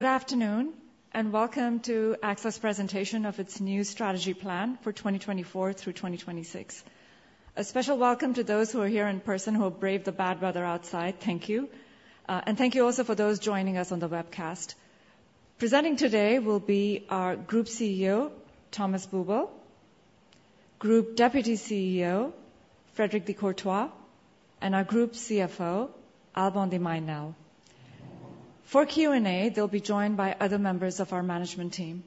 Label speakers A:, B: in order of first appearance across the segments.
A: Good afternoon and welcome to AXA's presentation of its new strategy plan for 2024 through 2026. A special welcome to those who are here in person who have braved the bad weather outside, thank you, and thank you also for those joining us on the webcast. Presenting today will be our Group CEO, Thomas Buberl, Group Deputy CEO, Frédéric de Courtois, and our Group CFO, Alban de Mailly Nesle. For Q&A, they'll be joined by other members of our management team,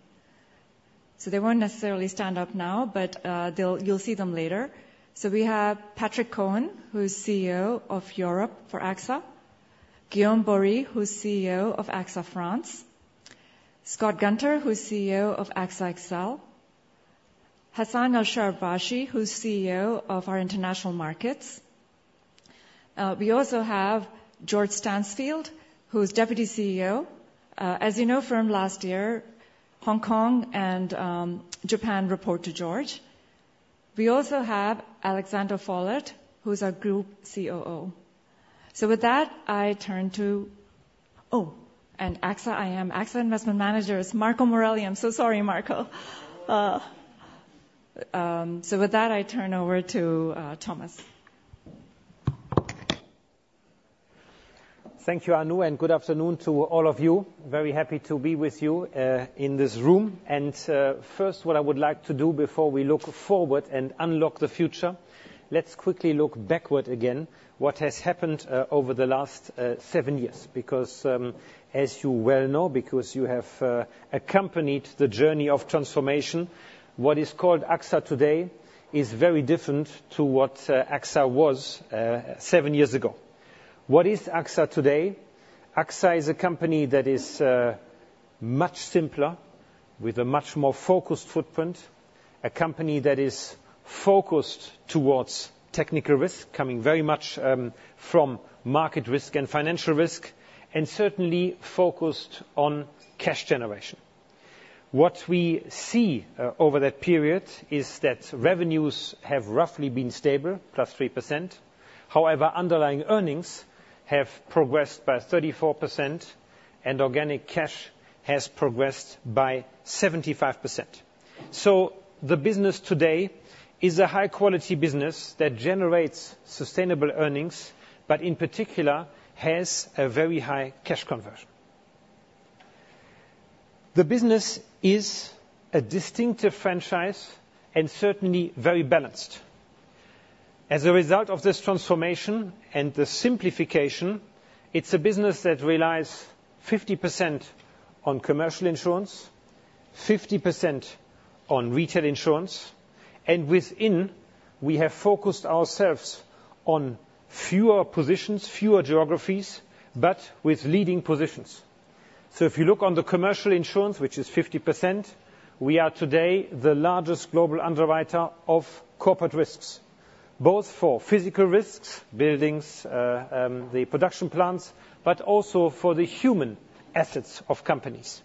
A: so they won't necessarily stand up now, but you'll see them later. So we have Patrick Cohen, who's CEO of AXA Europe; Guillaume Borie, who's CEO of AXA France; Scott Gunter, who's CEO of AXA XL; Hassan El-Shabrawishi, who's CEO of our international markets. We also have George Stansfield, who's Deputy CEO. As you know from last year, Hong Kong and Japan report to George. We also have Alexander Vollert, who's our Group COO. So with that, I turn to. Oh, and AXA IM, AXA Investment Managers, it's Marco Morelli. I'm so sorry, Marco. So with that, I turn over to Thomas.
B: Thank you, Anu, and good afternoon to all of you. Very happy to be with you in this room. First, what I would like to do before we look forward and unlock the future, let's quickly look backward again. What has happened over the last seven years? Because, as you well know, because you have accompanied the journey of transformation, what is called AXA today is very different to what AXA was seven years ago. What is AXA today? AXA is a company that is much simpler, with a much more focused footprint, a company that is focused towards technical risk, coming very much from market risk and financial risk, and certainly focused on cash generation. What we see over that period is that revenues have roughly been stable, +3%. However, underlying earnings have progressed by 34%, and organic cash has progressed by 75%. So the business today is a high-quality business that generates sustainable earnings, but in particular has a very high cash conversion. The business is a distinctive franchise and certainly very balanced. As a result of this transformation and the simplification, it's a business that relies 50% on commercial insurance, 50% on retail insurance, and within we have focused ourselves on fewer positions, fewer geographies, but with leading positions. So if you look on the commercial insurance, which is 50%, we are today the largest global underwriter of corporate risks, both for physical risks, buildings, the production plants, but also for the human assets of companies.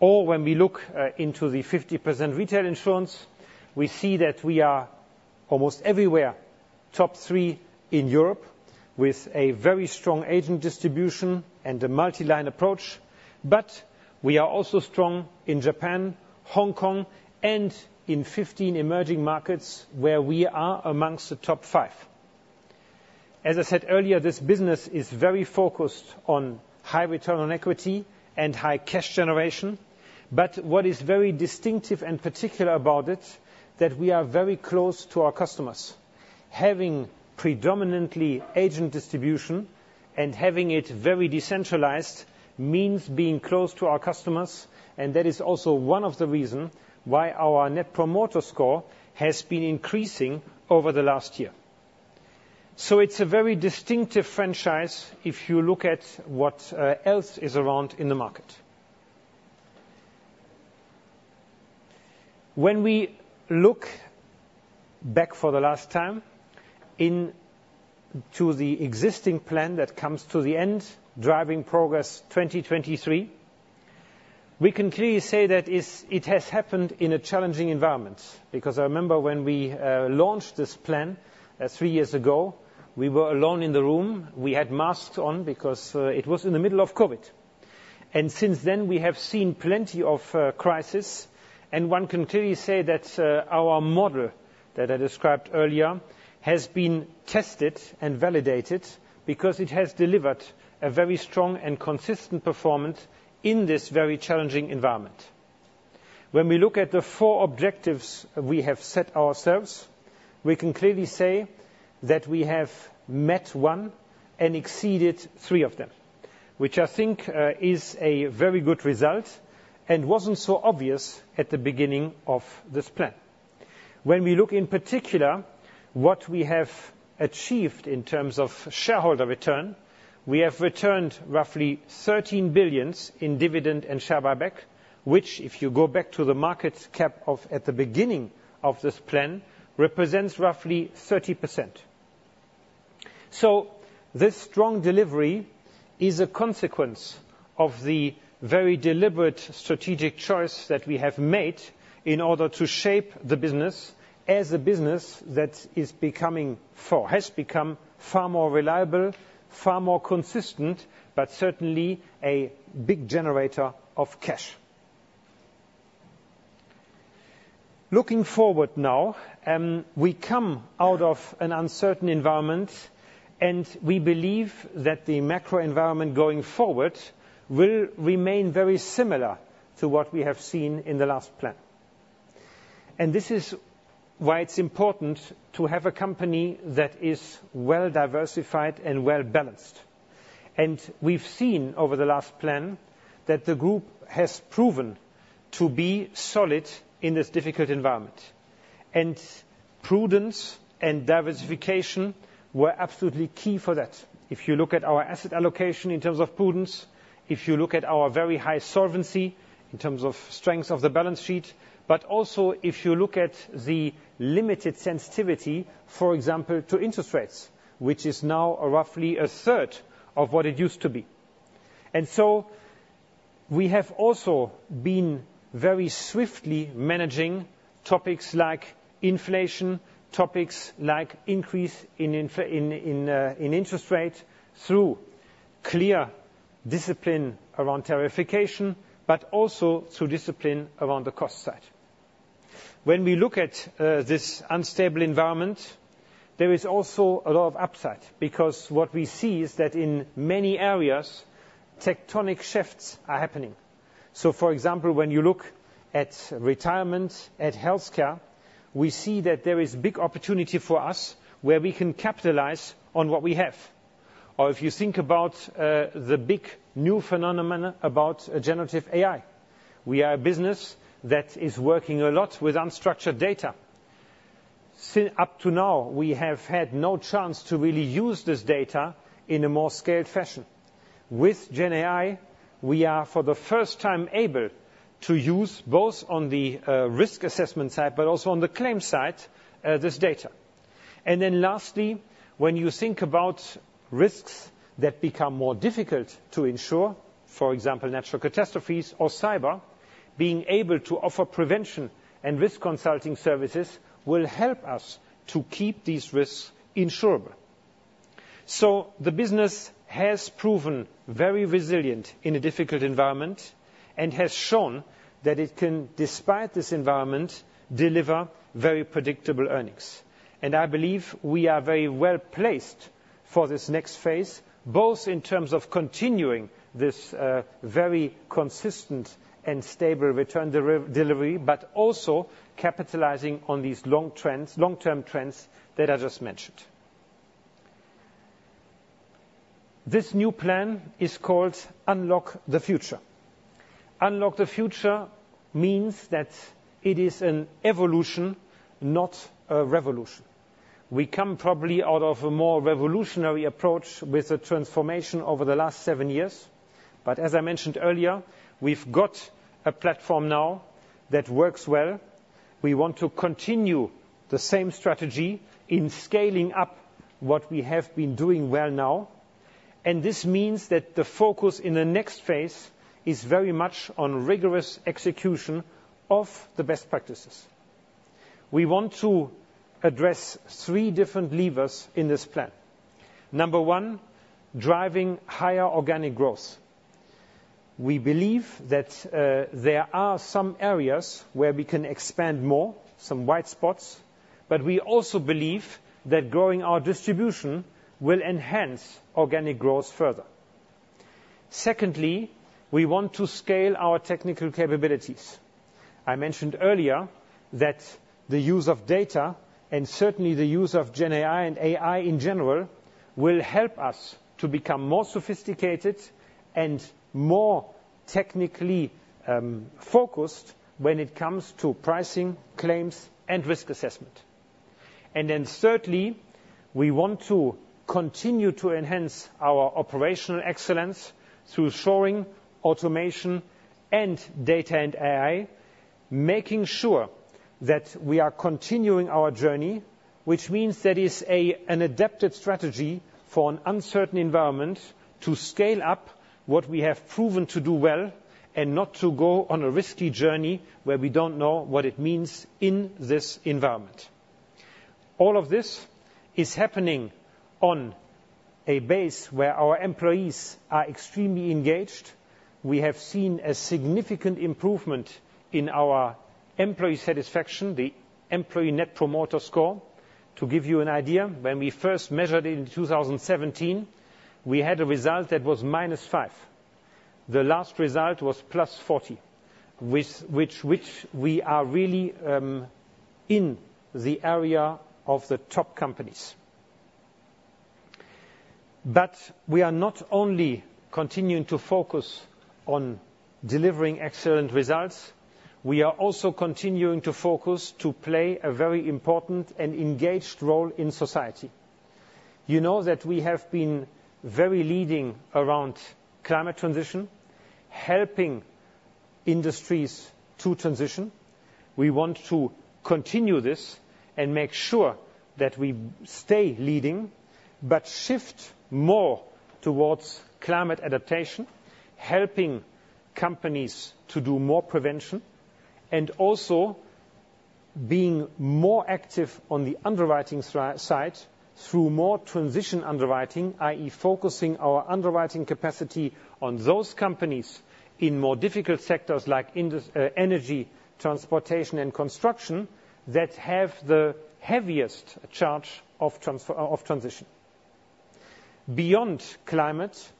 B: Or when we look into the 50% retail insurance, we see that we are almost everywhere top three in Europe with a very strong agent distribution and a multi-line approach, but we are also strong in Japan, Hong Kong, and in 15 emerging markets where we are among the top five. As I said earlier, this business is very focused on high return on equity and high cash generation, but what is very distinctive and particular about it is that we are very close to our customers. Having predominantly agent distribution and having it very decentralized means being close to our customers, and that is also one of the reasons why our Net Promoter Score has been increasing over the last year. So it's a very distinctive franchise if you look at what else is around in the market. When we look back for the last time into the existing plan that comes to the end, Driving Progress 2023, we can clearly say that it has happened in a challenging environment. Because I remember when we launched this plan three years ago, we were alone in the room. We had masks on because it was in the middle of COVID. And since then, we have seen plenty of crises, and one can clearly say that our model that I described earlier has been tested and validated because it has delivered a very strong and consistent performance in this very challenging environment. When we look at the four objectives we have set ourselves, we can clearly say that we have met one and exceeded three of them, which I think is a very good result and wasn't so obvious at the beginning of this plan. When we look in particular at what we have achieved in terms of shareholder return, we have returned roughly 13 billion in dividend and share buyback, which if you go back to the market cap at the beginning of this plan represents roughly 30%. So this strong delivery is a consequence of the very deliberate strategic choice that we have made in order to shape the business as a business that has become far more reliable, far more consistent, but certainly a big generator of cash. Looking forward now, we come out of an uncertain environment, and we believe that the macro environment going forward will remain very similar to what we have seen in the last plan. This is why it's important to have a company that is well diversified and well balanced. We've seen over the last plan that the group has proven to be solid in this difficult environment. Prudence and diversification were absolutely key for that. If you look at our asset allocation in terms of prudence, if you look at our very high solvency in terms of strength of the balance sheet, but also if you look at the limited sensitivity, for example, to interest rates, which is now roughly a third of what it used to be. So we have also been very swiftly managing topics like inflation, topics like increase in interest rate through clear discipline around tariffification, but also through discipline around the cost side. When we look at this unstable environment, there is also a lot of upside because what we see is that in many areas, tectonic shifts are happening. So for example, when you look at retirement, at health care, we see that there is big opportunity for us where we can capitalize on what we have. Or if you think about the big new phenomenon about generative AI, we are a business that is working a lot with unstructured data. Up to now, we have had no chance to really use this data in a more scaled fashion. With GenAI, we are for the first time able to use both on the risk assessment side but also on the claim side this data. And then lastly, when you think about risks that become more difficult to insure, for example, natural catastrophes or cyber, being able to offer prevention and risk consulting services will help us to keep these risks insurable. So the business has proven very resilient in a difficult environment and has shown that it can, despite this environment, deliver very predictable earnings. And I believe we are very well placed for this next phase, both in terms of continuing this very consistent and stable return delivery but also capitalizing on these long-term trends that I just mentioned. This new plan is called Unlock the Future. Unlock the Future means that it is an evolution, not a revolution. We come probably out of a more revolutionary approach with a transformation over the last seven years, but as I mentioned earlier, we've got a platform now that works well. We want to continue the same strategy in scaling up what we have been doing well now, and this means that the focus in the next phase is very much on rigorous execution of the best practices. We want to address three different levers in this plan. Number one, driving higher organic growth. We believe that there are some areas where we can expand more, some white spots, but we also believe that growing our distribution will enhance organic growth further. Secondly, we want to scale our technical capabilities. I mentioned earlier that the use of data and certainly the use of GenAI and AI in general will help us to become more sophisticated and more technically focused when it comes to pricing, claims, and risk assessment. And then thirdly, we want to continue to enhance our operational excellence through offshoring, automation, and data and AI, making sure that we are continuing our journey, which means that it is an adapted strategy for an uncertain environment to scale up what we have proven to do well and not to go on a risky journey where we don't know what it means in this environment. All of this is happening on a base where our employees are extremely engaged. We have seen a significant improvement in our employee satisfaction, the Employee Net Promoter Score. To give you an idea, when we first measured it in 2017, we had a result that was -5. The last result was +40, which we are really in the area of the top companies. But we are not only continuing to focus on delivering excellent results, we are also continuing to focus to play a very important and engaged role in society. You know that we have been very leading around climate transition, helping industries to transition. We want to continue this and make sure that we stay leading but shift more towards climate adaptation, helping companies to do more prevention, and also being more active on the underwriting side through more transition underwriting, i.e., focusing our underwriting capacity on those companies in more difficult sectors like energy, transportation, and construction that have the heaviest charge of transition. Beyond climate,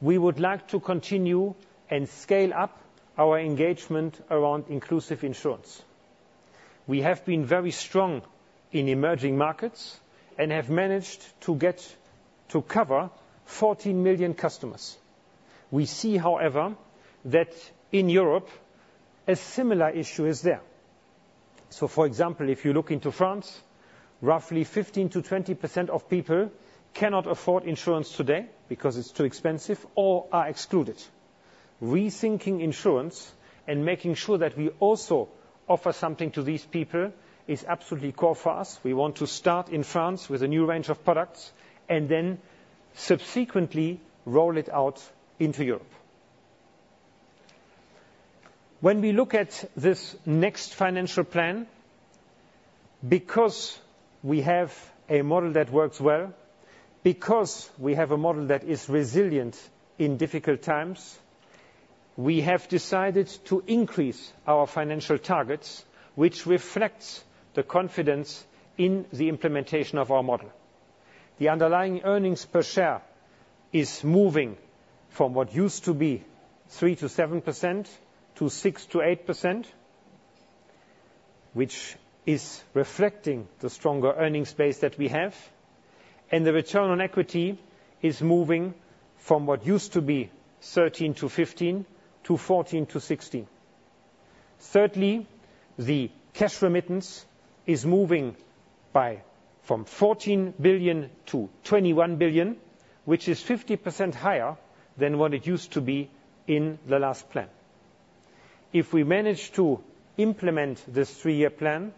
B: we would like to continue and scale up our engagement around inclusive insurance. We have been very strong in emerging markets and have managed to cover 14 million customers. We see, however, that in Europe, a similar issue is there. So for example, if you look into France, roughly 15%-20% of people cannot afford insurance today because it's too expensive or are excluded. Rethinking insurance and making sure that we also offer something to these people is absolutely core for us. We want to start in France with a new range of products and then subsequently roll it out into Europe. When we look at this next financial plan, because we have a model that works well, because we have a model that is resilient in difficult times, we have decided to increase our financial targets, which reflects the confidence in the implementation of our model. The underlying earnings per share is moving from what used to be 3%-7% to 6%-8%, which is reflecting the stronger earnings base that we have, and the return on equity is moving from what used to be 13-15 to 14-16. Thirdly, the cash remittance is moving from 14 billion - 21 billion, which is 50% higher than what it used to be in the last plan. If we manage to implement this three-year plan,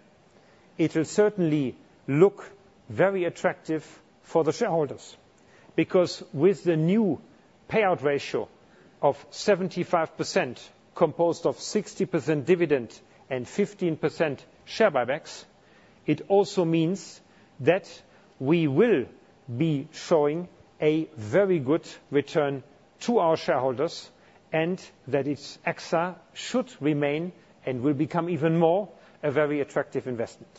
B: it will certainly look very attractive for the shareholders because with the new payout ratio of 75% composed of 60% dividend and 15% share buybacks, it also means that we will be showing a very good return to our shareholders and that AXA should remain and will become even more a very attractive investment.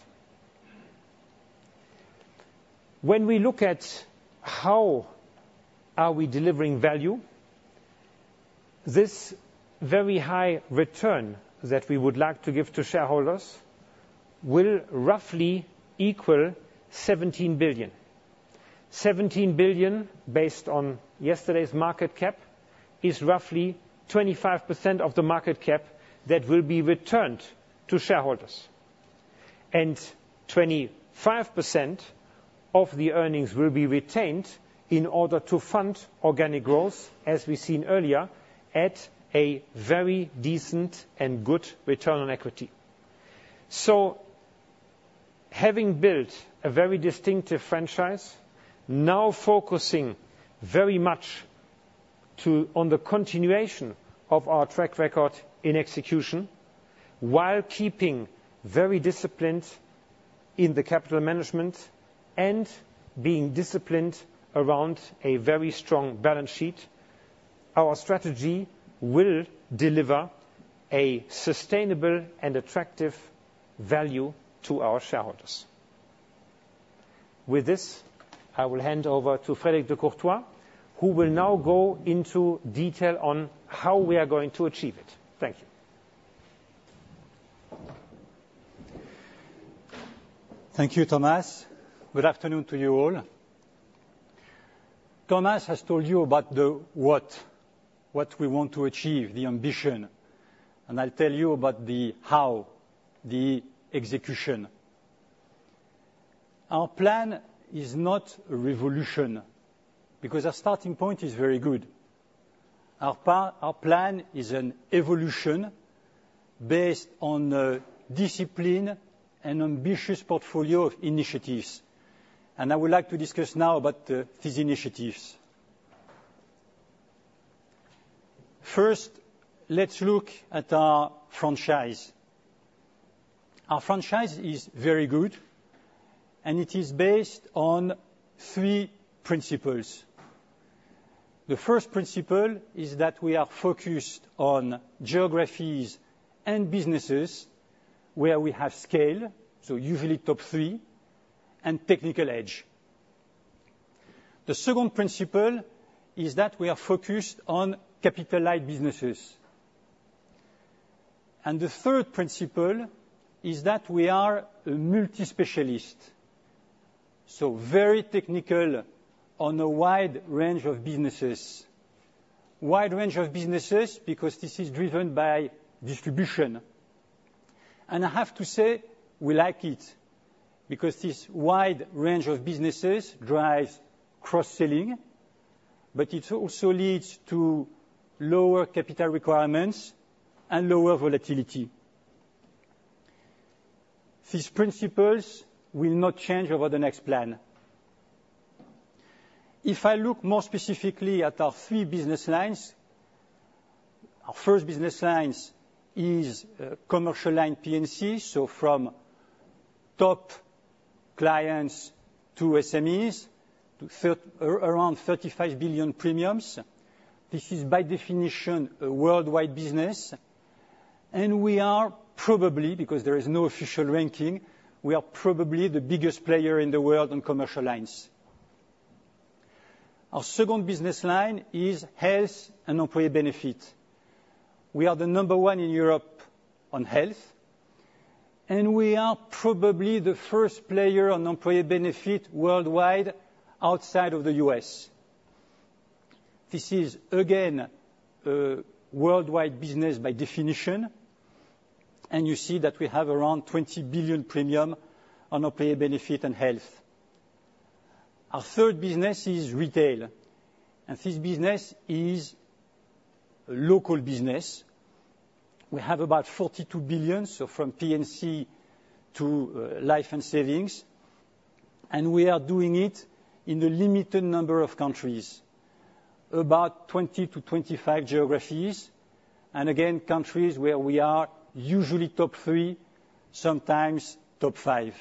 B: When we look at how are we delivering value, this very high return that we would like to give to shareholders will roughly equal 17 billion. 17 billion, based on yesterday's market cap, is roughly 25% of the market cap that will be returned to shareholders. 25% of the earnings will be retained in order to fund organic growth, as we've seen earlier, at a very decent and good return on equity. Having built a very distinctive franchise, now focusing very much on the continuation of our track record in execution while keeping very disciplined in the capital management and being disciplined around a very strong balance sheet, our strategy will deliver a sustainable and attractive value to our shareholders. With this, I will hand over to Frédéric de Courtois, who will now go into detail on how we are going to achieve it. Thank you.
C: Thank you, Thomas. Good afternoon to you all. Thomas has told you about the what, what we want to achieve, the ambition, and I'll tell you about the how, the execution. Our plan is not a revolution because our starting point is very good. Our plan is an evolution based on a disciplined and ambitious portfolio of initiatives. I would like to discuss now about these initiatives. First, let's look at our franchise. Our franchise is very good, and it is based on three principles. The first principle is that we are focused on geographies and businesses where we have scale, so usually top three, and technical edge. The second principle is that we are focused on capital-light businesses. The third principle is that we are a multi-specialist, so very technical on a wide range of businesses. Wide range of businesses because this is driven by distribution. And I have to say we like it because this wide range of businesses drives cross-selling, but it also leads to lower capital requirements and lower volatility. These principles will not change over the next plan. If I look more specifically at our three business lines, our first business line is commercial line P&C, so from top clients to SMEs to around 35 billion premiums. This is by definition a worldwide business. And we are probably, because there is no official ranking, we are probably the biggest player in the world on commercial lines. Our second business line is health and employee benefit. We are the number one in Europe on health, and we are probably the first player on employee benefit worldwide outside of the U.S.. This is, again, a worldwide business by definition, and you see that we have around 20 billion premium on employee benefit and health. Our third business is retail, and this business is a local business. We have about 42 billion, so from P&C to life and savings. We are doing it in a limited number of countries, about 20-25 geographies, and again, countries where we are usually top three, sometimes top five.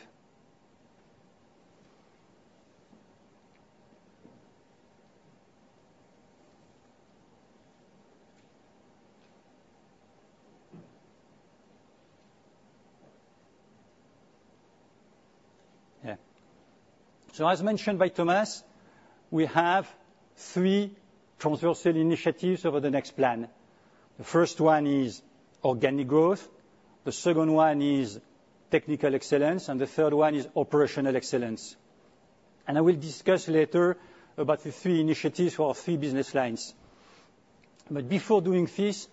C: Yeah. So as mentioned by Thomas, we have three transversal initiatives over the next plan. The first one is organic growth. The second one is technical excellence. And the third one is operational excellence. And I will discuss later about the three initiatives for our three business lines. But before doing this,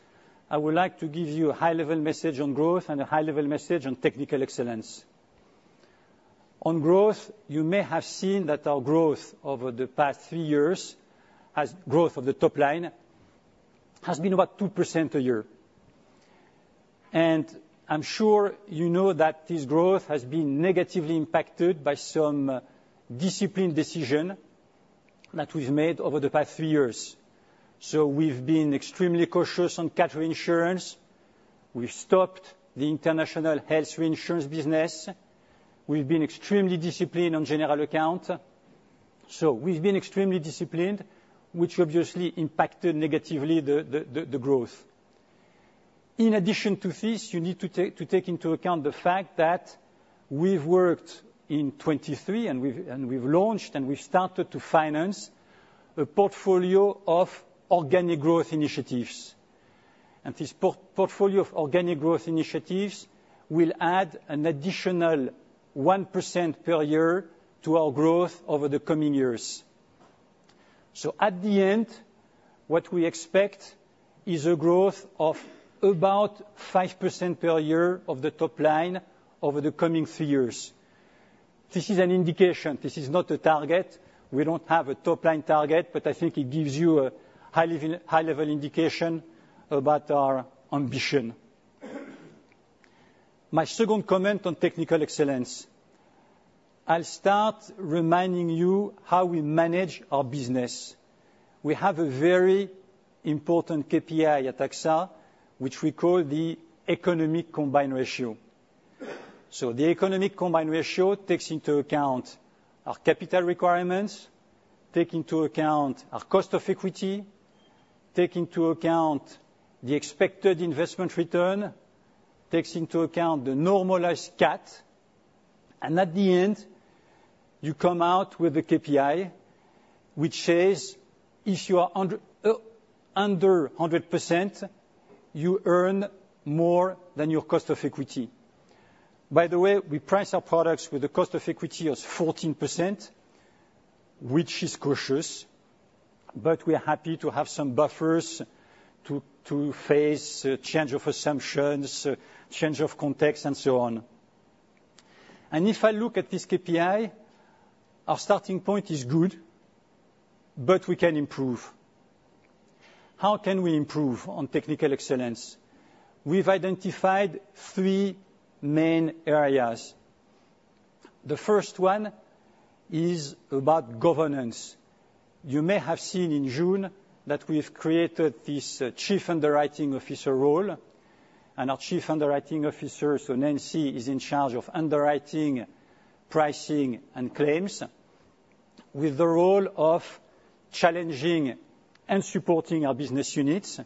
C: I would like to give you a high-level message on growth and a high-level message on technical excellence. On growth, you may have seen that our growth over the past three years, growth of the top line, has been about 2% a year. I'm sure you know that this growth has been negatively impacted by some disciplined decisions that we've made over the past three years. We've been extremely cautious on CAT reinsurance. We've stopped the international health reinsurance business. We've been extremely disciplined on general accounts. We've been extremely disciplined, which obviously impacted negatively the growth. In addition to this, you need to take into account the fact that we've worked in 2023, and we've launched, and we've started to finance a portfolio of organic growth initiatives. This portfolio of organic growth initiatives will add an additional 1% per year to our growth over the coming years. At the end, what we expect is a growth of about 5% per year of the top line over the coming three years. This is an indication. This is not a target. We don't have a top line target, but I think it gives you a high-level indication about our ambition. My second comment on technical excellence. I'll start reminding you how we manage our business. We have a very important KPI at AXA, which we call the Economic Combined Ratio. So the Economic Combined Ratio takes into account our capital requirements, takes into account our cost of equity, takes into account the expected investment return, takes into account the normalized CAT. And at the end, you come out with a KPI, which is if you are under 100%, you earn more than your cost of equity. By the way, we price our products with a cost of equity of 14%, which is cautious. But we are happy to have some buffers to face change of assumptions, change of context, and so on. If I look at this KPI, our starting point is good, but we can improve. How can we improve on technical excellence? We've identified three main areas. The first one is about governance. You may have seen in June that we've created this Chief Underwriting Officer role. Our Chief Underwriting Officer, so Nancy, is in charge of underwriting, pricing, and claims with the role of challenging and supporting our business units.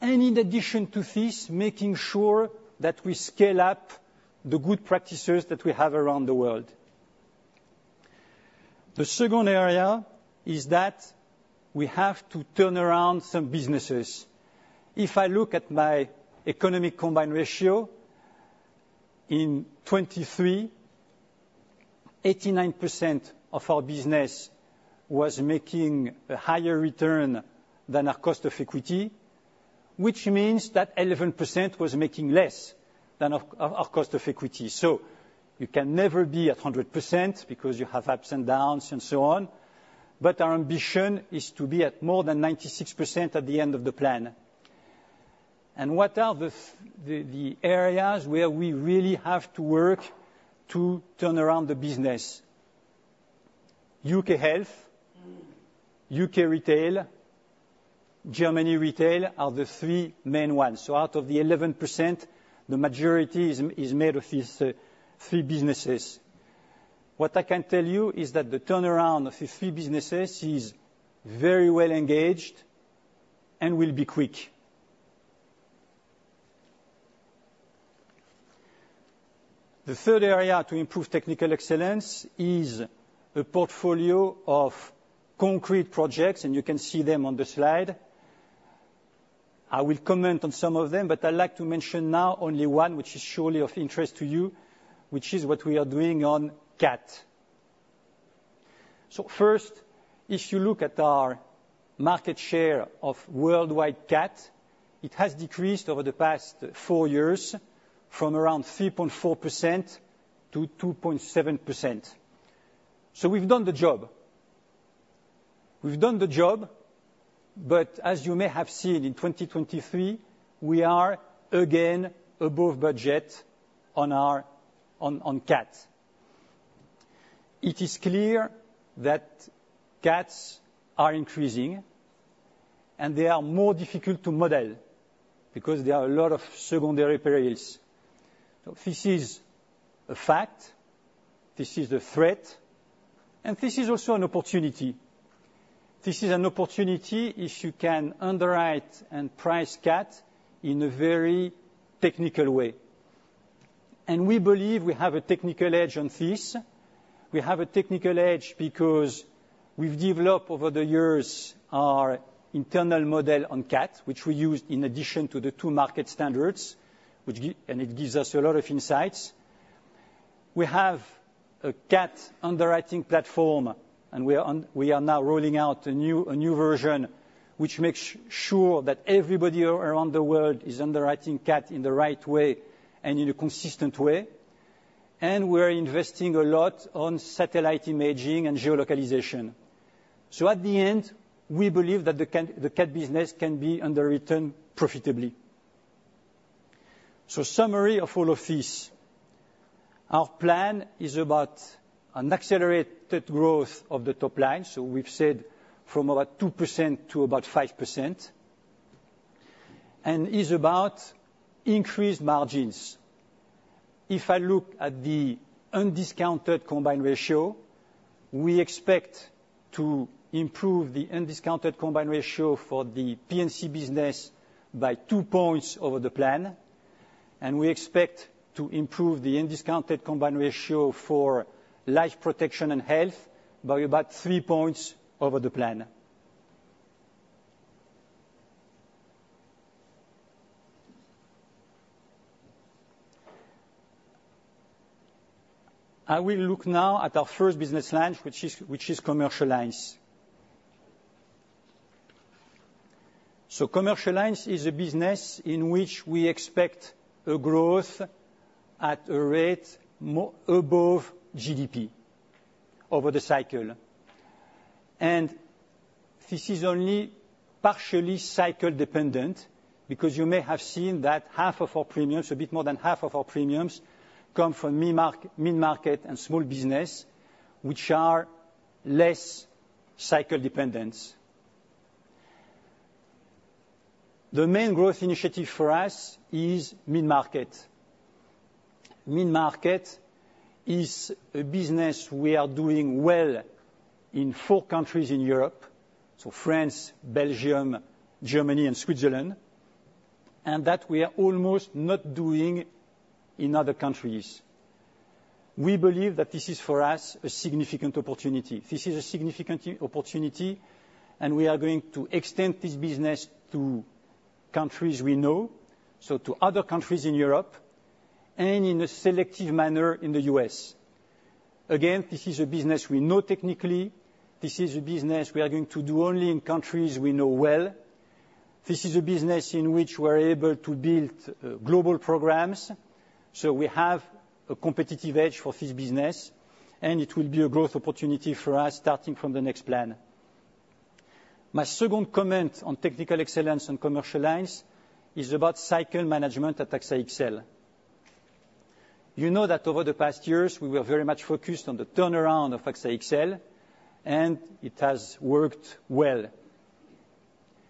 C: In addition to this, making sure that we scale up the good practices that we have around the world. The second area is that we have to turn around some businesses. If I look at my economic combined ratio, in 2023, 89% of our business was making a higher return than our cost of equity, which means that 11% was making less than our cost of equity. So you can never be at 100% because you have ups and downs and so on. But our ambition is to be at more than 96% at the end of the plan. And what are the areas where we really have to work to turn around the business? UK health, UK retail, Germany retail are the three main ones. So out of the 11%, the majority is made of these three businesses. What I can tell you is that the turnaround of these three businesses is very well engaged and will be quick. The third area to improve technical excellence is a portfolio of concrete projects, and you can see them on the slide. I will comment on some of them, but I'd like to mention now only one, which is surely of interest to you, which is what we are doing on CAT. So first, if you look at our market share of worldwide CAT, it has decreased over the past four years from around 3.4% to 2.7%. So we've done the job. We've done the job, but as you may have seen in 2023, we are again above budget on CAT. It is clear that CATs are increasing, and they are more difficult to model because there are a lot of secondary perils. So this is a fact. This is a threat. And this is also an opportunity. This is an opportunity if you can underwrite and price CAT in a very technical way. And we believe we have a technical edge on this. We have a technical edge because we've developed over the years our internal model on CAT, which we use in addition to the two market standards, and it gives us a lot of insights. We have a CAT underwriting platform, and we are now rolling out a new version, which makes sure that everybody around the world is underwriting CAT in the right way and in a consistent way. And we are investing a lot on satellite imaging and geolocalization. So at the end, we believe that the CAT business can be underwritten profitably. So, summary of all of this. Our plan is about an accelerated growth of the top line, so we've said from about 2% to about 5%, and is about increased margins. If I look at the undiscounted combined ratio, we expect to improve the undiscounted combined ratio for the P&C business by 2 points over the plan. And we expect to improve the undiscounted combined ratio for life protection and health by about 3 points over the plan. I will look now at our first business line, which is commercial lines. Commercial lines is a business in which we expect a growth at a rate above GDP over the cycle. This is only partially cycle-dependent because you may have seen that half of our premiums, a bit more than half of our premiums, come from Mid-market and small business, which are less cycle-dependent. The main growth initiative for us is Mid-market. Mid-market is a business we are doing well in four countries in Europe, so France, Belgium, Germany, and Switzerland, and that we are almost not doing in other countries. We believe that this is for us a significant opportunity. This is a significant opportunity, and we are going to extend this business to countries we know, so to other countries in Europe, and in a selective manner in the U.S. Again, this is a business we know technically. This is a business we are going to do only in countries we know well. This is a business in which we are able to build global programs, so we have a competitive edge for this business, and it will be a growth opportunity for us starting from the next plan. My second comment on technical excellence on commercial lines is about cycle management at AXA XL. You know that over the past years, we were very much focused on the turnaround of AXA XL, and it has worked well.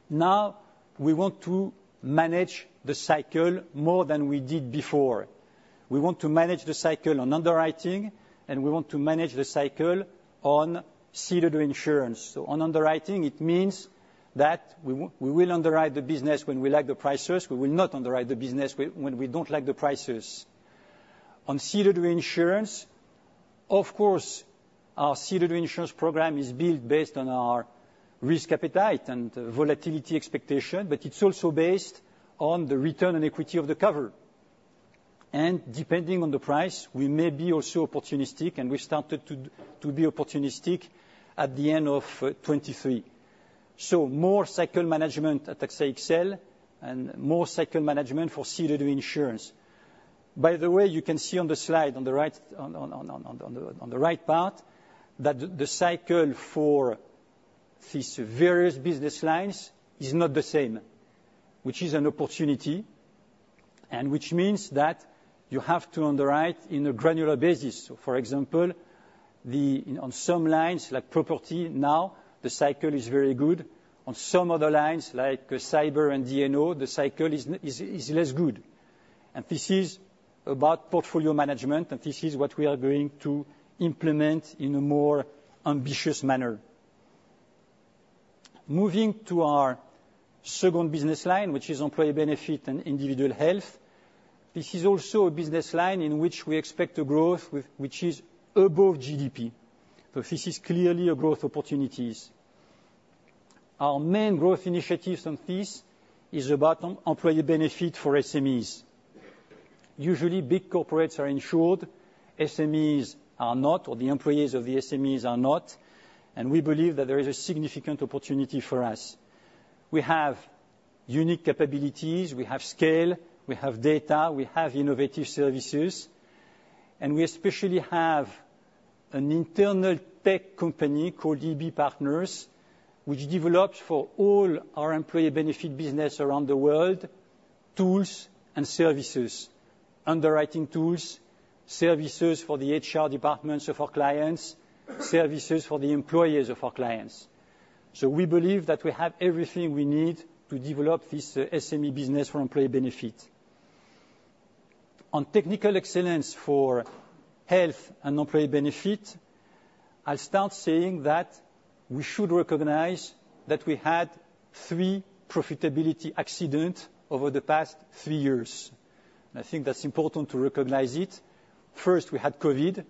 C: Now, we want to manage the cycle more than we did before. We want to manage the cycle on underwriting, and we want to manage the cycle on seeded reinsurance. So on underwriting, it means that we will underwrite the business when we like the prices. We will not underwrite the business when we don't like the prices. On seeded reinsurance, of course, our seeded reinsurance program is built based on our risk appetite and volatility expectation, but it's also based on the return on equity of the cover. Depending on the price, we may be also opportunistic, and we started to be opportunistic at the end of 2023. So more cycle management at AXA XL and more cycle management for seeded reinsurance. By the way, you can see on the slide on the right part that the cycle for these various business lines is not the same, which is an opportunity, and which means that you have to underwrite in a granular basis. So for example, on some lines like property now, the cycle is very good. On some other lines like cyber and D&O, the cycle is less good. This is about portfolio management, and this is what we are going to implement in a more ambitious manner. Moving to our second business line, which is employee benefit and individual health, this is also a business line in which we expect a growth which is above GDP. So this is clearly a growth opportunity. Our main growth initiatives on this are about employee benefit for SMEs. Usually, big corporates are insured. SMEs are not, or the employees of the SMEs are not. And we believe that there is a significant opportunity for us. We have unique capabilities. We have scale. We have data. We have innovative services. We especially have an internal tech company called EB Partners, which develops for all our employee benefit business around the world tools and services, underwriting tools, services for the HR departments of our clients, services for the employees of our clients. So we believe that we have everything we need to develop this SME business for employee benefit. On technical excellence for health and employee benefit, I'll start saying that we should recognize that we had three profitability accidents over the past three years. And I think that's important to recognize it. First, we had COVID.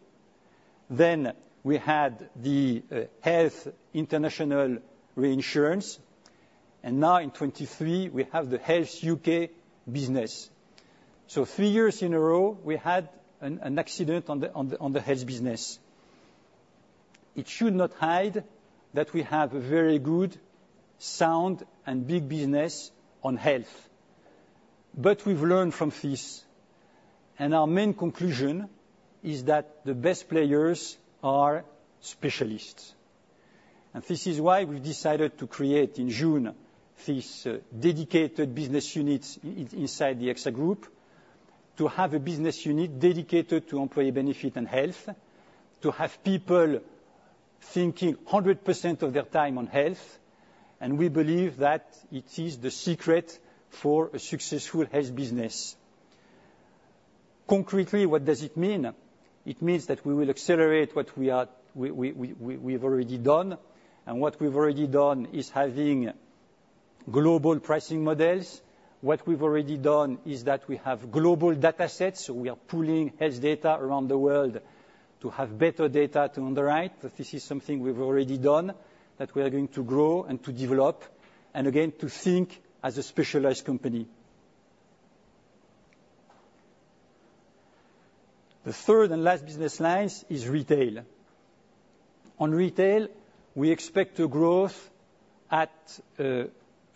C: Then we had the Health International Reinsurance. And now in 2023, we have the Health UK business. So three years in a row, we had an accident on the health business. It should not hide that we have a very good, sound, and big business on health. But we've learned from this. Our main conclusion is that the best players are specialists. This is why we've decided to create in June these dedicated business units inside the AXA Group, to have a business unit dedicated to employee benefit and health, to have people thinking 100% of their time on health. We believe that it is the secret for a successful health business. Concretely, what does it mean? It means that we will accelerate what we have already done. What we've already done is having global pricing models. What we've already done is that we have global data sets. We are pulling health data around the world to have better data to underwrite. This is something we've already done, that we are going to grow and to develop, and again to think as a specialized company. The third and last business line is retail. On retail, we expect a growth at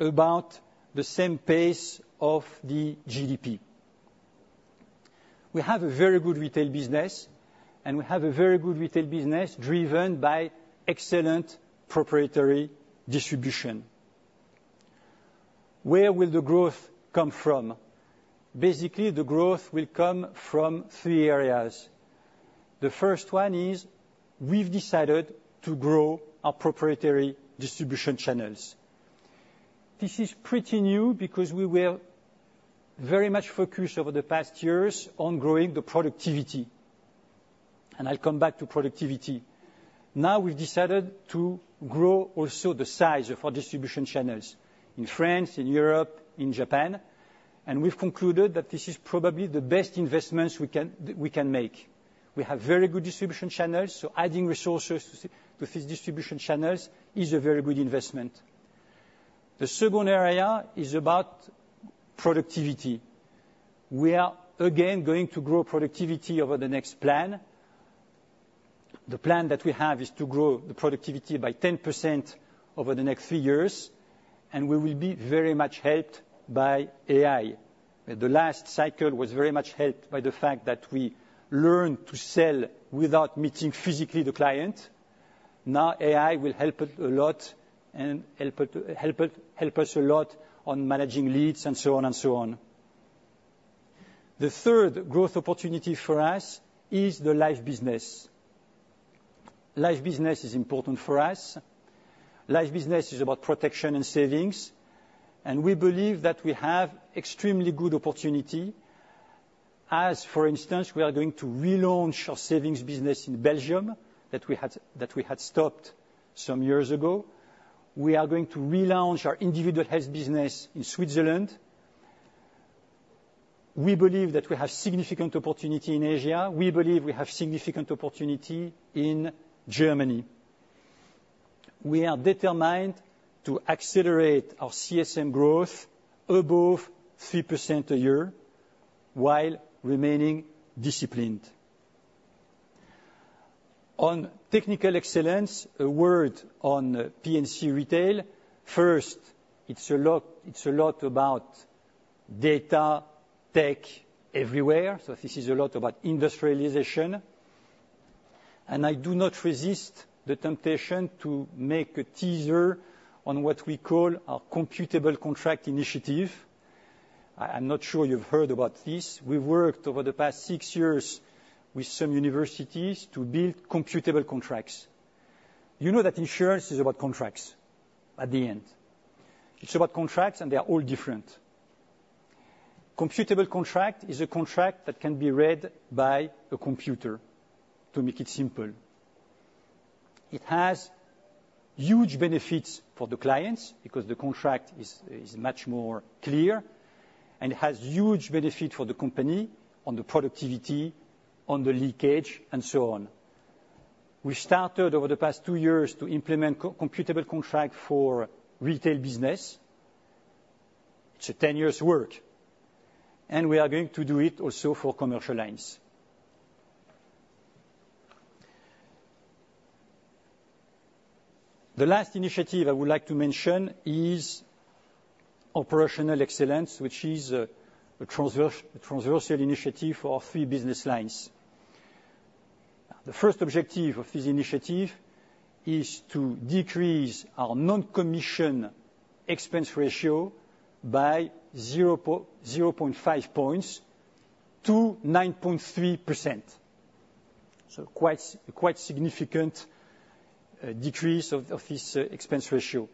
C: about the same pace of the GDP. We have a very good retail business, and we have a very good retail business driven by excellent proprietary distribution. Where will the growth come from? Basically, the growth will come from three areas. The first one is we've decided to grow our proprietary distribution channels. This is pretty new because we were very much focused over the past years on growing the productivity. And I'll come back to productivity. Now, we've decided to grow also the size of our distribution channels in France, in Europe, in Japan. And we've concluded that this is probably the best investments we can make. We have very good distribution channels, so adding resources to these distribution channels is a very good investment. The second area is about productivity. We are again going to grow productivity over the next plan. The plan that we have is to grow the productivity by 10% over the next three years. We will be very much helped by AI. The last cycle was very much helped by the fact that we learned to sell without meeting physically the client. Now, AI will help a lot and help us a lot on managing leads and so on and so on. The third growth opportunity for us is the life business. Life business is important for us. Life business is about protection and savings. We believe that we have extremely good opportunity. As, for instance, we are going to relaunch our savings business in Belgium that we had stopped some years ago. We are going to relaunch our individual health business in Switzerland. We believe that we have significant opportunity in Asia. We believe we have significant opportunity in Germany. We are determined to accelerate our CSM growth above 3% a year while remaining disciplined. On technical excellence, a word on P&C retail. First, it's a lot about data tech everywhere. So this is a lot about industrialization. And I do not resist the temptation to make a teaser on what we call our Computable Contract initiative. I'm not sure you've heard about this. We've worked over the past six years with some universities to build Computable Contracts. You know that insurance is about contracts at the end. It's about contracts, and they are all different. Computable Contract is a contract that can be read by a computer, to make it simple. It has huge benefits for the clients because the contract is much more clear. And it has huge benefit for the company on the productivity, on the leakage, and so on. We started over the past two years to implement Computable Contract for retail business. It's a 10-year work. We are going to do it also for commercial lines. The last initiative I would like to mention is operational excellence, which is a transversal initiative for our three business lines. The first objective of this initiative is to decrease our non-commission expense ratio by 0.5 points to 9.3%. Quite significant decrease of this expense ratio.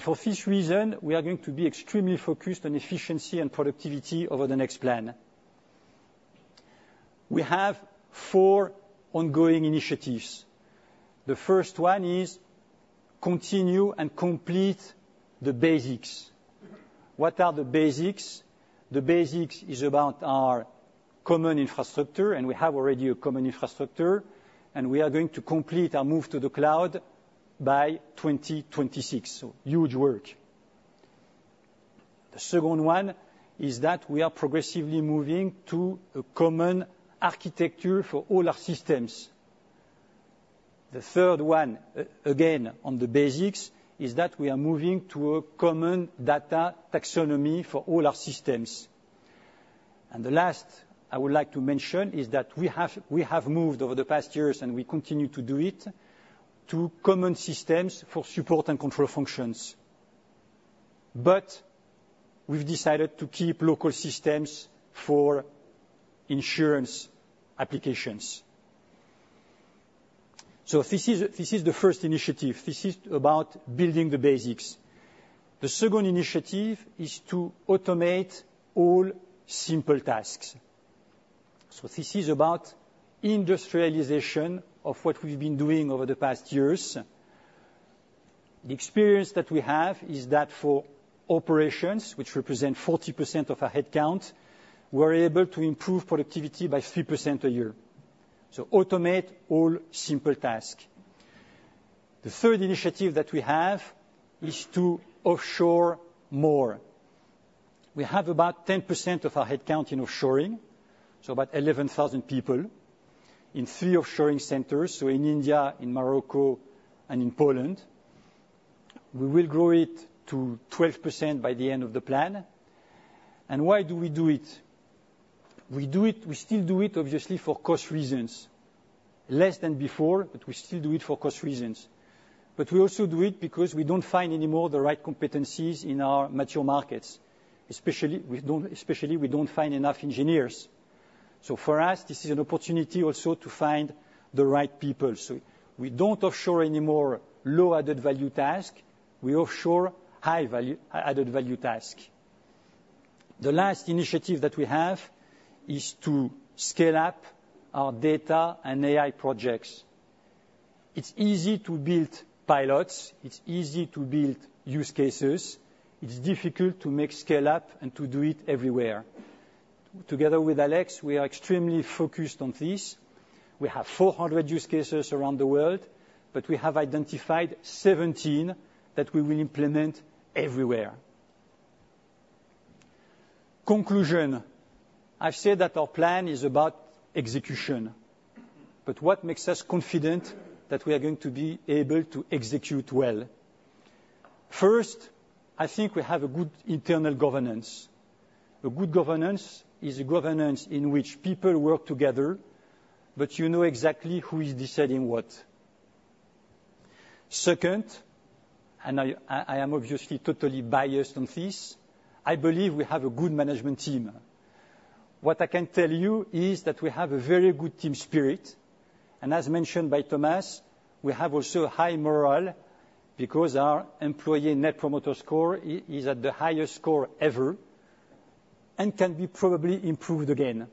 C: For this reason, we are going to be extremely focused on efficiency and productivity over the next plan. We have 4 ongoing initiatives. The first one is continue and complete the basics. What are the basics? The basics is about our common infrastructure, and we have already a common infrastructure. We are going to complete our move to the cloud by 2026. Huge work. The second one is that we are progressively moving to a common architecture for all our systems. The third one, again on the basics, is that we are moving to a common data taxonomy for all our systems. And the last I would like to mention is that we have moved over the past years, and we continue to do it, to common systems for support and control functions. But we've decided to keep local systems for insurance applications. So this is the first initiative. This is about building the basics. The second initiative is to automate all simple tasks. So this is about industrialization of what we've been doing over the past years. The experience that we have is that for operations, which represent 40% of our headcount, we're able to improve productivity by 3% a year. So automate all simple tasks. The third initiative that we have is to offshore more. We have about 10% of our headcount in offshoring, so about 11,000 people, in three offshoring centers, so in India, in Morocco, and in Poland. We will grow it to 12% by the end of the plan. Why do we do it? We still do it, obviously, for cost reasons. Less than before, but we still do it for cost reasons. We also do it because we don't find anymore the right competencies in our mature markets. Especially we don't find enough engineers. For us, this is an opportunity also to find the right people. We don't offshore anymore low-added value tasks. We offshore high-added value tasks. The last initiative that we have is to scale up our data and AI projects. It's easy to build pilots. It's easy to build use cases. It's difficult to make scale up and to do it everywhere. Together with Alex, we are extremely focused on this. We have 400 use cases around the world, but we have identified 17 that we will implement everywhere. Conclusion. I've said that our plan is about execution. But what makes us confident that we are going to be able to execute well? First, I think we have a good internal governance. A good governance is a governance in which people work together, but you know exactly who is deciding what. Second, and I am obviously totally biased on this, I believe we have a good management team. What I can tell you is that we have a very good team spirit. And as mentioned by Thomas, we have also high morale because our Employee Net Promoter Score is at the highest score ever and can be probably improved again.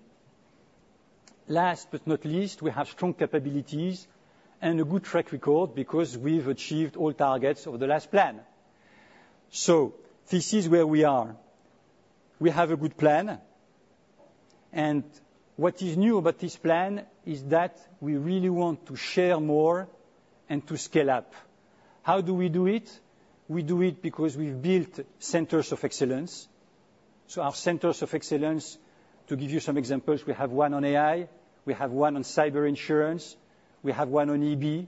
C: Last but not least, we have strong capabilities and a good track record because we've achieved all targets over the last plan. So this is where we are. We have a good plan. And what is new about this plan is that we really want to share more and to scale up. How do we do it? We do it because we've built centers of excellence. So our centers of excellence, to give you some examples, we have one on AI. We have one on cyber insurance. We have one on EB.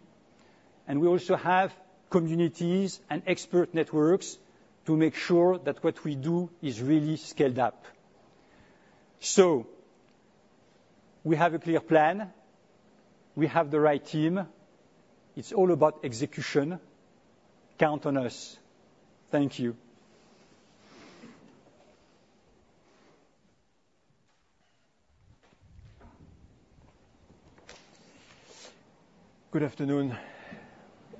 C: And we also have communities and expert networks to make sure that what we do is really scaled up. So we have a clear plan. We have the right team. It's all about execution. Count on us. Thank you.
D: Good afternoon.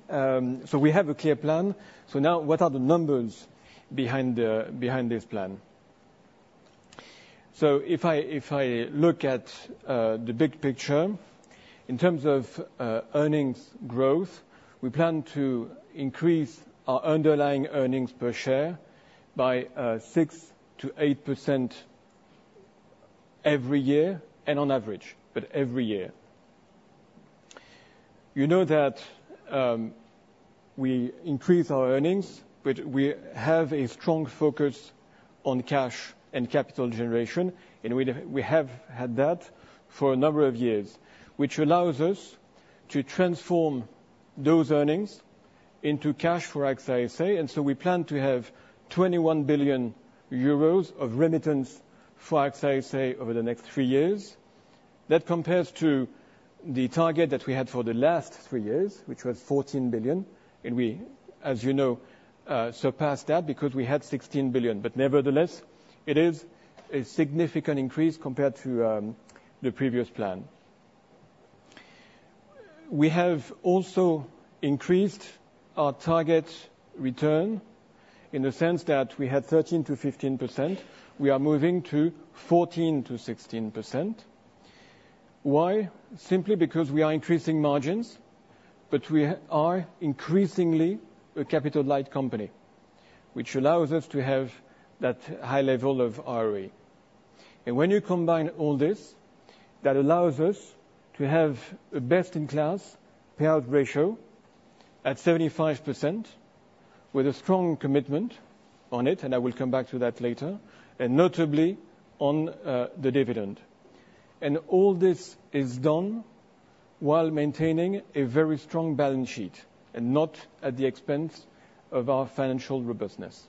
D: So we have a clear plan. So now, what are the numbers behind this plan? So if I look at the big picture, in terms of earnings growth, we plan to increase our underlying earnings per share by 6%-8% every year, and on average, but every year. You know that we increase our earnings, but we have a strong focus on cash and capital generation. And we have had that for a number of years, which allows us to transform those earnings into cash for AXA SA. And so we plan to have 21 billion euros of remittance for AXA SA over the next three years. That compares to the target that we had for the last three years, which was 14 billion. And we, as you know, surpassed that because we had 16 billion. But nevertheless, it is a significant increase compared to the previous plan. We have also increased our target return in the sense that we had 13%-15%. We are moving to 14%-16%. Why? Simply because we are increasing margins, but we are increasingly a capital light company, which allows us to have that high level of ROE. And when you combine all this, that allows us to have a best-in-class payout ratio at 75% with a strong commitment on it, and I will come back to that later, and notably on the dividend. And all this is done while maintaining a very strong balance sheet and not at the expense of our financial robustness.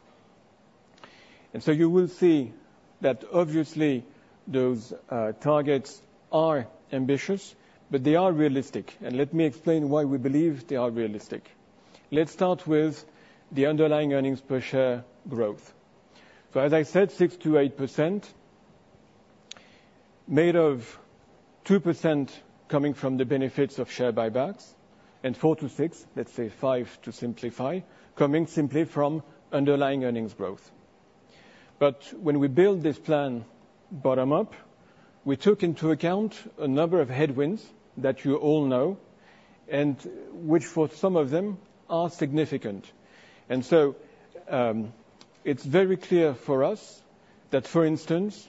D: And so you will see that, obviously, those targets are ambitious, but they are realistic. And let me explain why we believe they are realistic. Let's start with the underlying earnings per share growth. So, as I said, 6%-8% made of 2% coming from the benefits of share buybacks and 4-6, let's say 5 to simplify, coming simply from underlying earnings growth. But when we built this plan bottom-up, we took into account a number of headwinds that you all know and which, for some of them, are significant. And so it's very clear for us that, for instance,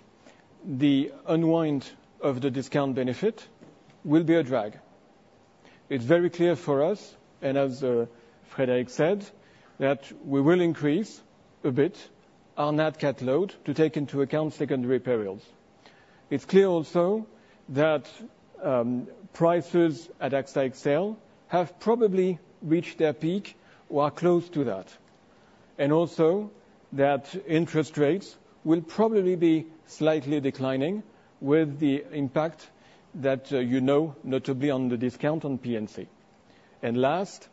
D: the unwind of the discount benefit will be a drag. It's very clear for us, and as Frédéric said, that we will increase a bit our Nat Cat to take into account secondary perils. It's clear also that prices at AXA XL have probably reached their peak or are close to that. And also that interest rates will probably be slightly declining with the impact that you know, notably on the discount on P&C. And last,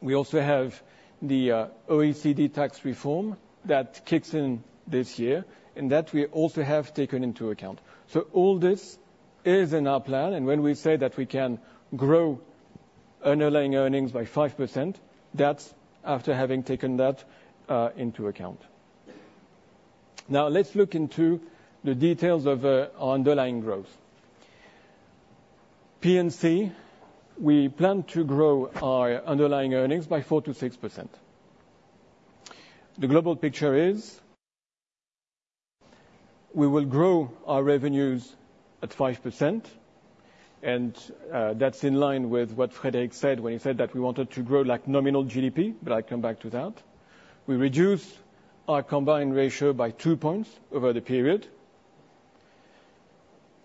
D: we also have the OECD tax reform that kicks in this year and that we also have taken into account. So all this is in our plan. When we say that we can grow underlying earnings by 5%, that's after having taken that into account. Now, let's look into the details of our underlying growth. P&C, we plan to grow our underlying earnings by 4%-6%. The global picture is we will grow our revenues at 5%. And that's in line with what Frédéric said when he said that we wanted to grow like nominal GDP, but I'll come back to that. We reduce our combined ratio by 2 points over the period.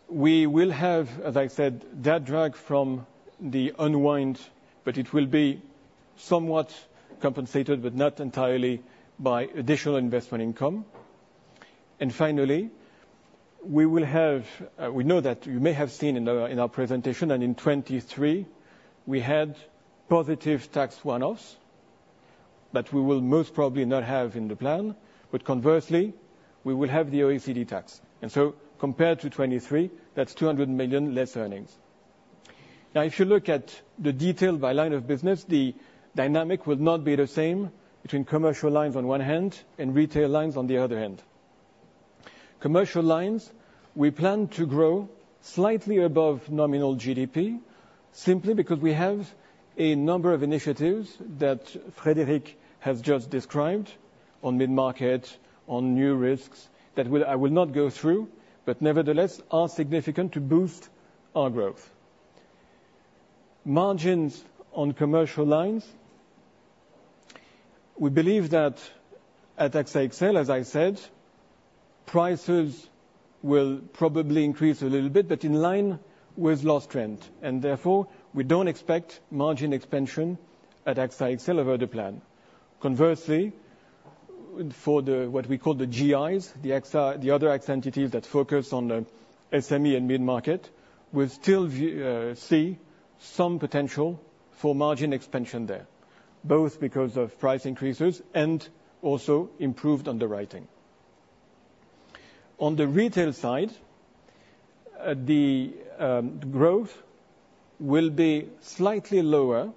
D: We will have, as I said, that drag from the unwind, but it will be somewhat compensated, but not entirely, by additional investment income. And finally, we know that you may have seen in our presentation and in 2023, we had positive tax one-offs that we will most probably not have in the plan. But conversely, we will have the OECD tax. And so compared to 2023, that's 200 million less earnings. Now, if you look at the detail by line of business, the dynamic will not be the same between commercial lines on one hand and retail lines on the other hand. Commercial lines, we plan to grow slightly above nominal GDP simply because we have a number of initiatives that Frédéric has just described on mid-market, on new risks that I will not go through, but nevertheless are significant to boost our growth. Margins on commercial lines, we believe that at AXA XL, as I said, prices will probably increase a little bit, but in line with loss trend. Therefore, we don't expect margin expansion at AXA XL over the plan. Conversely, for what we call the GIs, the other AXA entities that focus on SME and mid-market, we'll still see some potential for margin expansion there, both because of price increases and also improved underwriting. On the retail side, the growth will be slightly lower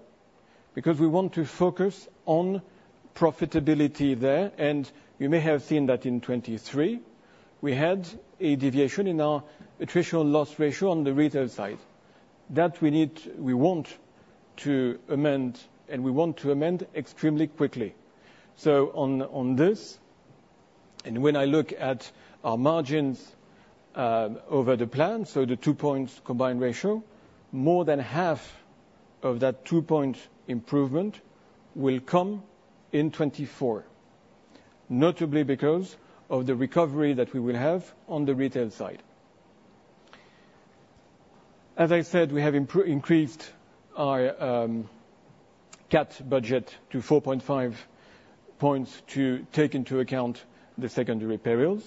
D: because we want to focus on profitability there. You may have seen that in 2023, we had a deviation in our attritional loss ratio on the retail side. That we want to amend, and we want to amend extremely quickly. So on this, and when I look at our margins over the plan, so the 2-point combined ratio, more than half of that 2-point improvement will come in 2024, notably because of the recovery that we will have on the retail side. As I said, we have increased our CAT budget to 4.5 points to take into account the secondary perils.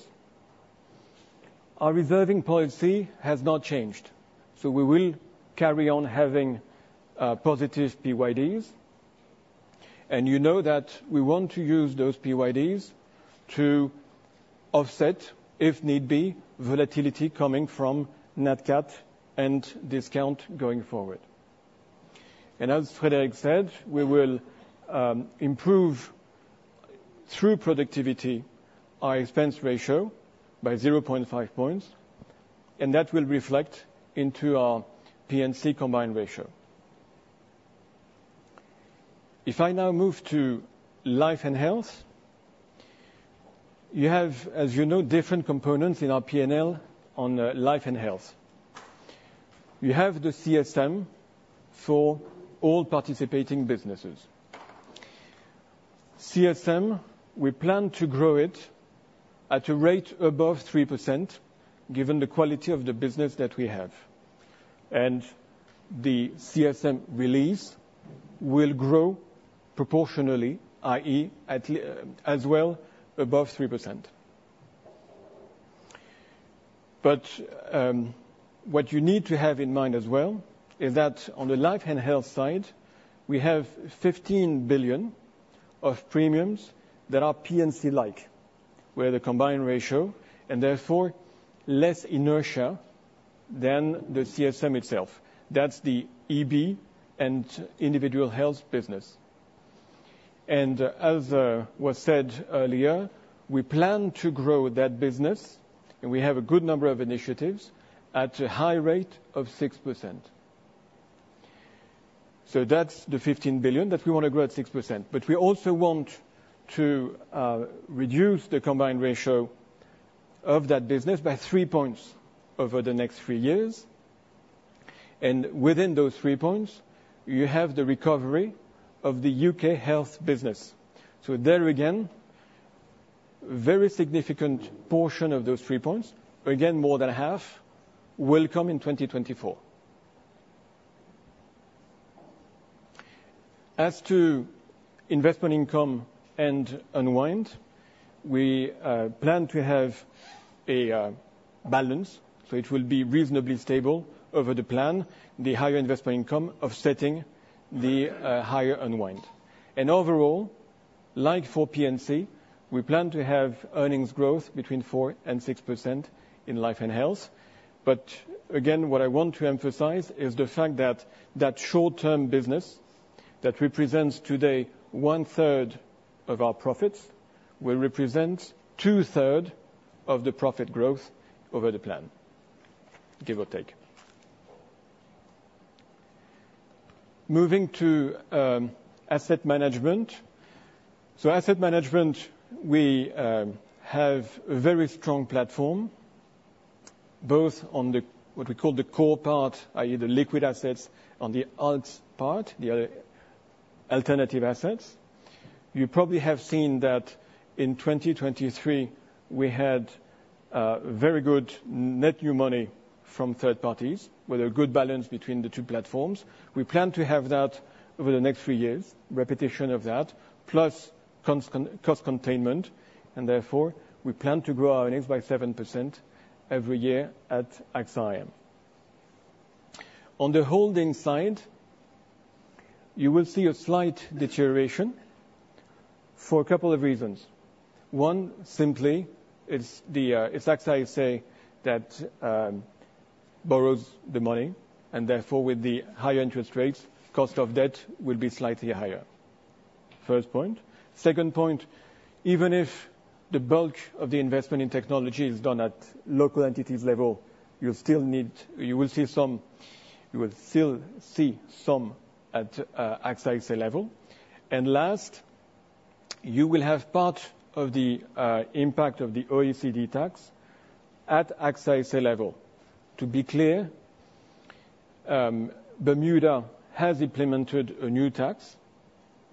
D: Our reserving policy has not changed. So we will carry on having positive PYDs. And you know that we want to use those PYDs to offset, if need be, volatility coming from net CAT and discount going forward. And as Frédéric said, we will improve through productivity our expense ratio by 0.5 points. And that will reflect into our P&C combined ratio. If I now move to life and health, you have, as you know, different components in our P&L on life and health. You have the CSM for all participating businesses. CSM, we plan to grow it at a rate above 3% given the quality of the business that we have. And the CSM release will grow proportionally, i.e., as well above 3%. But what you need to have in mind as well is that on the life and health side, we have 15 billion of premiums that are P&C-like, where the combined ratio. And therefore, less inertia than the CSM itself. That's the EB and individual health business. And as was said earlier, we plan to grow that business, and we have a good number of initiatives, at a high rate of 6%. So that's the 15 billion that we want to grow at 6%. But we also want to reduce the combined ratio of that business by 3 points over the next three years. And within those 3 points, you have the recovery of the UK health business. So there again, very significant portion of those 3 points, again more than half, will come in 2024. As to investment income and unwind, we plan to have a balance. So it will be reasonably stable over the plan, the higher investment income offsetting the higher unwind. And overall, like for P&C, we plan to have earnings growth between 4%-6% in life and health. But again, what I want to emphasize is the fact that that short-term business that represents today one-third of our profits will represent two-thirds of the profit growth over the plan, give or take. Moving to asset management. So asset management, we have a very strong platform, both on what we call the core part, i.e., the liquid assets, on the alts part, the alternative assets. You probably have seen that in 2023, we had very good net new money from third parties with a good balance between the two platforms. We plan to have that over the next three years, repetition of that, plus cost containment. Therefore, we plan to grow our earnings by 7% every year at AXA AM. On the holding side, you will see a slight deterioration for a couple of reasons. One, simply, it's AXA SA that borrows the money. And therefore, with the higher interest rates, cost of debt will be slightly higher. First point. Second point, even if the bulk of the investment in technology is done at local entities level, you'll still see some at AXA SA level. And last, you will have part of the impact of the OECD tax at AXA SA level. To be clear, Bermuda has implemented a new tax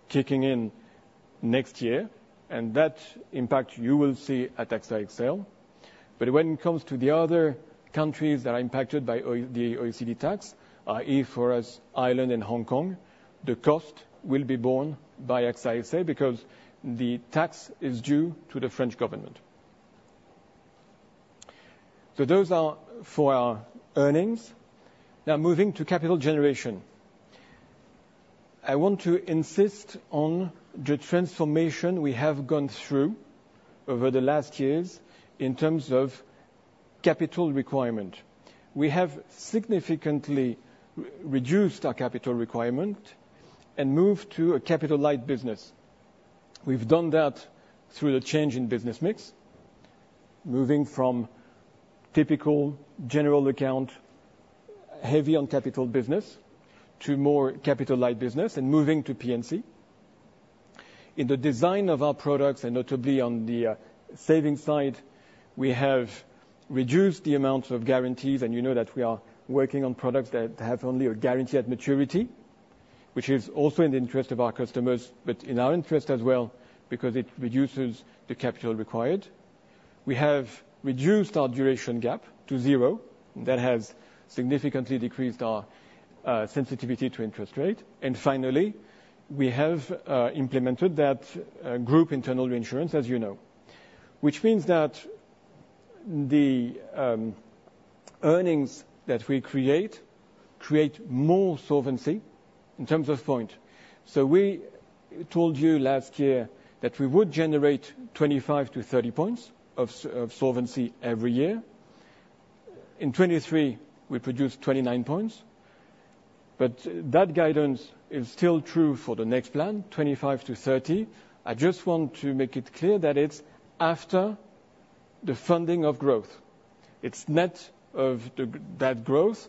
D: kicking in next year. And that impact, you will see at AXA XL. But when it comes to the other countries that are impacted by the OECD tax, i.e., for us, Ireland and Hong Kong, the cost will be borne by AXA SA because the tax is due to the French government. So those are for our earnings. Now, moving to capital generation, I want to insist on the transformation we have gone through over the last years in terms of capital requirement. We have significantly reduced our capital requirement and moved to a capital light business. We've done that through the change in business mix, moving from typical general account, heavy-on-capital business to more capital light business and moving to P&C. In the design of our products and notably on the savings side, we have reduced the amount of guarantees. You know that we are working on products that have only a guarantee at maturity, which is also in the interest of our customers, but in our interest as well because it reduces the capital required. We have reduced our duration gap to zero. That has significantly decreased our sensitivity to interest rate. And finally, we have implemented that group internal reinsurance, as you know, which means that the earnings that we create create more solvency in terms of point. So we told you last year that we would generate 25-30 points of solvency every year. In 2023, we produced 29 points. But that guidance is still true for the next plan, 25-30. I just want to make it clear that it's after the funding of growth. It's net of that growth,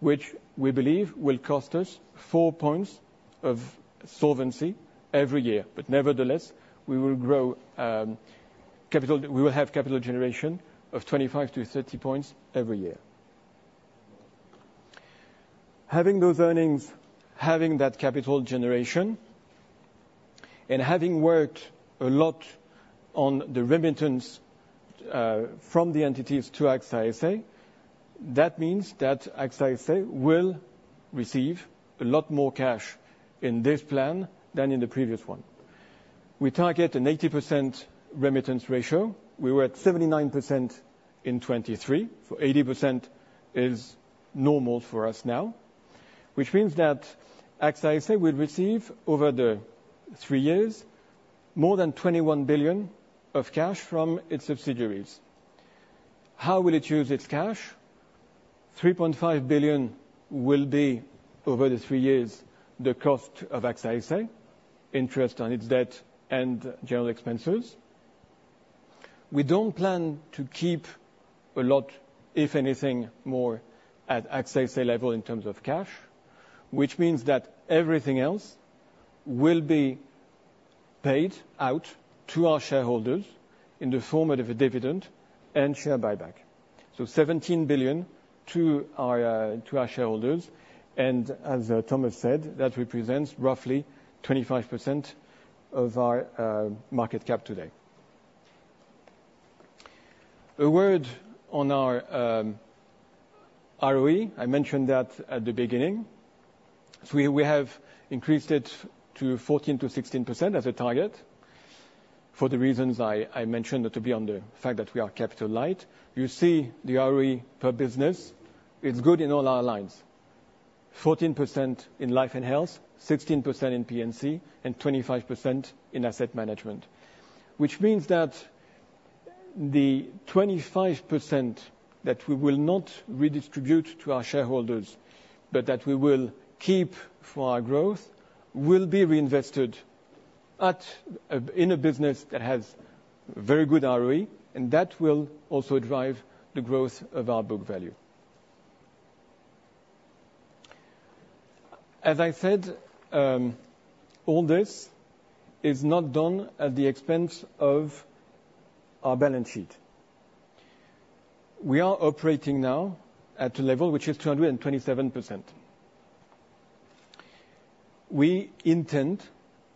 D: which we believe will cost us 4 points of solvency every year. But nevertheless, we will grow capital; we will have capital generation of 25-30 points every year. Having those earnings, having that capital generation, and having worked a lot on the remittance from the entities to AXA SA, that means that AXA SA will receive a lot more cash in this plan than in the previous one. We target an 80% remittance ratio. We were at 79% in 2023. So 80% is normal for us now, which means that AXA SA will receive, over the three years, more than 21 billion of cash from its subsidiaries. How will it use its cash? 3.5 billion will be, over the three years, the cost of AXA SA, interest on its debt, and general expenses. We don't plan to keep a lot, if anything, more at AXA SA level in terms of cash, which means that everything else will be paid out to our shareholders in the form of a dividend and share buyback. So 17 billion to our shareholders. And as Thomas said, that represents roughly 25% of our market cap today. A word on our ROE. I mentioned that at the beginning. So we have increased it to 14%-16% as a target for the reasons I mentioned, notably on the fact that we are capital light. You see the ROE per business. It's good in all our lines: 14% in life and health, 16% in P&C, and 25% in asset management, which means that the 25% that we will not redistribute to our shareholders but that we will keep for our growth will be reinvested in a business that has very good ROE. And that will also drive the growth of our book value. As I said, all this is not done at the expense of our balance sheet. We are operating now at a level which is 227%. We intend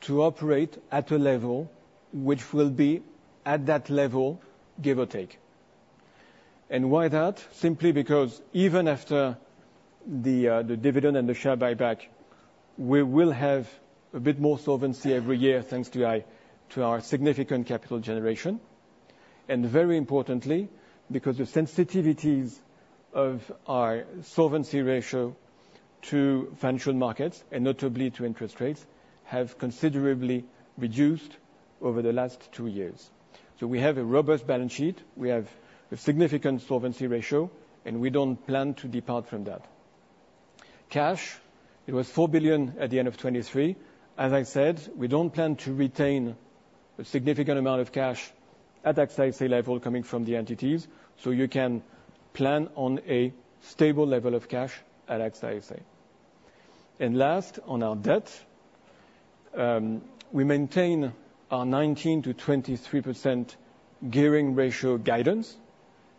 D: to operate at a level which will be at that level, give or take. And why that? Simply because even after the dividend and the share buyback, we will have a bit more solvency every year thanks to our significant capital generation. And very importantly, because the sensitivities of our solvency ratio to financial markets and notably to interest rates have considerably reduced over the last two years. So we have a robust balance sheet. We have a significant solvency ratio. And we don't plan to depart from that. Cash, it was 4 billion at the end of 2023. As I said, we don't plan to retain a significant amount of cash at AXA SA level coming from the entities. So you can plan on a stable level of cash at AXA SA. And last, on our debt, we maintain our 19%-23% gearing ratio guidance.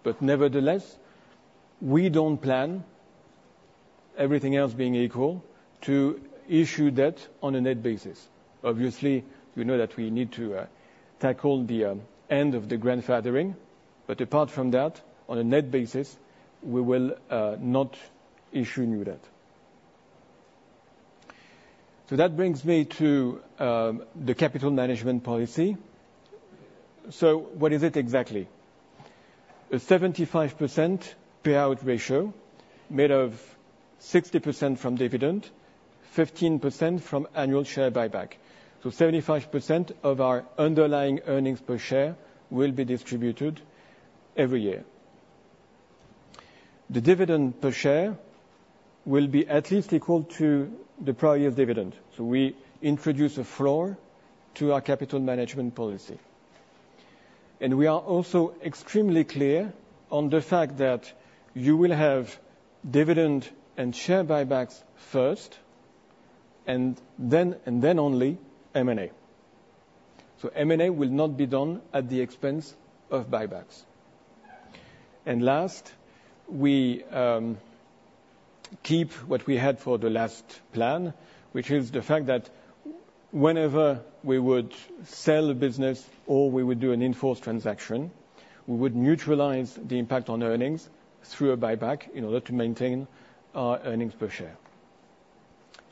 D: But nevertheless, we don't plan, everything else being equal, to issue debt on a net basis. Obviously, you know that we need to tackle the end of the grandfathering. But apart from that, on a net basis, we will not issue new debt. So that brings me to the capital management policy. So what is it exactly? A 75% payout ratio made of 60% from dividend, 15% from annual share buyback. So 75% of our underlying earnings per share will be distributed every year. The dividend per share will be at least equal to the prior year's dividend. So we introduce a floor to our capital management policy. And we are also extremely clear on the fact that you will have dividend and share buybacks first and then only M&A. So M&A will not be done at the expense of buybacks. And last, we keep what we had for the last plan, which is the fact that whenever we would sell a business or we would do an enforced transaction, we would neutralize the impact on earnings through a buyback in order to maintain our earnings per share.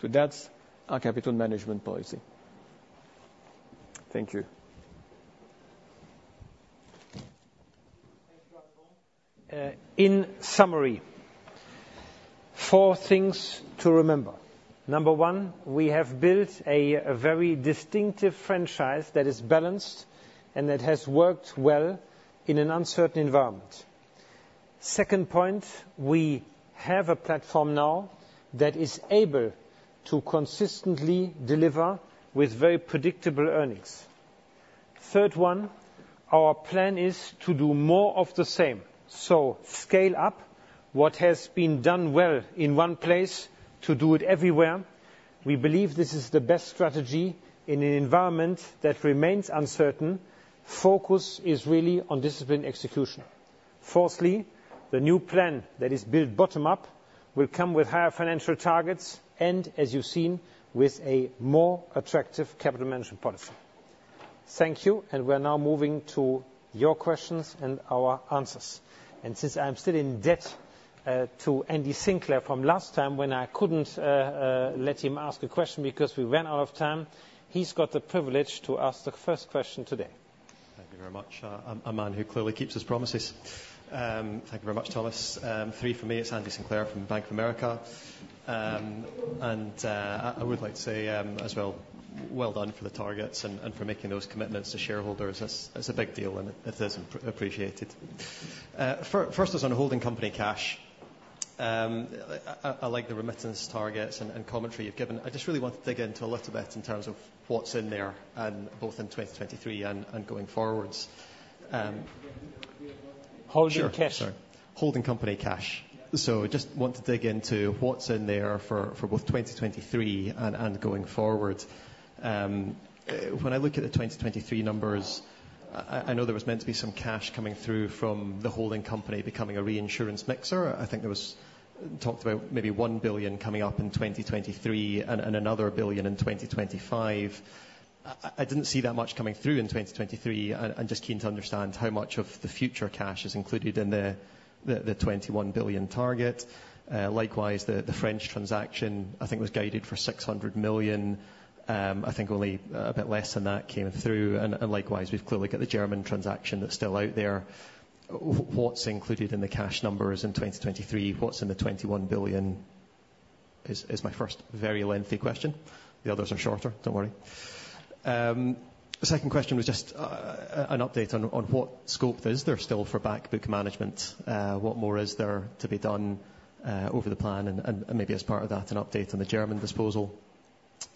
D: That's our capital management policy. Thank you.
A: Thank you, Alban.
B: In summary, four things to remember. Number one, we have built a very distinctive franchise that is balanced and that has worked well in an uncertain environment. Second point, we have a platform now that is able to consistently deliver with very predictable earnings. Third one, our plan is to do more of the same. So scale up what has been done well in one place to do it everywhere. We believe this is the best strategy in an environment that remains uncertain. Focus is really on disciplined execution. Fourthly, the new plan that is built bottom-up will come with higher financial targets and, as you've seen, with a more attractive capital management policy. Thank you. And we are now moving to your questions and our answers. Since I am still in debt to Andy Sinclair from last time when I couldn't let him ask a question because we ran out of time, he's got the privilege to ask the first question today.
E: Thank you very much, Aman, who clearly keeps his promises. Thank you very much, Thomas. 3 for me. It's Andrew Sinclair from Bank of America. And I would like to say as well, well done for the targets and for making those commitments to shareholders. It's a big deal. And it is appreciated. First, it was on holding company cash. I like the remittance targets and commentary you've given. I just really want to dig into a little bit in terms of what's in there, both in 2023 and going forwards.
B: Holding cash.
E: Holding company cash. So I just want to dig into what's in there for both 2023 and going forward. When I look at the 2023 numbers, I know there was meant to be some cash coming through from the holding company becoming a reinsurance mixer. I think there was talked about maybe 1 billion coming up in 2023 and another billion in 2025. I didn't see that much coming through in 2023. I'm just keen to understand how much of the future cash is included in the 21 billion target. Likewise, the French transaction, I think, was guided for 600 million. I think only a bit less than that came through. And likewise, we've clearly got the German transaction that's still out there. What's included in the cash numbers in 2023? What's in the 21 billion? Is my first very lengthy question. The others are shorter. Don't worry. The second question was just an update on what scope is there still for backbook management? What more is there to be done over the plan? And maybe as part of that, an update on the German disposal.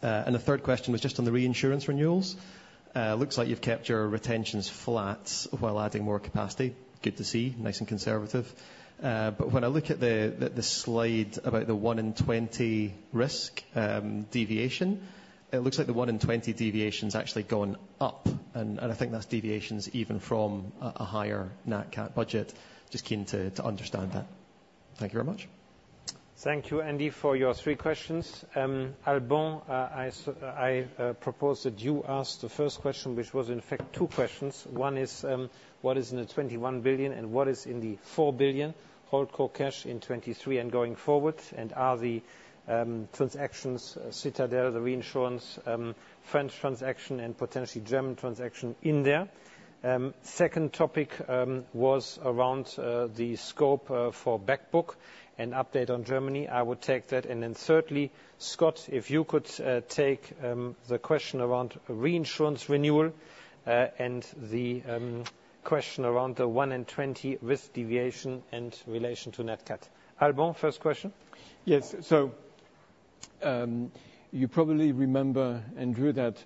E: And the third question was just on the reinsurance renewals. Looks like you've kept your retentions flat while adding more capacity. Good to see. Nice and conservative. But when I look at the slide about the 1 in 20 risk deviation, it looks like the 1 in 20 deviation's actually gone up. And I think that's deviations even from a higher NATCAT budget. Just keen to understand that. Thank you very much.
B: Thank you, Andy, for your three questions. Alban, I propose that you take the first question, which was, in fact, two questions. One is, what is in the 21 billion and what is in the 4 billion HoldCo cash in 2023 and going forward? And are the transactions, Citadel, the reinsurance, French transaction, and potentially German transaction in there? Second topic was around the scope for backbook and update on Germany. I would take that. And then thirdly, Scott, if you could take the question around reinsurance renewal and the question around the 1 in 20 risk deviation and relation to NATCAT. Alban, first question.
D: Yes. So you probably remember, Andrew, that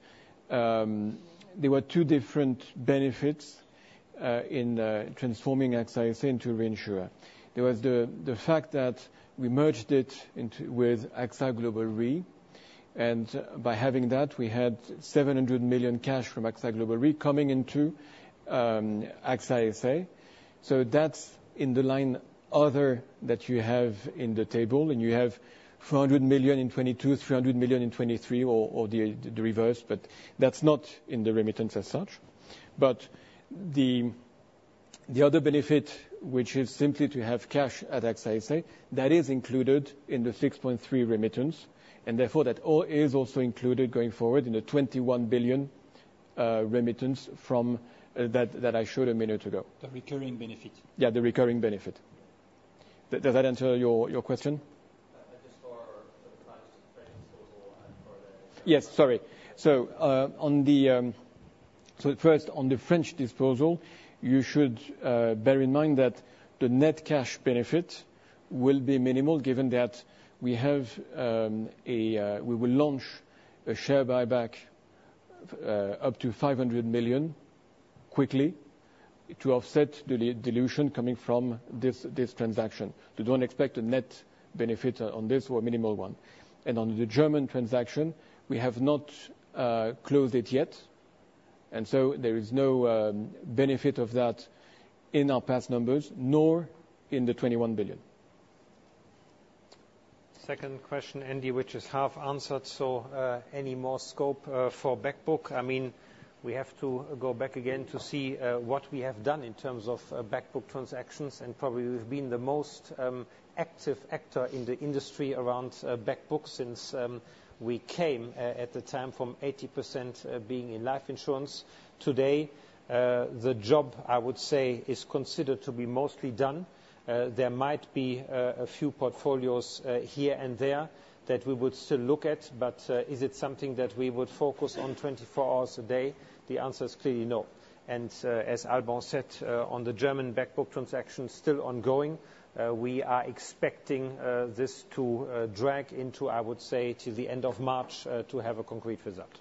D: there were two different benefits in transforming AXA SA into a reinsurer. There was the fact that we merged it with AXA Global Re. And by having that, we had 700 million cash from AXA Global Re coming into AXA SA. So that's in the line other that you have in the table. And you have 400 million in 2022, 300 million in 2023, or the reverse. But that's not in the remittance as such. But the other benefit, which is simply to have cash at AXA SA, that is included in the 6.3 billion remittance. And therefore, that all is also included going forward in the 21 billion remittance that I showed a minute ago.
B: The recurring benefit.
D: Yeah, the recurring benefit. Does that answer your question?
C: Just for the French disposal and for the.
D: Yes, sorry. So first, on the French disposal, you should bear in mind that the net cash benefit will be minimal given that we will launch a share buyback up to 500 million quickly to offset the dilution coming from this transaction. So don't expect a net benefit on this or a minimal one. And on the German transaction, we have not closed it yet. And so there is no benefit of that in our past numbers nor in the 21 billion.
B: Second question, Andy, which is half answered. So any more scope for backbook? I mean, we have to go back again to see what we have done in terms of backbook transactions. And probably we've been the most active actor in the industry around backbooks since we came at the time from 80% being in life insurance. Today, the job, I would say, is considered to be mostly done. There might be a few portfolios here and there that we would still look at. But is it something that we would focus on 24 hours a day? The answer is clearly no. And as Alban said, on the German backbook transaction still ongoing, we are expecting this to drag into, I would say, to the end of March to have a concrete result.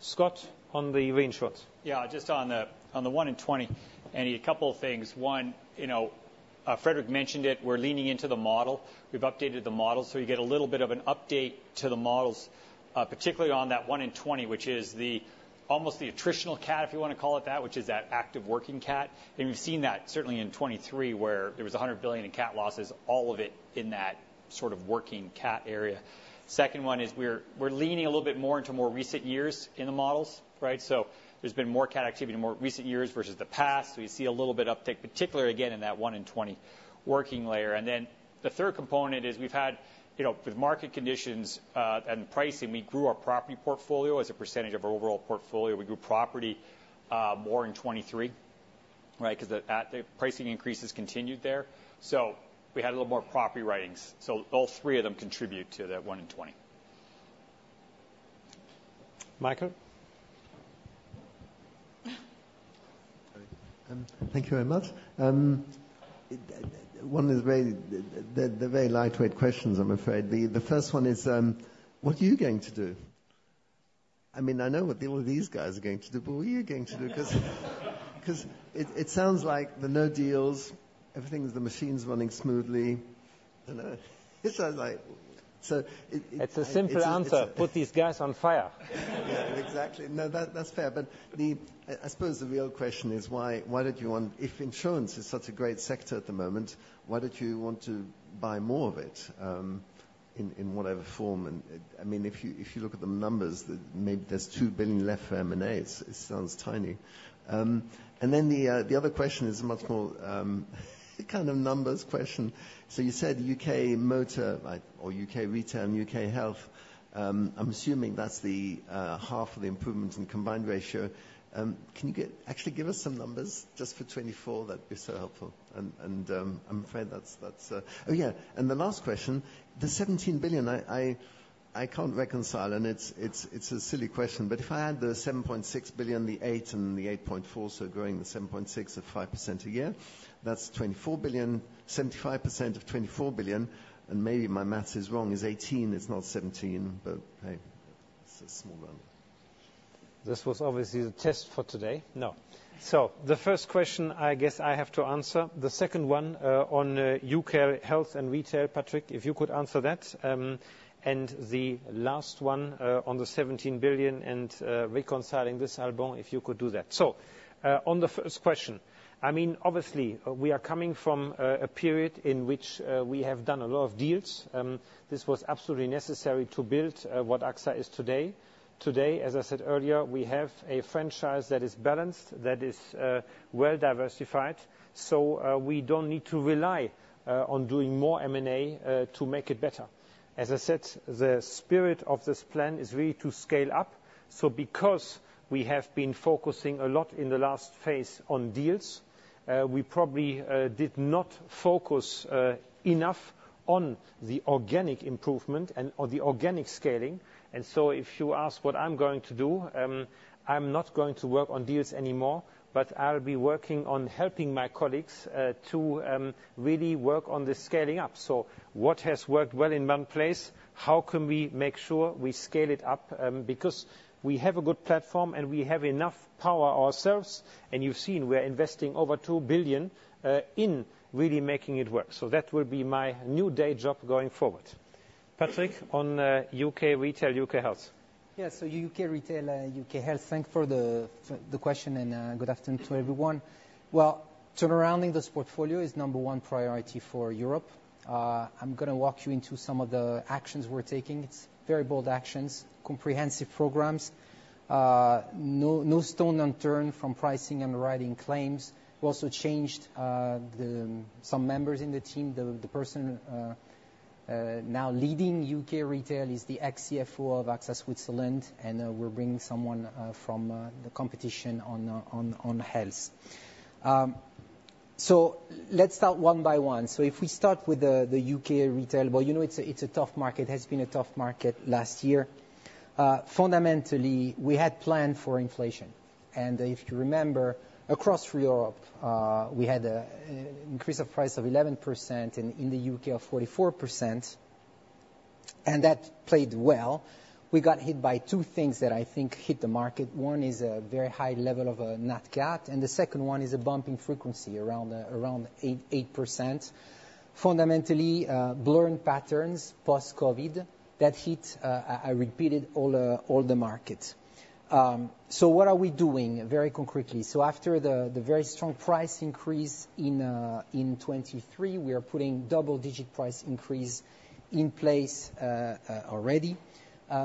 B: Scott, on the reinsurance.
F: Yeah, just on the 1 in 20, Andy, a couple of things. One, Frédéric mentioned it. We're leaning into the model. We've updated the model. So you get a little bit of an update to the models, particularly on that 1 in 20, which is almost the attritional CAT, if you want to call it that, which is that active working CAT. And we've seen that, certainly, in 2023 where there was 100 billion in CAT losses, all of it in that sort of working CAT area. Second one is we're leaning a little bit more into more recent years in the models, right? So there's been more CAT activity in more recent years versus the past. So you see a little bit uptake, particularly, again, in that 1 in 20 working layer. And then the third component is we've had with market conditions and pricing, we grew our property portfolio as a percentage of our overall portfolio. We grew property more in 2023, right, because the pricing increases continued there. So all three of them contribute to that 1 in 20.
B: Michael?
G: Thank you very much. One of the very lightweight questions, I'm afraid. The first one is, what are you going to do? I mean, I know what all of these guys are going to do. But what are you going to do? Because it sounds like the no deals, everything's the machines running smoothly. I don't know. It sounds like. So it's just.
B: It's a simple answer. Put these guys on fire.
G: Yeah, exactly. No, that's fair. But I suppose the real question is, why did you want if insurance is such a great sector at the moment, why did you want to buy more of it in whatever form? And I mean, if you look at the numbers, maybe there's 2 billion left for M&A. It sounds tiny. And then the other question is a much more kind of numbers question. So you said UK Motor or UK Retail, UK Health. I'm assuming that's half of the improvements in Combined Ratio. Can you actually give us some numbers just for 2024? That'd be so helpful. And I'm afraid that's oh, yeah. And the last question, the 17 billion, I can't reconcile. And it's a silly question. But if I add the 7.6 billion, the 8 billion, and the 8.4 billion, so growing the 7.6 billion at 5% a year, that's 75% of 24 billion. And maybe my math is wrong. It's 18. It's not 17. But hey, it's a small run.
B: This was obviously a test for today. No. So the first question, I guess, I have to answer. The second one on UK Health and Retail, Patrick, if you could answer that. And the last one on the 17 billion and reconciling this, Alban, if you could do that. So on the first question, I mean, obviously, we are coming from a period in which we have done a lot of deals. This was absolutely necessary to build what AXA is today. Today, as I said earlier, we have a franchise that is balanced, that is well diversified. So we don't need to rely on doing more M&A to make it better. As I said, the spirit of this plan is really to scale up. So because we have been focusing a lot in the last phase on deals, we probably did not focus enough on the organic improvement and on the organic scaling. And so if you ask what I'm going to do, I'm not going to work on deals anymore. But I'll be working on helping my colleagues to really work on the scaling up. So what has worked well in one place? How can we make sure we scale it up? Because we have a good platform, and we have enough power ourselves. And you've seen, we are investing over 2 billion in really making it work. So that will be my new day job going forward. Patrick, on UK Retail, UK Health.
H: Yeah. So UK Retail, UK Health. Thank you for the question. And good afternoon to everyone. Well, turning around this portfolio is number one priority for Europe. I'm going to walk you through some of the actions we're taking. It's very bold actions, comprehensive programs, no stone unturned from pricing and writing claims. We also changed some members in the team. The person now leading UK Retail is the ex-CFO of AXA Switzerland. And we're bringing someone from the competition on health. So let's start one by one. So if we start with the UK Retail, well, you know it's a tough market. It has been a tough market last year. Fundamentally, we had planned for inflation. And if you remember, across Europe, we had an increase in price of 11% and in the U.K. of 44%. And that played well. We got hit by two things that I think hit the market. One is a very high level of Nat Cat. And the second one is a bumping frequency around 8%. Fundamentally, blurring patterns post-COVID that hit, I repeated, all the markets. So what are we doing very concretely? So after the very strong price increase in 2023, we are putting double-digit price increase in place already.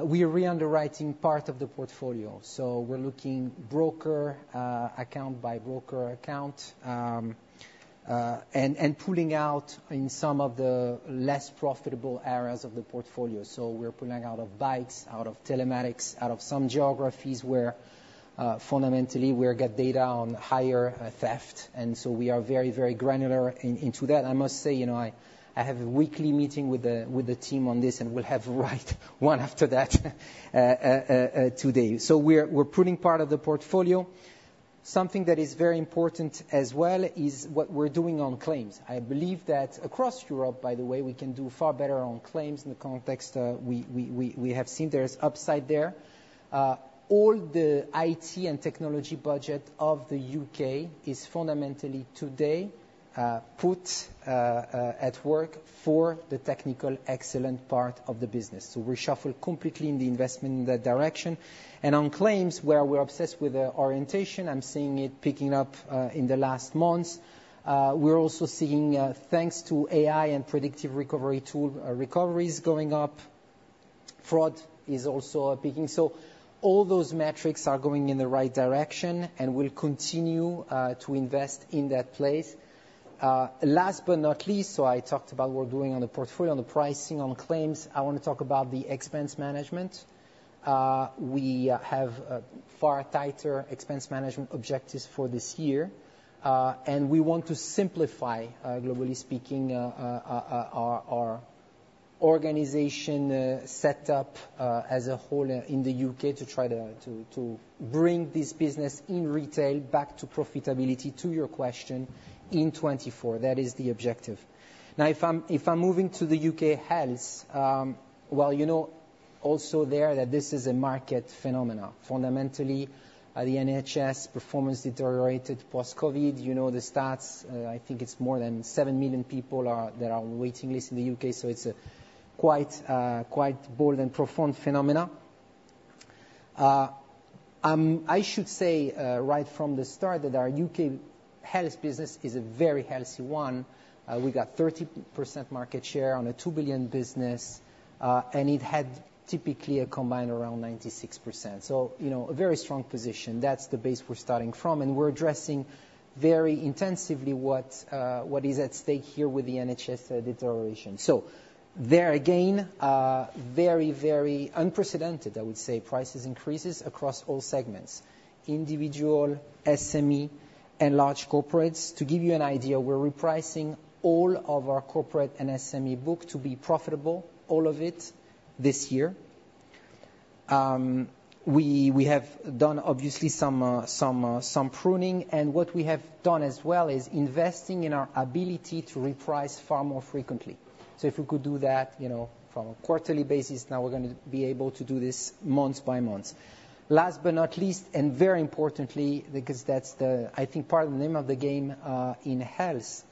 H: We are reunderwriting part of the portfolio. So we're looking broker account by broker account and pulling out in some of the less profitable areas of the portfolio. So we're pulling out of bikes, out of telematics, out of some geographies where, fundamentally, we'll get data on higher theft. And so we are very, very granular into that. I must say, I have a weekly meeting with the team on this. And we'll have right one after that today. So we're pulling part of the portfolio. Something that is very important as well is what we're doing on claims. I believe that across Europe, by the way, we can do far better on claims in the context we have seen. There's upside there. All the IT and technology budget of the U.K. is fundamentally today put at work for the technical excellent part of the business. So we shuffle completely in the investment in that direction. And on claims, where we're obsessed with orientation, I'm seeing it picking up in the last months. We're also seeing, thanks to AI and predictive recovery tool, recoveries going up. Fraud is also peaking. So all those metrics are going in the right direction. And we'll continue to invest in that place. Last but not least, so I talked about what we're doing on the portfolio, on the pricing, on claims. I want to talk about the expense management. We have far tighter expense management objectives for this year. We want to simplify, globally speaking, our organization setup as a whole in the U.K. to try to bring this business in retail back to profitability, to your question, in 2024. That is the objective. Now, if I'm moving to the U.K. health, well, you know also there that this is a market phenomenon. Fundamentally, the NHS performance deteriorated post-COVID. You know the stats. I think it's more than 7 million people that are on waiting lists in the U.K. So it's a quite bold and profound phenomenon. I should say right from the start that our U.K. health business is a very healthy one. We got 30% market share on a 2 billion business. It had typically a combined around 96%. That's a very strong position. That's the base we're starting from. We're addressing very intensively what is at stake here with the NHS deterioration. So there, again, very, very unprecedented, I would say, price increases across all segments, individual, SME, and large corporates. To give you an idea, we're repricing all of our corporate and SME book to be profitable, all of it, this year. We have done, obviously, some pruning. What we have done as well is investing in our ability to reprice far more frequently. So if we could do that from a quarterly basis, now we're going to be able to do this month by month. Last but not least and very importantly, because that's, I think, part of the name of the game in health,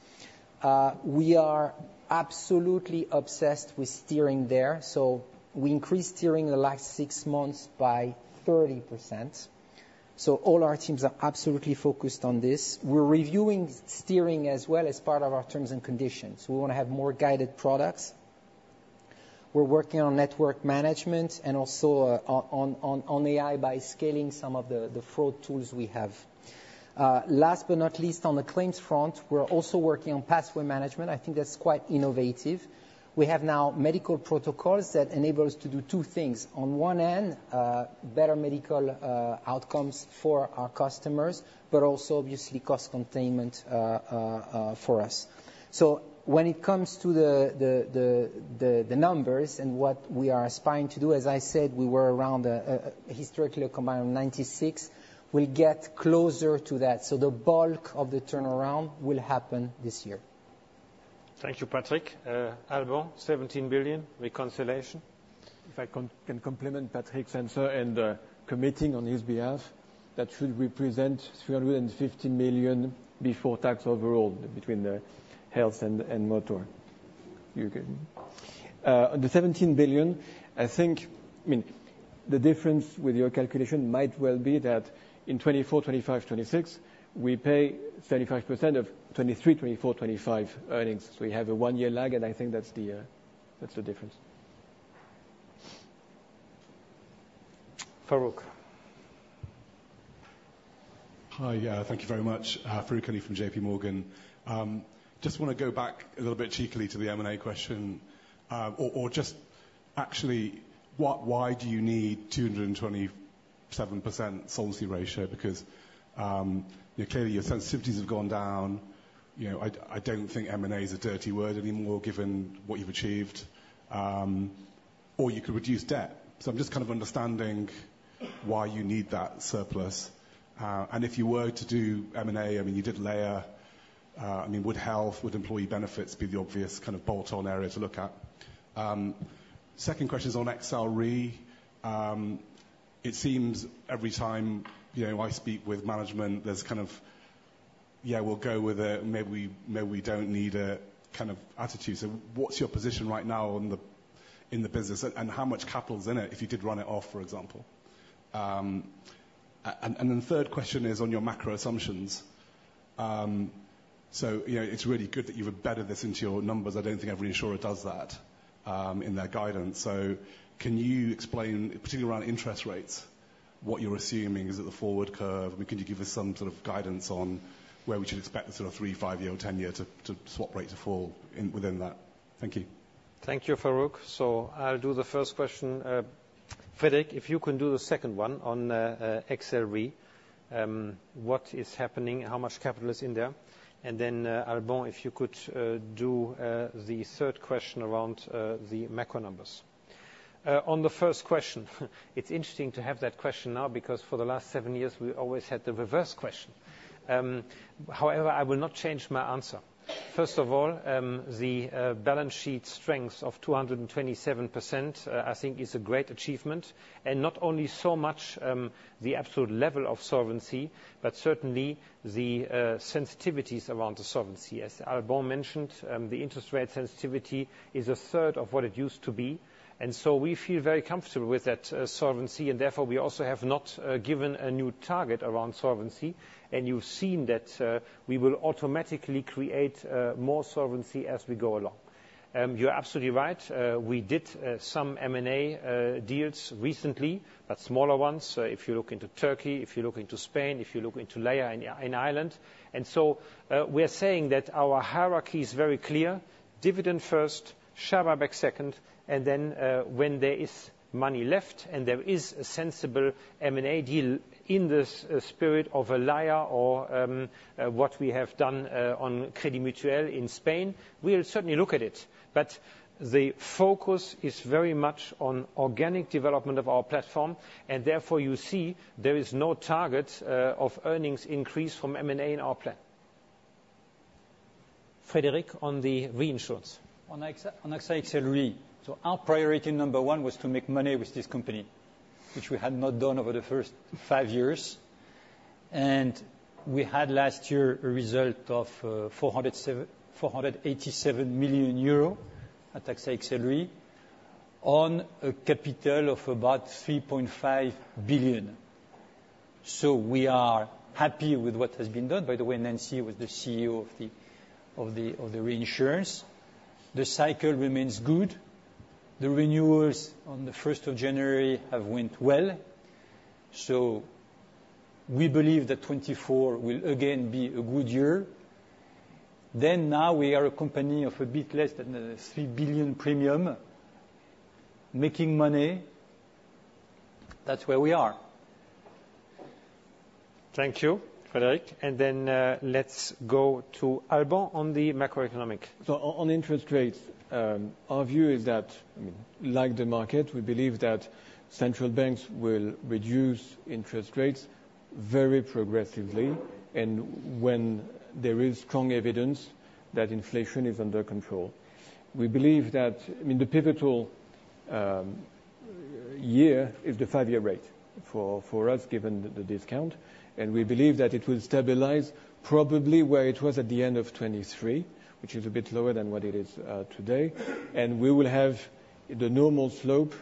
H: we are absolutely obsessed with steering there. So we increased steering in the last six months by 30%. So all our teams are absolutely focused on this. We're reviewing steering as well as part of our terms and conditions. We want to have more guided products. We're working on network management and also on AI by scaling some of the fraud tools we have. Last but not least, on the claims front, we're also working on pathway management. I think that's quite innovative. We have now medical protocols that enable us to do two things. On one end, better medical outcomes for our customers, but also, obviously, cost containment for us. So when it comes to the numbers and what we are aspiring to do, as I said, we were around historically a combined of 96. We'll get closer to that. So the bulk of the turnaround will happen this year.
B: Thank you, Patrick. Alban, 17 billion, reconciliation.
D: If I can complement Patrick's answer and the committee on his behalf, that should represent 350 million before tax overall between health and motor. On the 17 billion, I think I mean, the difference with your calculation might well be that in 2024, 2025, 2026, we pay 75% of 2023, 2024, 2025 earnings. So we have a one-year lag. And I think that's the difference.
B: Faruk.
I: Hi. Thank you very much. Farooq Hanif from JPMorgan. Just want to go back a little bit cheekily to the M&A question or just, actually, why do you need 227% solvency ratio? Because clearly, your sensitivities have gone down. I don't think M&A is a dirty word anymore, given what you've achieved. Or you could reduce debt. So I'm just kind of understanding why you need that surplus. And if you were to do M&A, I mean, you did Laya. I mean, would health, would employee benefits be the obvious kind of bolt-on area to look at? Second question is on AXA XL Re. It seems every time I speak with management, there's kind of, "Yeah, we'll go with it. Maybe we don't need it," kind of attitude. So what's your position right now in the business? And how much capital is in it if you did run it off, for example? And then third question is on your macro assumptions. So it's really good that you've embedded this into your numbers. I don't think every insurer does that in their guidance. So can you explain, particularly around interest rates, what you're assuming is at the forward curve? I mean, can you give us some sort of guidance on where we should expect the sort of three-year, five-year, or 10-year swap rate to fall within that? Thank you.
B: Thank you, Faruk. So I'll do the first question. Frédéric, if you can do the second one on AXA XL Re, what is happening? How much capital is in there? And then, Alban, if you could do the third question around the macro numbers. On the first question, it's interesting to have that question now because for the last seven years, we always had the reverse question. However, I will not change my answer. First of all, the balance sheet strength of 227%, I think, is a great achievement. And not only so much the absolute level of solvency, but certainly the sensitivities around the solvency. As Alban mentioned, the interest rate sensitivity is a third of what it used to be. And so we feel very comfortable with that solvency. And therefore, we also have not given a new target around solvency. You've seen that we will automatically create more solvency as we go along. You're absolutely right. We did some M&A deals recently, but smaller ones, if you look into Turkey, if you look into Spain, if you look into Laya and Ireland. And so we are saying that our hierarchy is very clear: dividend first, share buyback second. And then when there is money left and there is a sensible M&A deal in the spirit of a Laya or what we have done on Crédit Mutuel in Spain, we'll certainly look at it. But the focus is very much on organic development of our platform. And therefore, you see, there is no target of earnings increase from M&A in our plan. Frédéric, on the reinsurance.
C: On AXA XL Re, our priority number one was to make money with this company, which we had not done over the first five years. We had last year a result of 487 million euro at AXA XL Re on a capital of about 3.5 billion. We are happy with what has been done. By the way, Nancy was the CEO of the reinsurance. The cycle remains good. The renewals on the 1st of January have went well. We believe that 2024 will again be a good year. Now we are a company of a bit less than 3 billion premium, making money. That's where we are.
B: Thank you, Frédéric. Let's go to Alban on the macroeconomic.
D: So on interest rates, our view is that, like the market, we believe that central banks will reduce interest rates very progressively when there is strong evidence that inflation is under control. We believe that, I mean, the pivotal year is the five-year rate for us, given the discount. And we believe that it will stabilize probably where it was at the end of 2023, which is a bit lower than what it is today. And we will have the normal slope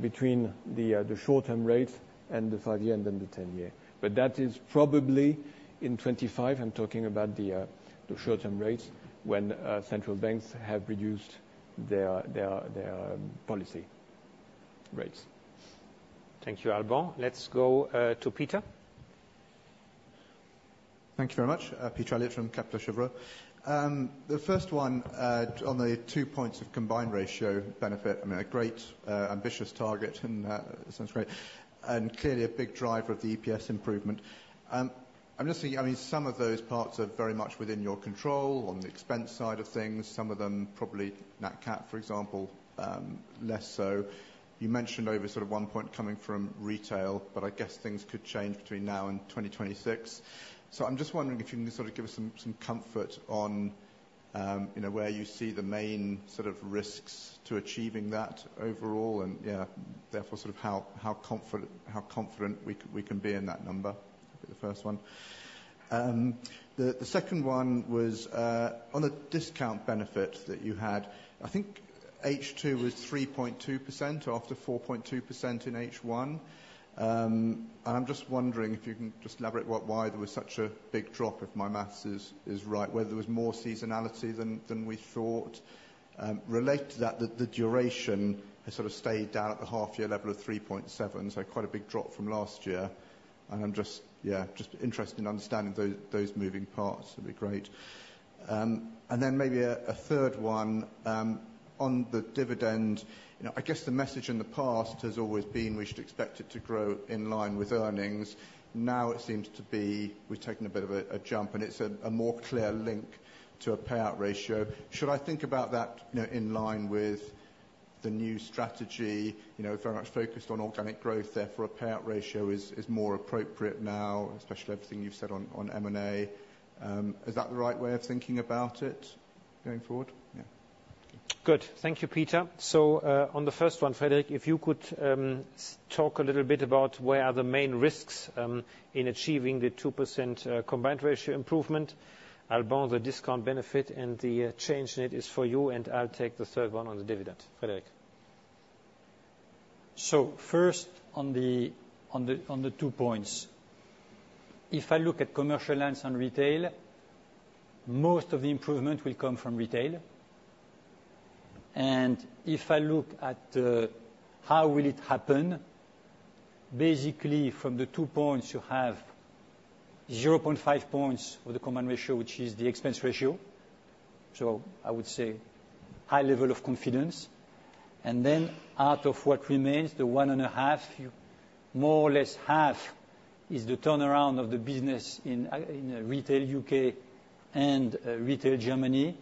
D: between the short-term rates and the five-year and then the 10-year. But that is probably in 2025. I'm talking about the short-term rates when central banks have reduced their policy rates.
B: Thank you, Alban. Let's go to Peter.
J: Thank you very much. Peter Eliot from Kepler Cheuvreux. The first one on the two points of Combined Ratio benefit, I mean, a great, ambitious target. And that sounds great. And clearly, a big driver of the EPS improvement. I'm just thinking, I mean, some of those parts are very much within your control on the expense side of things. Some of them, probably Nat Cat, for example, less so. You mentioned over sort of one point coming from retail. But I guess things could change between now and 2026. So I'm just wondering if you can sort of give us some comfort on where you see the main sort of risks to achieving that overall and, yeah, therefore, sort of how confident we can be in that number. That'd be the first one. The second one was on the discount benefit that you had. I think H2 was 3.2% or after 4.2% in H1. I'm just wondering if you can just elaborate why there was such a big drop, if my math is right, whether there was more seasonality than we thought. Related to that, the duration has sort of stayed down at the half-year level of 3.7. So quite a big drop from last year. I'm just, yeah, just interested in understanding those moving parts. That'd be great. Then maybe a third one on the dividend. I guess the message in the past has always been we should expect it to grow in line with earnings. Now it seems to be we've taken a bit of a jump. It's a more clear link to a payout ratio. Should I think about that in line with the new strategy, very much focused on organic growth? Therefore, a payout ratio is more appropriate now, especially everything you've said on M&A. Is that the right way of thinking about it going forward? Yeah.
B: Good. Thank you, Peter. So on the first one, Frédéric, if you could talk a little bit about where are the main risks in achieving the 2% Combined Ratio improvement. Alban, the discount benefit and the change in it is for you. And I'll take the third one on the dividend. Frédéric.
C: So first, on the two points, if I look at commercial lines and retail, most of the improvement will come from retail. And if I look at how will it happen, basically, from the two points, you have 0.5 points of the Combined Ratio, which is the expense ratio. So I would say high level of confidence. And then out of what remains, the 1.5, more or less half is the turnaround of the business in retail UK and retail Germany.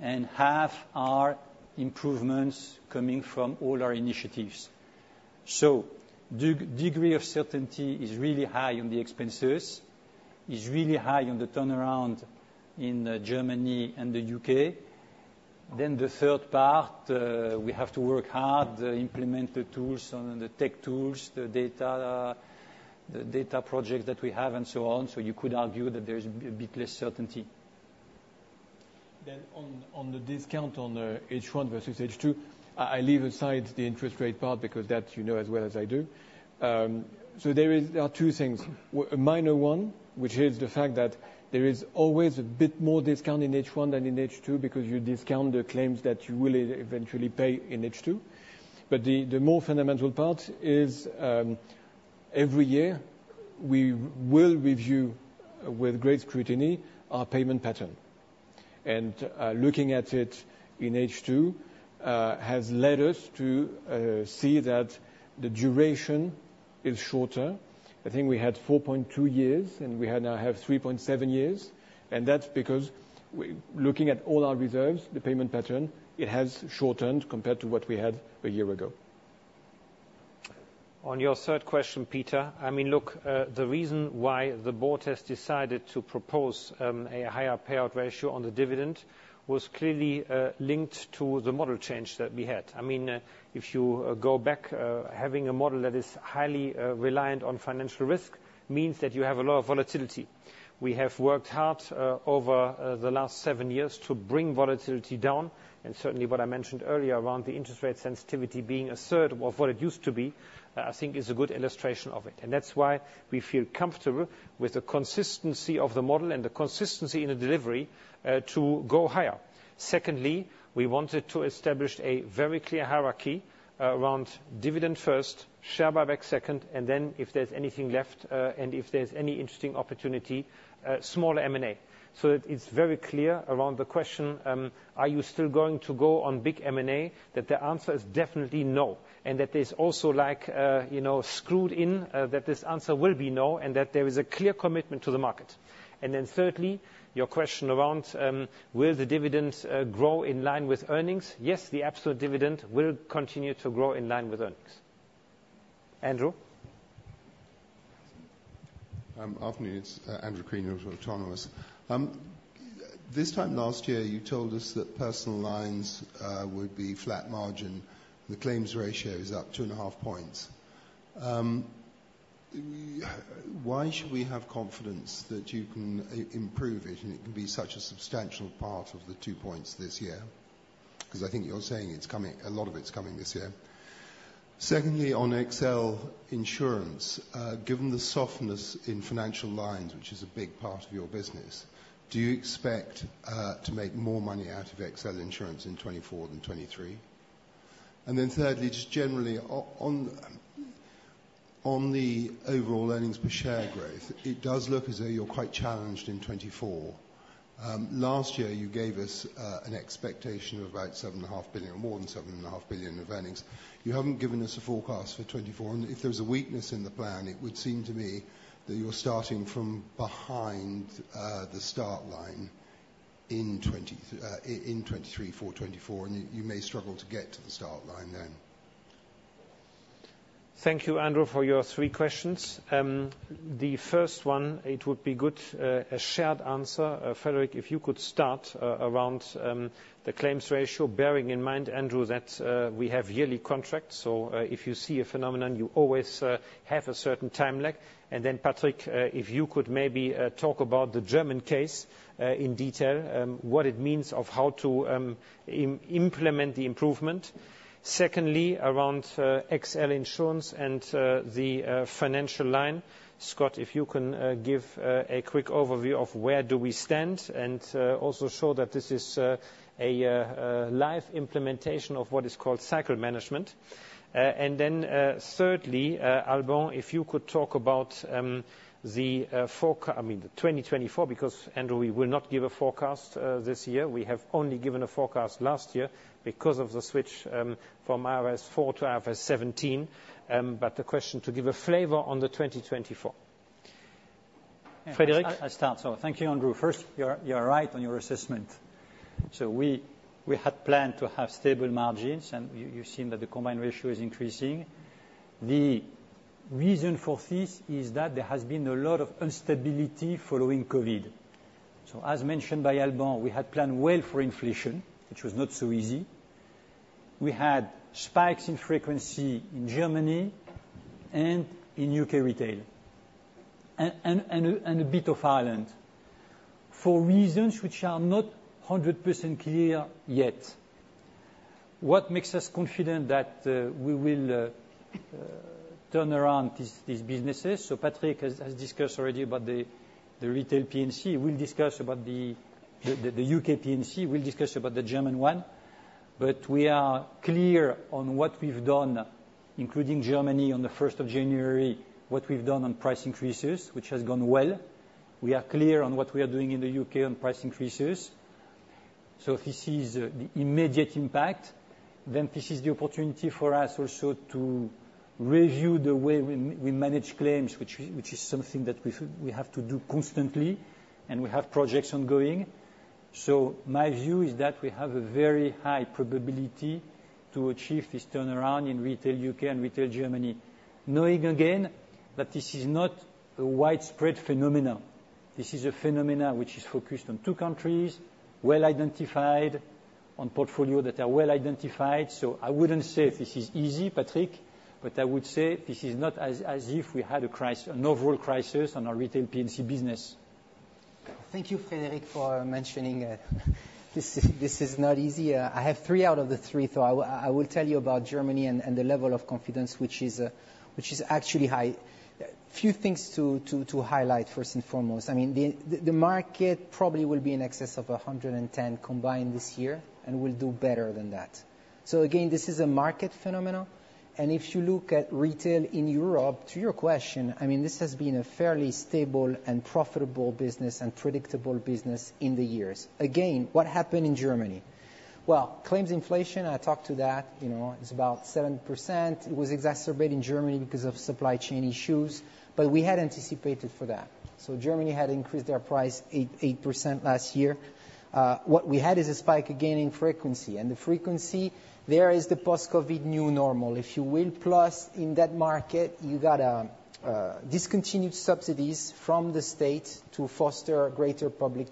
C: And half are improvements coming from all our initiatives. So degree of certainty is really high on the expenses. It's really high on the turnaround in Germany and the U.K. Then the third part, we have to work hard, implement the tools and the tech tools, the data projects that we have, and so on. So you could argue that there's a bit less certainty. Then on the discount on H1 versus H2, I leave aside the interest rate part because that you know as well as I do. So there are two things. A minor one, which is the fact that there is always a bit more discount in H1 than in H2 because you discount the claims that you will eventually pay in H2. But the more fundamental part is every year, we will review with great scrutiny our payment pattern. And looking at it in H2 has led us to see that the duration is shorter. I think we had 4.2 years. And we now have 3.7 years. And that's because looking at all our reserves, the payment pattern, it has shortened compared to what we had a year ago.
B: On your third question, Peter, I mean, look, the reason why the board has decided to propose a higher payout ratio on the dividend was clearly linked to the model change that we had. I mean, if you go back, having a model that is highly reliant on financial risk means that you have a lot of volatility. We have worked hard over the last seven years to bring volatility down. And certainly, what I mentioned earlier around the interest rate sensitivity being a third of what it used to be, I think, is a good illustration of it. And that's why we feel comfortable with the consistency of the model and the consistency in the delivery to go higher. Secondly, we wanted to establish a very clear hierarchy around dividend first, share buyback second, and then if there's anything left and if there's any interesting opportunity, smaller M&A. So it's very clear around the question, "Are you still going to go on big M&A?" that the answer is definitely no. And that there's also locked in that this answer will be no and that there is a clear commitment to the market. And then thirdly, your question around, "Will the dividend grow in line with earnings?" Yes, the absolute dividend will continue to grow in line with earnings. Andrew?
K: Afternoon. It's Andrew Crean, Autonomous Research. This time last year, you told us that personal lines would be flat margin. The claims ratio is up 2.5 points. Why should we have confidence that you can improve it and it can be such a substantial part of the 2 points this year? Because I think you're saying a lot of it's coming this year. Secondly, on XL insurance, given the softness in financial lines, which is a big part of your business, do you expect to make more money out of XL insurance in 2024 than 2023? And then thirdly, just generally, on the overall earnings per share growth, it does look as though you're quite challenged in 2024. Last year, you gave us an expectation of about 7.5 billion or more than 7.5 billion of earnings. You haven't given us a forecast for 2024. If there's a weakness in the plan, it would seem to me that you're starting from behind the start line in 2023 for 2024. You may struggle to get to the start line then.
B: Thank you, Andrew, for your three questions. The first one, it would be good a shared answer. Frédéric, if you could start around the claims ratio, bearing in mind, Andrew, that we have yearly contracts. So if you see a phenomenon, you always have a certain time lag. And then, Patrick, if you could maybe talk about the German case in detail, what it means of how to implement the improvement. Secondly, around AXA XL and the financial line, Scott, if you can give a quick overview of where do we stand and also show that this is a live implementation of what is called cycle management. And then thirdly, Alban, if you could talk about the 2024 because, Andrew, we will not give a forecast this year. We have only given a forecast last year because of the switch from IFRS 4 to IFRS 17. But the question, to give a flavor on the 2024. Frédéric?
C: I'll start. So thank you, Andrew. First, you're right on your assessment. So we had planned to have stable margins. And you've seen that the Combined Ratio is increasing. The reason for this is that there has been a lot of instability following COVID. So as mentioned by Alban, we had planned well for inflation, which was not so easy. We had spikes in frequency in Germany and in UK retail and a bit of Ireland for reasons which are not 100% clear yet. What makes us confident that we will turn around these businesses? So Patrick has discussed already about the retail P&C. We'll discuss about the UK P&C. We'll discuss about the German one. But we are clear on what we've done, including Germany on the 1st of January, what we've done on price increases, which has gone well. We are clear on what we are doing in the U.K. on price increases. So if this is the immediate impact, then this is the opportunity for us also to review the way we manage claims, which is something that we have to do constantly. And we have projects ongoing. So my view is that we have a very high probability to achieve this turnaround in retail UK and retail Germany, knowing again that this is not a widespread phenomenon. This is a phenomenon which is focused on two countries, well identified, on portfolios that are well identified. So I wouldn't say this is easy, Patrick. But I would say this is not as if we had an overall crisis on our retail P&C business.
H: Thank you, Frédéric, for mentioning this is not easy. I have three out of the three. So I will tell you about Germany and the level of confidence, which is actually high. A few things to highlight, first and foremost. I mean, the market probably will be in excess of 110 combined this year and will do better than that. So again, this is a market phenomenon. And if you look at retail in Europe, to your question, I mean, this has been a fairly stable and profitable business and predictable business in the years. Again, what happened in Germany? Well, claims inflation, I talked to that. It's about 7%. It was exacerbated in Germany because of supply chain issues. But we had anticipated for that. So Germany had increased their price 8% last year. What we had is a spike again in frequency. And the frequency, there is the post-COVID new normal, if you will. Plus, in that market, you got discontinued subsidies from the state to foster greater public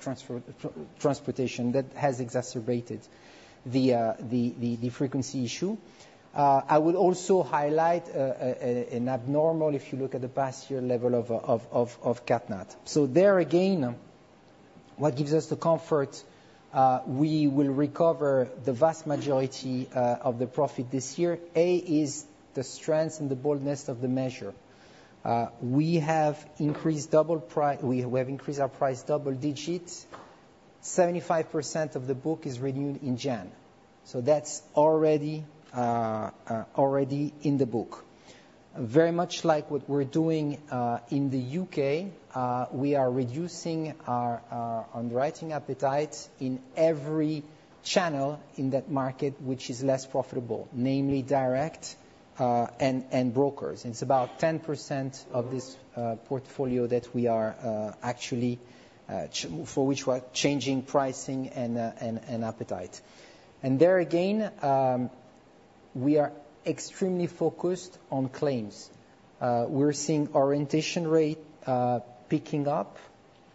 H: transportation. That has exacerbated the frequency issue. I would also highlight an abnormal, if you look at the past year, level of Nat Cat. So there again, what gives us the comfort? We will recover the vast majority of the profit this year. A is the strength and the boldness of the measure. We have increased double we have increased our price double digits. 75% of the book is renewed in January. So that's already in the book. Very much like what we're doing in the U.K., we are reducing our underwriting appetite in every channel in that market which is less profitable, namely direct and brokers. It's about 10% of this portfolio that we are actually for which we're changing pricing and appetite. There again, we are extremely focused on claims. We're seeing orientation rate picking up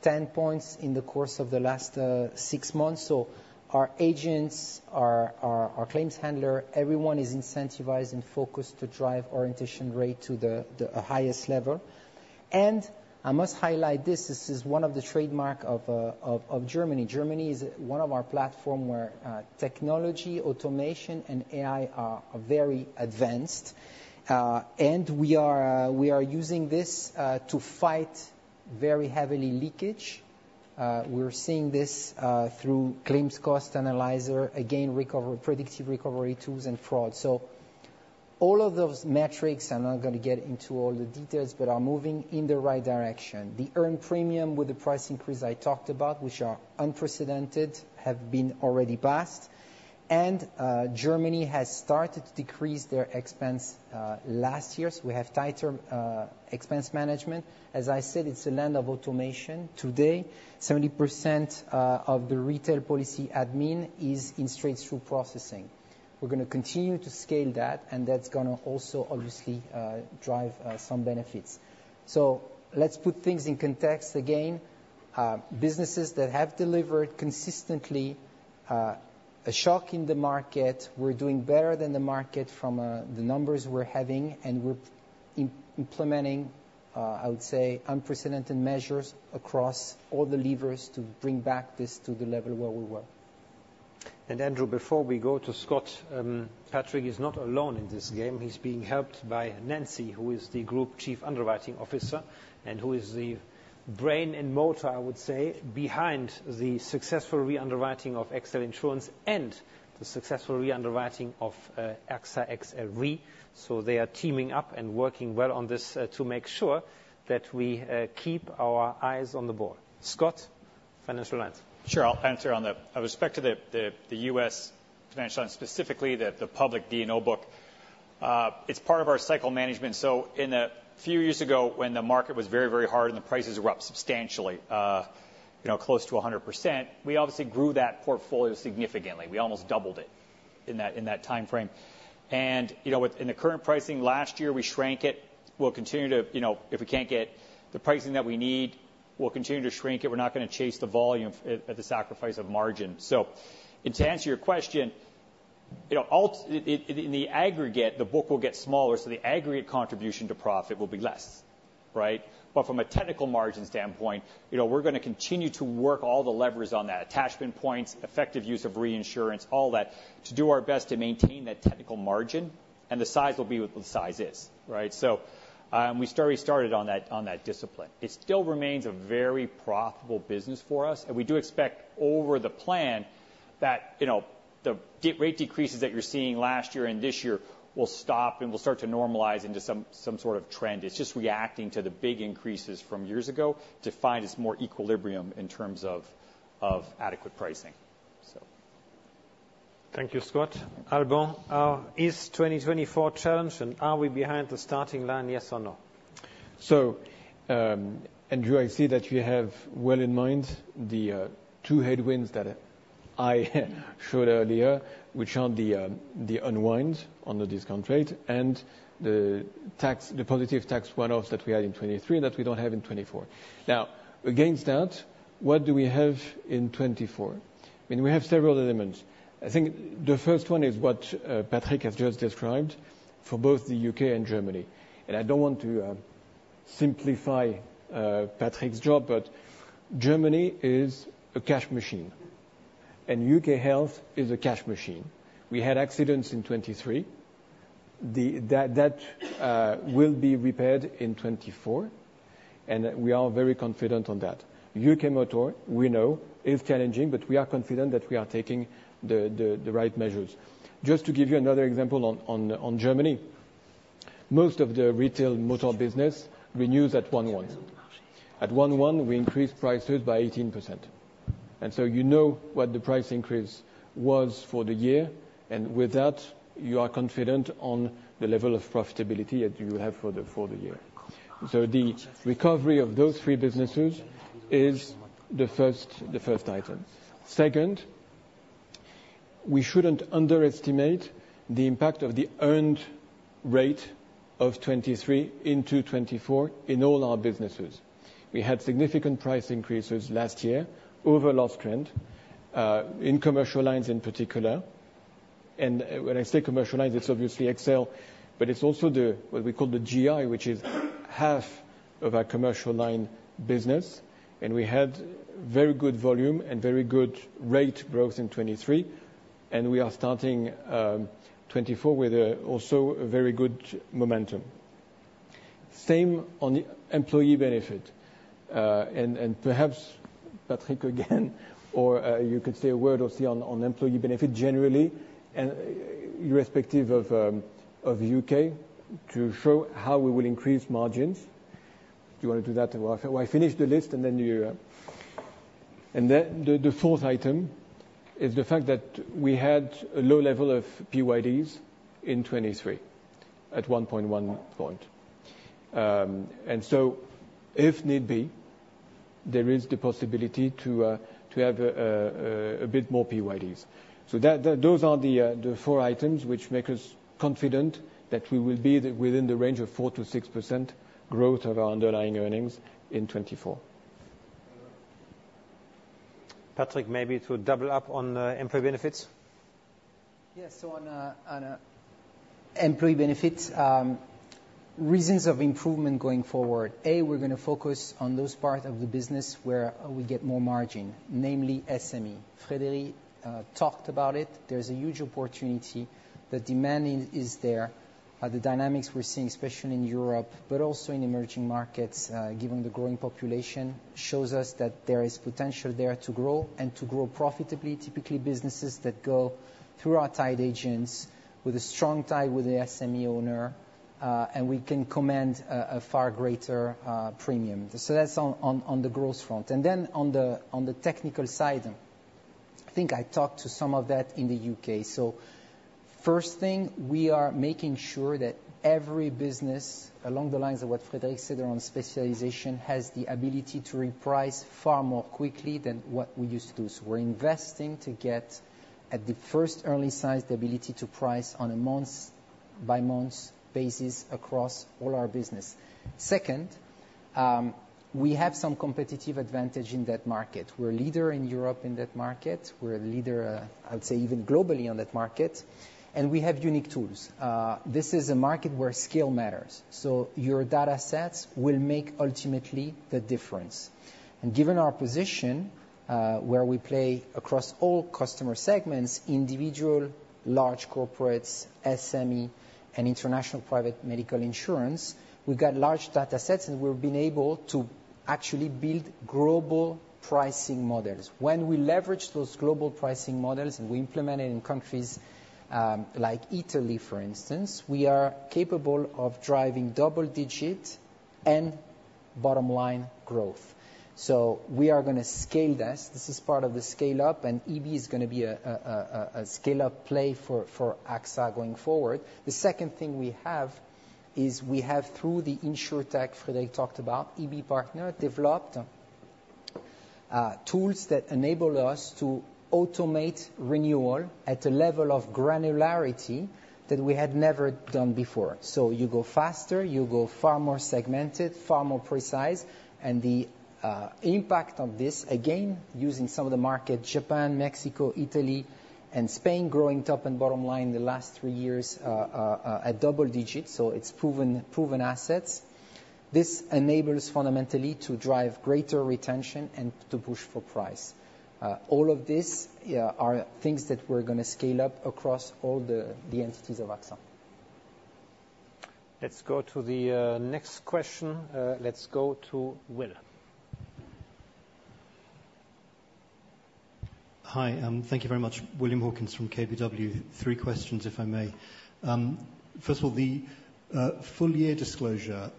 H: 10 points in the course of the last six months. So our agents, our claims handler, everyone is incentivized and focused to drive orientation rate to the highest level. I must highlight this. This is one of the trademarks of Germany. Germany is one of our platform where technology, automation, and AI are very advanced. We are using this to fight very heavily leakage. We're seeing this through claims cost analyzer, again, predictive recovery tools, and fraud. So all of those metrics I'm not going to get into all the details but are moving in the right direction. The earned premium with the price increase I talked about, which are unprecedented, have been already passed. Germany has started to decrease their expense last year. So we have tighter expense management. As I said, it's a land of automation. Today, 70% of the retail policy admin is in straight-through processing. We're going to continue to scale that. And that's going to also, obviously, drive some benefits. So let's put things in context. Again, businesses that have delivered consistently a shock in the market, we're doing better than the market from the numbers we're having. And we're implementing, I would say, unprecedented measures across all the levers to bring back this to the level where we were.
B: And Andrew, before we go to Scott, Patrick is not alone in this game. He's being helped by Nancy, who is the Group Chief Underwriting Officer and who is the brain and motor, I would say, behind the successful re-underwriting of AXA XL and the successful re-underwriting of AXA XL Re. So they are teaming up and working well on this to make sure that we keep our eyes on the ball. Scott, financial lines.
F: Sure. I'll answer on that. I restrict the US financial lines specifically, the public D&O book. It's part of our cycle management. So a few years ago, when the market was very, very hard and the prices erupted substantially, close to 100%, we obviously grew that portfolio significantly. We almost doubled it in that time frame. And in the current pricing last year, we shrank it. We'll continue to if we can't get the pricing that we need, we'll continue to shrink it. We're not going to chase the volume at the sacrifice of margin. So to answer your question, in the aggregate, the book will get smaller. So the aggregate contribution to profit will be less, right? But from a technical margin standpoint, we're going to continue to work all the levers on that, attachment points, effective use of reinsurance, all that, to do our best to maintain that technical margin. And the size will be what the size is, right? So we started on that discipline. It still remains a very profitable business for us. And we do expect over the plan that the rate decreases that you're seeing last year and this year will stop and will start to normalize into some sort of trend. It's just reacting to the big increases from years ago to find its more equilibrium in terms of adequate pricing, so.
B: Thank you, Scott. Alban, is 2024 challenged? And are we behind the starting line, yes or no?
D: So, Andrew, I see that you have well in mind the two headwinds that I showed earlier, which are the unwind under discount rate and the positive tax one-offs that we had in 2023 that we don't have in 2024. Now, against that, what do we have in 2024? I mean, we have several elements. I think the first one is what Patrick has just described for both the U.K. and Germany. And I don't want to simplify Patrick's job. But Germany is a cash machine. And UK Health is a cash machine. We had accidents in 2023. That will be repaired in 2024. And we are very confident on that. UK Motor, we know, is challenging. But we are confident that we are taking the right measures. Just to give you another example on Germany, most of the retail motor business renews at 1.1. At 1.1, we increased prices by 18%. And so you know what the price increase was for the year. And with that, you are confident on the level of profitability that you will have for the year. So the recovery of those three businesses is the first item. Second, we shouldn't underestimate the impact of the earned rate of 2023 into 2024 in all our businesses. We had significant price increases last year over last trend in commercial lines in particular. And when I say commercial lines, it's obviously AXA XL. But it's also what we call the GI, which is half of our commercial line business. And we had very good volume and very good rate growth in 2023. And we are starting 2024 with also a very good momentum. Same on employee benefit. And perhaps, Patrick, again, or you could say a word or three on employee benefit generally and irrespective of UK to show how we will increase margins. Do you want to do that? Well, I finish the list. And then you and then the fourth item is the fact that we had a low level of PYDs in 2023 at 1.1 point. And so if need be, there is the possibility to have a bit more PYDs. So those are the four items which make us confident that we will be within the range of 4%-6% growth of our underlying earnings in 2024.
B: Patrick, maybe to double up on employee benefits.
H: Yes. So on employee benefits, reasons of improvement going forward, A, we're going to focus on those parts of the business where we get more margin, namely SME. Frédéric talked about it. There's a huge opportunity. The demand is there. The dynamics we're seeing, especially in Europe but also in emerging markets, given the growing population, shows us that there is potential there to grow and to grow profitably, typically businesses that go through our tied agents with a strong tie with the SME owner. And we can command a far greater premium. So that's on the growth front. And then on the technical side, I think I talked to some of that in the U.K. So first thing, we are making sure that every business along the lines of what Frédéric said around specialization has the ability to reprice far more quickly than what we used to do. So we're investing to get at the first early size the ability to price on a month-by-month basis across all our business. Second, we have some competitive advantage in that market. We're a leader in Europe in that market. We're a leader, I would say, even globally on that market. And we have unique tools. This is a market where skill matters. So your data sets will make ultimately the difference. And given our position where we play across all customer segments, individual, large corporates, SME, and international private medical insurance, we've got large data sets. And we've been able to actually build global pricing models. When we leverage those global pricing models and we implement it in countries like Italy, for instance, we are capable of driving double-digit and bottom-line growth. So we are going to scale this. This is part of the scale-up. EB is going to be a scale-up play for AXA going forward. The second thing we have is we have, through the InsurTech Frédéric talked about, EB Partners developed tools that enable us to automate renewal at a level of granularity that we had never done before. So you go faster. You go far more segmented, far more precise. And the impact of this, again, using some of the markets, Japan, Mexico, Italy, and Spain growing top and bottom line the last three years at double digits, so it's proven assets, this enables fundamentally to drive greater retention and to push for price. All of these are things that we're going to scale up across all the entities of AXA.
B: Let's go to the next question. Let's go to Will.
L: Hi. Thank you very much, William Hawkins from KBW. Three questions, if I may. First of all, the full-year disclosure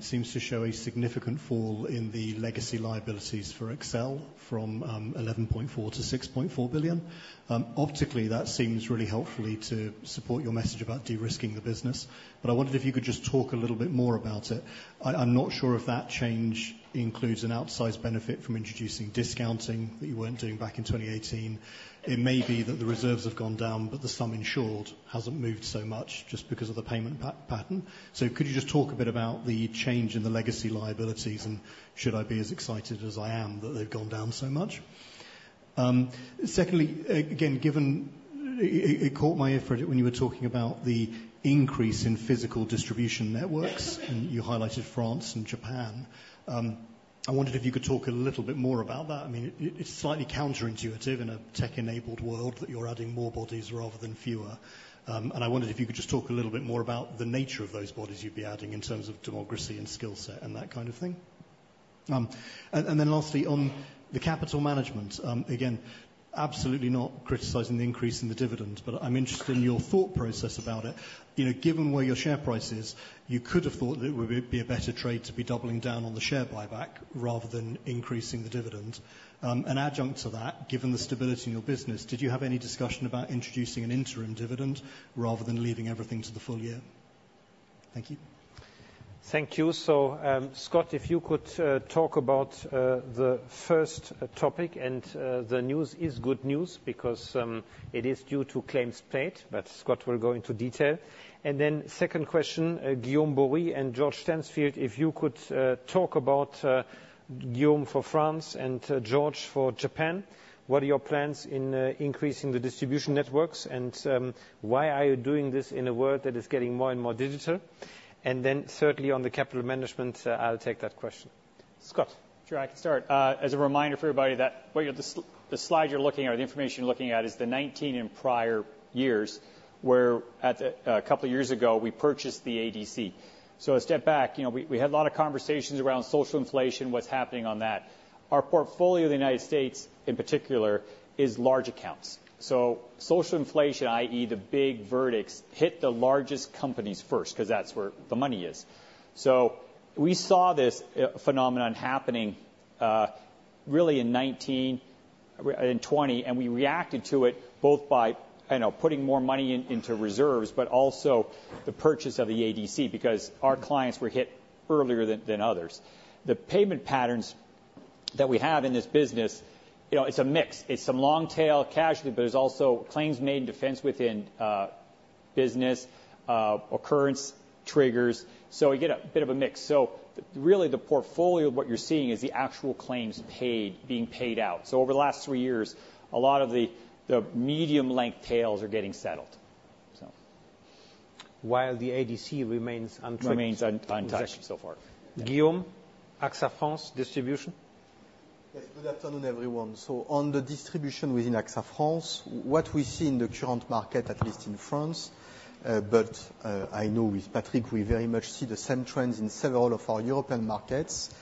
L: seems to show a significant fall in the legacy liabilities for AXA XL from 11.4 billion-6.4 billion. Optically, that seems really helpfully to support your message about de-risking the business. But I wondered if you could just talk a little bit more about it. I'm not sure if that change includes an outsized benefit from introducing discounting that you weren't doing back in 2018. It may be that the reserves have gone down. But the sum insured hasn't moved so much just because of the payment pattern. So could you just talk a bit about the change in the legacy liabilities? And should I be as excited as I am that they've gone down so much? Secondly, again, it caught my ear, Frédéric, when you were talking about the increase in physical distribution networks. You highlighted France and Japan. I wondered if you could talk a little bit more about that. I mean, it's slightly counterintuitive in a tech-enabled world that you're adding more bodies rather than fewer. I wondered if you could just talk a little bit more about the nature of those bodies you'd be adding in terms of demographics and skill set and that kind of thing. Then lastly, on the capital management, again, absolutely not criticizing the increase in the dividend. I'm interested in your thought process about it. Given where your share price is, you could have thought that it would be a better trade to be doubling down on the share buyback rather than increasing the dividend. An adjunct to that, given the stability in your business, did you have any discussion about introducing an interim dividend rather than leaving everything to the full year? Thank you.
B: Thank you. Scott, if you could talk about the first topic. The news is good news because it is due to claims plateau. But, Scott, we're going to detail. Second question, Guillaume Borie and George Stansfield, if you could talk about Guillaume for France and George for Japan, what are your plans in increasing the distribution networks? And why are you doing this in a world that is getting more and more digital? Thirdly, on the capital management, I'll take that question.
M: Scott, sure. I can start. As a reminder for everybody, the slide you're looking at or the information you're looking at is the 2019 and prior years where a couple of years ago, we purchased the ADC. So a step back, we had a lot of conversations around social inflation, what's happening on that. Our portfolio in the United States, in particular, is large accounts. So social inflation, i.e., the big verdicts, hit the largest companies first because that's where the money is. So we saw this phenomenon happening really in 2019 and 2020. And we reacted to it both by putting more money into reserves but also the purchase of the ADC because our clients were hit earlier than others. The payment patterns that we have in this business, it's a mix. It's some long-tail casualty. But there's also claims-made, defense within business occurrence triggers. So you get a bit of a mix. So really, the portfolio of what you're seeing is the actual claims being paid out. So over the last three years, a lot of the medium-length tails are getting settled, so.
B: While the ADC remains untouched.
M: Remains untouched so far.
B: Guillaume, AXA France distribution?
N: Yes. Good afternoon, everyone. So on the distribution within AXA France, what we see in the current market, at least in France but I know with Patrick, we very much see the same trends in several of our European markets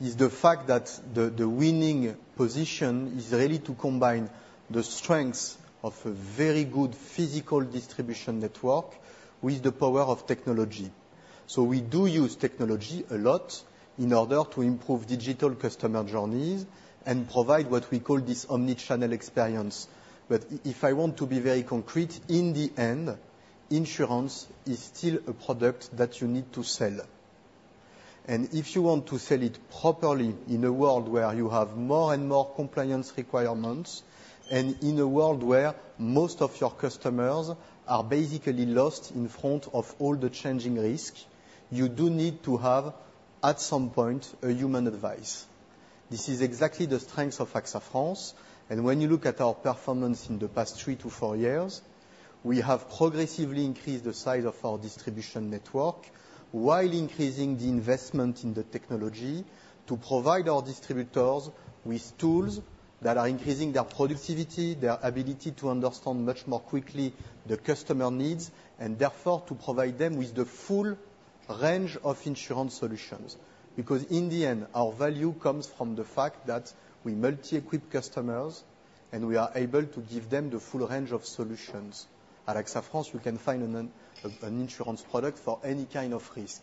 N: is the fact that the winning position is really to combine the strengths of a very good physical distribution network with the power of technology. So we do use technology a lot in order to improve digital customer journeys and provide what we call this omnichannel experience. But if I want to be very concrete, in the end, insurance is still a product that you need to sell. If you want to sell it properly in a world where you have more and more compliance requirements and in a world where most of your customers are basically lost in front of all the changing risk, you do need to have, at some point, a human advice. This is exactly the strengths of AXA France. When you look at our performance in the past three to four years, we have progressively increased the size of our distribution network while increasing the investment in the technology to provide our distributors with tools that are increasing their productivity, their ability to understand much more quickly the customer needs, and therefore to provide them with the full range of insurance solutions. Because in the end, our value comes from the fact that we multi-equip customers. We are able to give them the full range of solutions. At AXA France, you can find an insurance product for any kind of risk.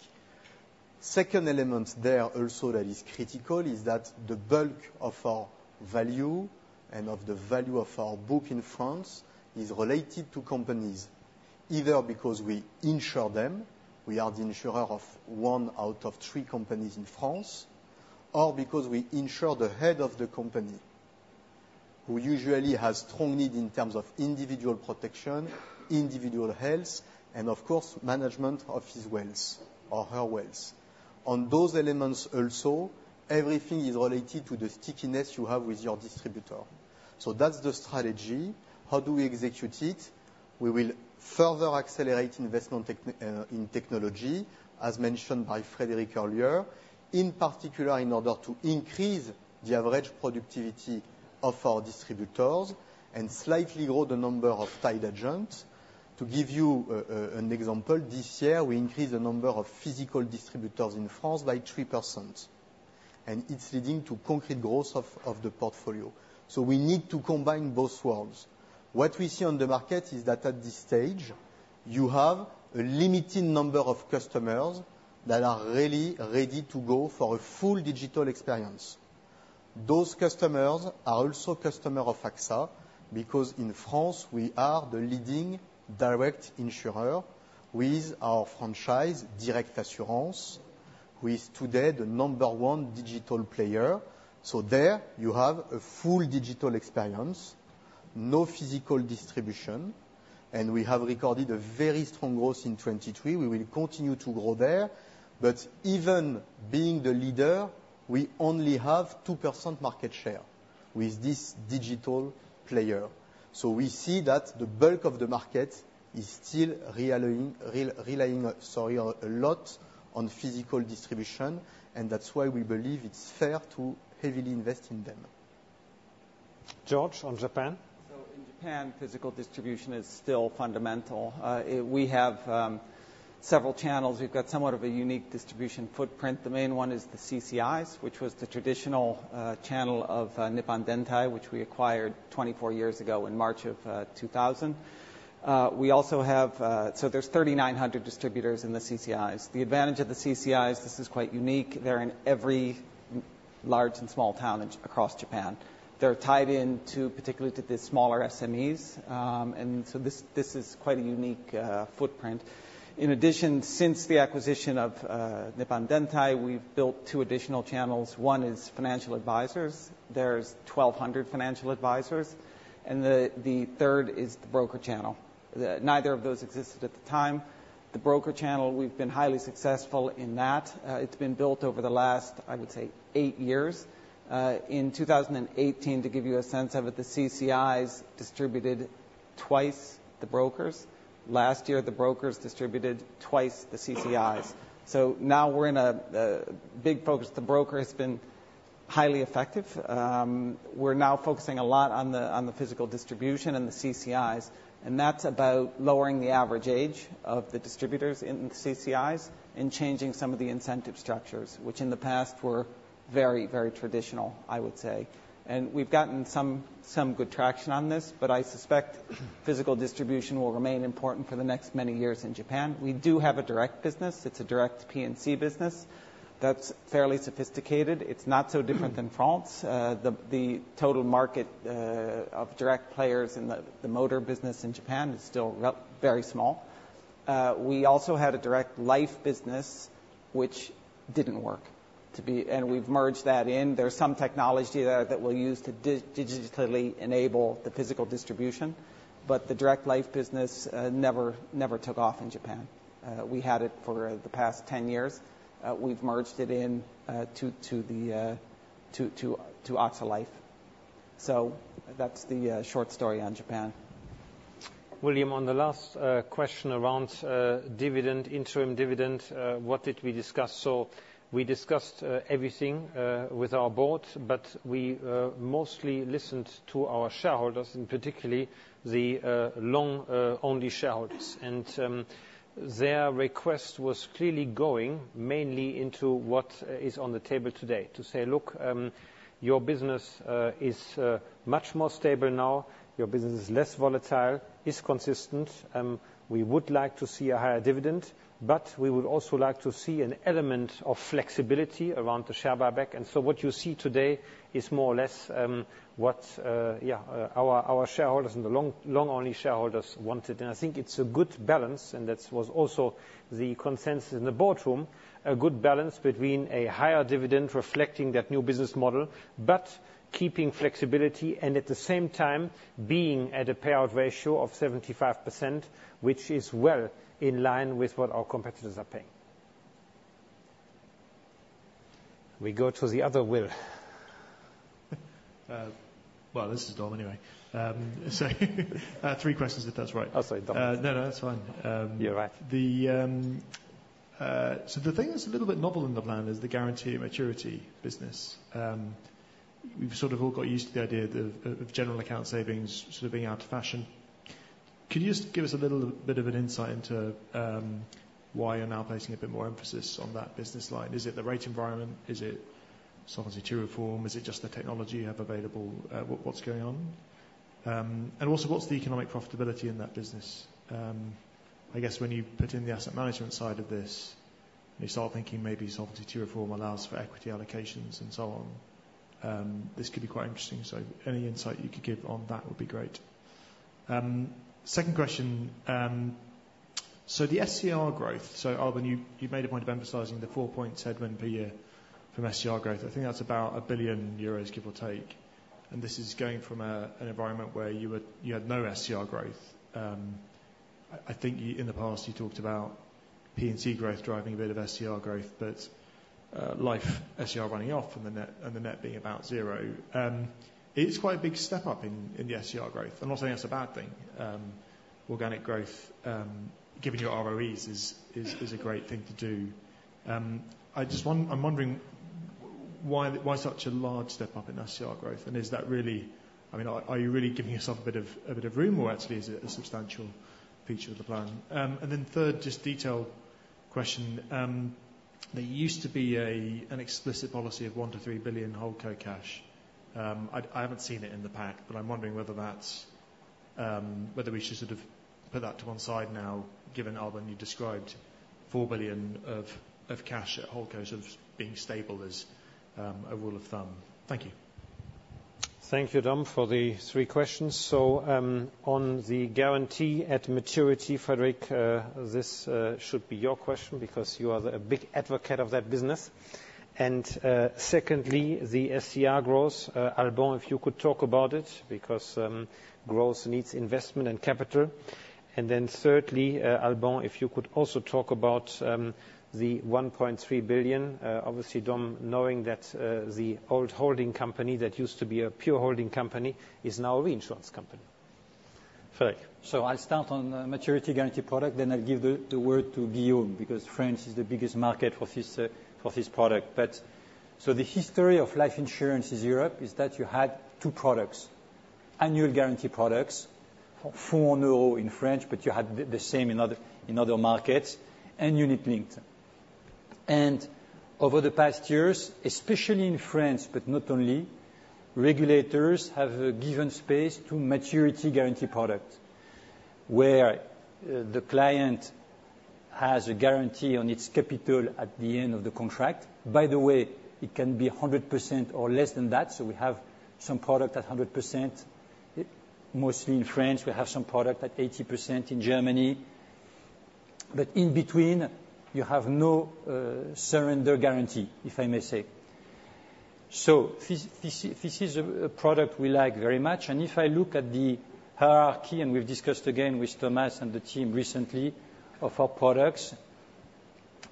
N: Second element there also that is critical is that the bulk of our value and of the value of our book in France is related to companies, either because we insure them, we are the insurer of one out of three companies in France or because we insure the head of the company who usually has strong need in terms of individual protection, individual health, and of course, management of his wealth or her wealth. On those elements also, everything is related to the stickiness you have with your distributor. So that's the strategy. How do we execute it? We will further accelerate investment in technology, as mentioned by Frédéric earlier, in particular in order to increase the average productivity of our distributors and slightly grow the number of tied agents. To give you an example, this year, we increased the number of physical distributors in France by 3%. And it's leading to concrete growth of the portfolio. So we need to combine both worlds. What we see on the market is that at this stage, you have a limited number of customers that are really ready to go for a full digital experience. Those customers are also customers of AXA because in France, we are the leading direct insurer with our franchise, Direct Assurance, who is today the number one digital player. So there, you have a full digital experience, no physical distribution. And we have recorded a very strong growth in 2023. We will continue to grow there. But even being the leader, we only have 2% market share with this digital player. We see that the bulk of the market is still relying a lot on physical distribution. That's why we believe it's fair to heavily invest in them.
B: George, on Japan?
M: So in Japan, physical distribution is still fundamental. We have several channels. We've got somewhat of a unique distribution footprint. The main one is the CCIs, which was the traditional channel of Nippon Dantai, which we acquired 24 years ago in March of 2000. We also have. So there's 3,900 distributors in the CCIs. The advantage of the CCIs. This is quite unique. They're in every large and small town across Japan. They're tied into, particularly, to the smaller SMEs. And so this is quite a unique footprint. In addition, since the acquisition of Nippon Dantai, we've built 2 additional channels. One is financial advisors. There's 1,200 financial advisors. And the third is the broker channel. Neither of those existed at the time. The broker channel, we've been highly successful in that. It's been built over the last, I would say, eight years. In 2018, to give you a sense of it, the CCIs distributed twice the brokers. Last year, the brokers distributed twice the CCIs. So now, we're in a big focus. The broker has been highly effective. We're now focusing a lot on the physical distribution and the CCIs. And that's about lowering the average age of the distributors in the CCIs and changing some of the incentive structures, which in the past were very, very traditional, I would say. And we've gotten some good traction on this. But I suspect physical distribution will remain important for the next many years in Japan. We do have a direct business. It's a direct P&C business. That's fairly sophisticated. It's not so different than France. The total market of direct players in the motor business in Japan is still very small. We also had a direct life business, which didn't work. We've merged that in. There's some technology there that we'll use to digitally enable the physical distribution. But the direct life business never took off in Japan. We had it for the past 10 years. We've merged it into AXA Life. That's the short story on Japan.
B: William, on the last question around dividend, interim dividend, what did we discuss? So we discussed everything with our board. But we mostly listened to our shareholders, and particularly the long-only shareholders. And their request was clearly going mainly into what is on the table today to say, "Look, your business is much more stable now. Your business is less volatile, is consistent. We would like to see a higher dividend. But we would also like to see an element of flexibility around the share buyback." And so what you see today is more or less what, yeah, our shareholders and the long-only shareholders wanted. And I think it's a good balance. And that was also the consensus in the boardroom, a good balance between a higher dividend reflecting that new business model but keeping flexibility and at the same time being at a payout ratio of 75%, which is well in line with what our competitors are paying. We go to the other Will.
O: Well, this is Dom, anyway. So three questions, if that's right.
B: Oh, sorry. Dom.
O: No, no. That's fine.
B: You're right.
O: So the thing that's a little bit novel in the plan is the guarantee maturity business. We've sort of all got used to the idea of General Account savings sort of being out of fashion. Could you just give us a little bit of an insight into why you're now placing a bit more emphasis on that business line? Is it the rate environment? Is it Solvency reform? Is it just the technology you have available? What's going on? And also, what's the economic profitability in that business? I guess when you put in the asset management side of this and you start thinking maybe Solvency reform allows for equity allocations and so on, this could be quite interesting. So any insight you could give on that would be great. Second question, so the SCR growth so Alban, you made a point of emphasizing the four-point increment per year from SCR growth. I think that's about 1 billion euros, give or take. And this is going from an environment where you had no SCR growth. I think in the past, you talked about P&C growth driving a bit of SCR growth but life SCR running off and the net being about zero. It's quite a big step up in the SCR growth. I'm not saying that's a bad thing. Organic growth, given your ROEs, is a great thing to do. I'm wondering why such a large step up in SCR growth? And is that really I mean, are you really giving yourself a bit of room where, actually, it's a substantial feature of the plan? And then third, just detail question. There used to be an explicit policy of 1-3 billion holding co cash. I haven't seen it in the pack. But I'm wondering whether we should sort of put that to one side now, given, Alban, you described 4 billion of cash at holding co sort of being stable as a rule of thumb. Thank you.
B: Thank you, Dom, for the three questions. So on the guarantee at maturity, Frédéric, this should be your question because you are a big advocate of that business. And secondly, the SCR growth. Alban, if you could talk about it because growth needs investment and capital. And then thirdly, Alban, if you could also talk about the 1.3 billion. Obviously, Dom, knowing that the old holding company that used to be a pure holding company is now a reinsurance company. Frédéric.
C: So I'll start on the maturity guarantee product. Then I'll give the word to Guillaume because France is the biggest market for this product. So the history of life insurance in Europe is that you had two products, annual guarantee products, 400 euros in French. But you had the same in other markets and unit-linked. And over the past years, especially in France but not only, regulators have given space to maturity guarantee product where the client has a guarantee on its capital at the end of the contract. By the way, it can be 100% or less than that. So we have some product at 100%. Mostly in France, we have some product at 80% in Germany. But in between, you have no surrender guarantee, if I may say. So this is a product we like very much. If I look at the hierarchy and we've discussed again with Thomas and the team recently of our products,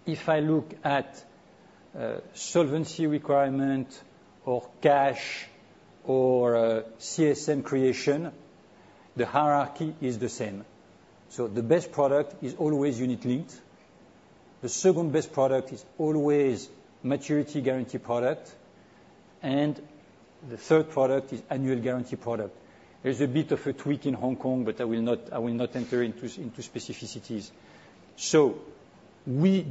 C: if I look at solvency requirement or cash or CSM creation, the hierarchy is the same. The best product is always unit-linked. The second best product is always maturity guarantee product. The third product is annual guarantee product. There's a bit of a tweak in Hong Kong. But I will not enter into specificities.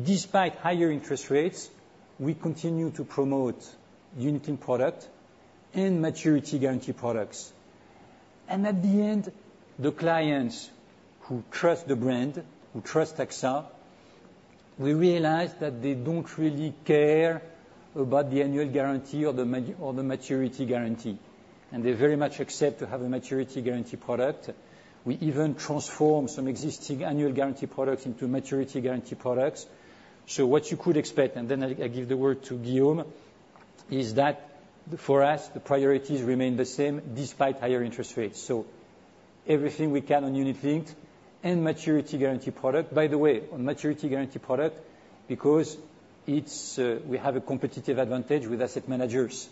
C: Despite higher interest rates, we continue to promote unit-linked product and maturity guarantee products. At the end, the clients who trust the brand, who trust AXA, we realize that they don't really care about the annual guarantee or the maturity guarantee. They very much accept to have a maturity guarantee product. We even transform some existing annual guarantee products into maturity guarantee products. So what you could expect and then I'll give the word to Guillaume is that for us, the priorities remain the same despite higher interest rates. So everything we can on unit-linked and maturity guarantee product. By the way, on maturity guarantee product, because we have a competitive advantage with asset managers,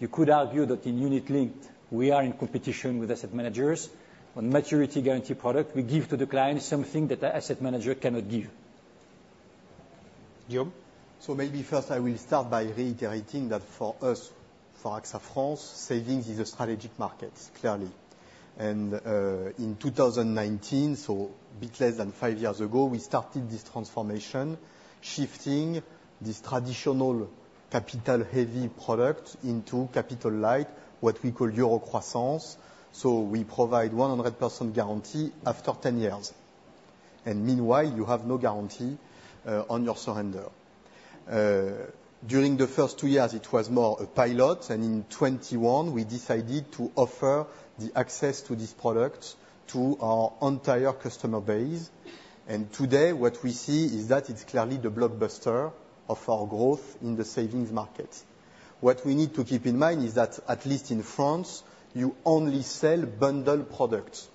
C: you could argue that in unit-linked, we are in competition with asset managers. On maturity guarantee product, we give to the client something that an asset manager cannot give. Guillaume,
N: so maybe first, I will start by reiterating that for us, for AXA France, savings is a strategic market, clearly. And in 2019, so a bit less than five years ago, we started this transformation, shifting this traditional capital-heavy product into capital-light, what we call Eurocroissance. So we provide 100% guarantee after 10 years. And meanwhile, you have no guarantee on your surrender. During the first two years, it was more a pilot. In 2021, we decided to offer the access to this product to our entire customer base. Today, what we see is that it's clearly the blockbuster of our growth in the savings market. What we need to keep in mind is that at least in France, you only sell bundled products.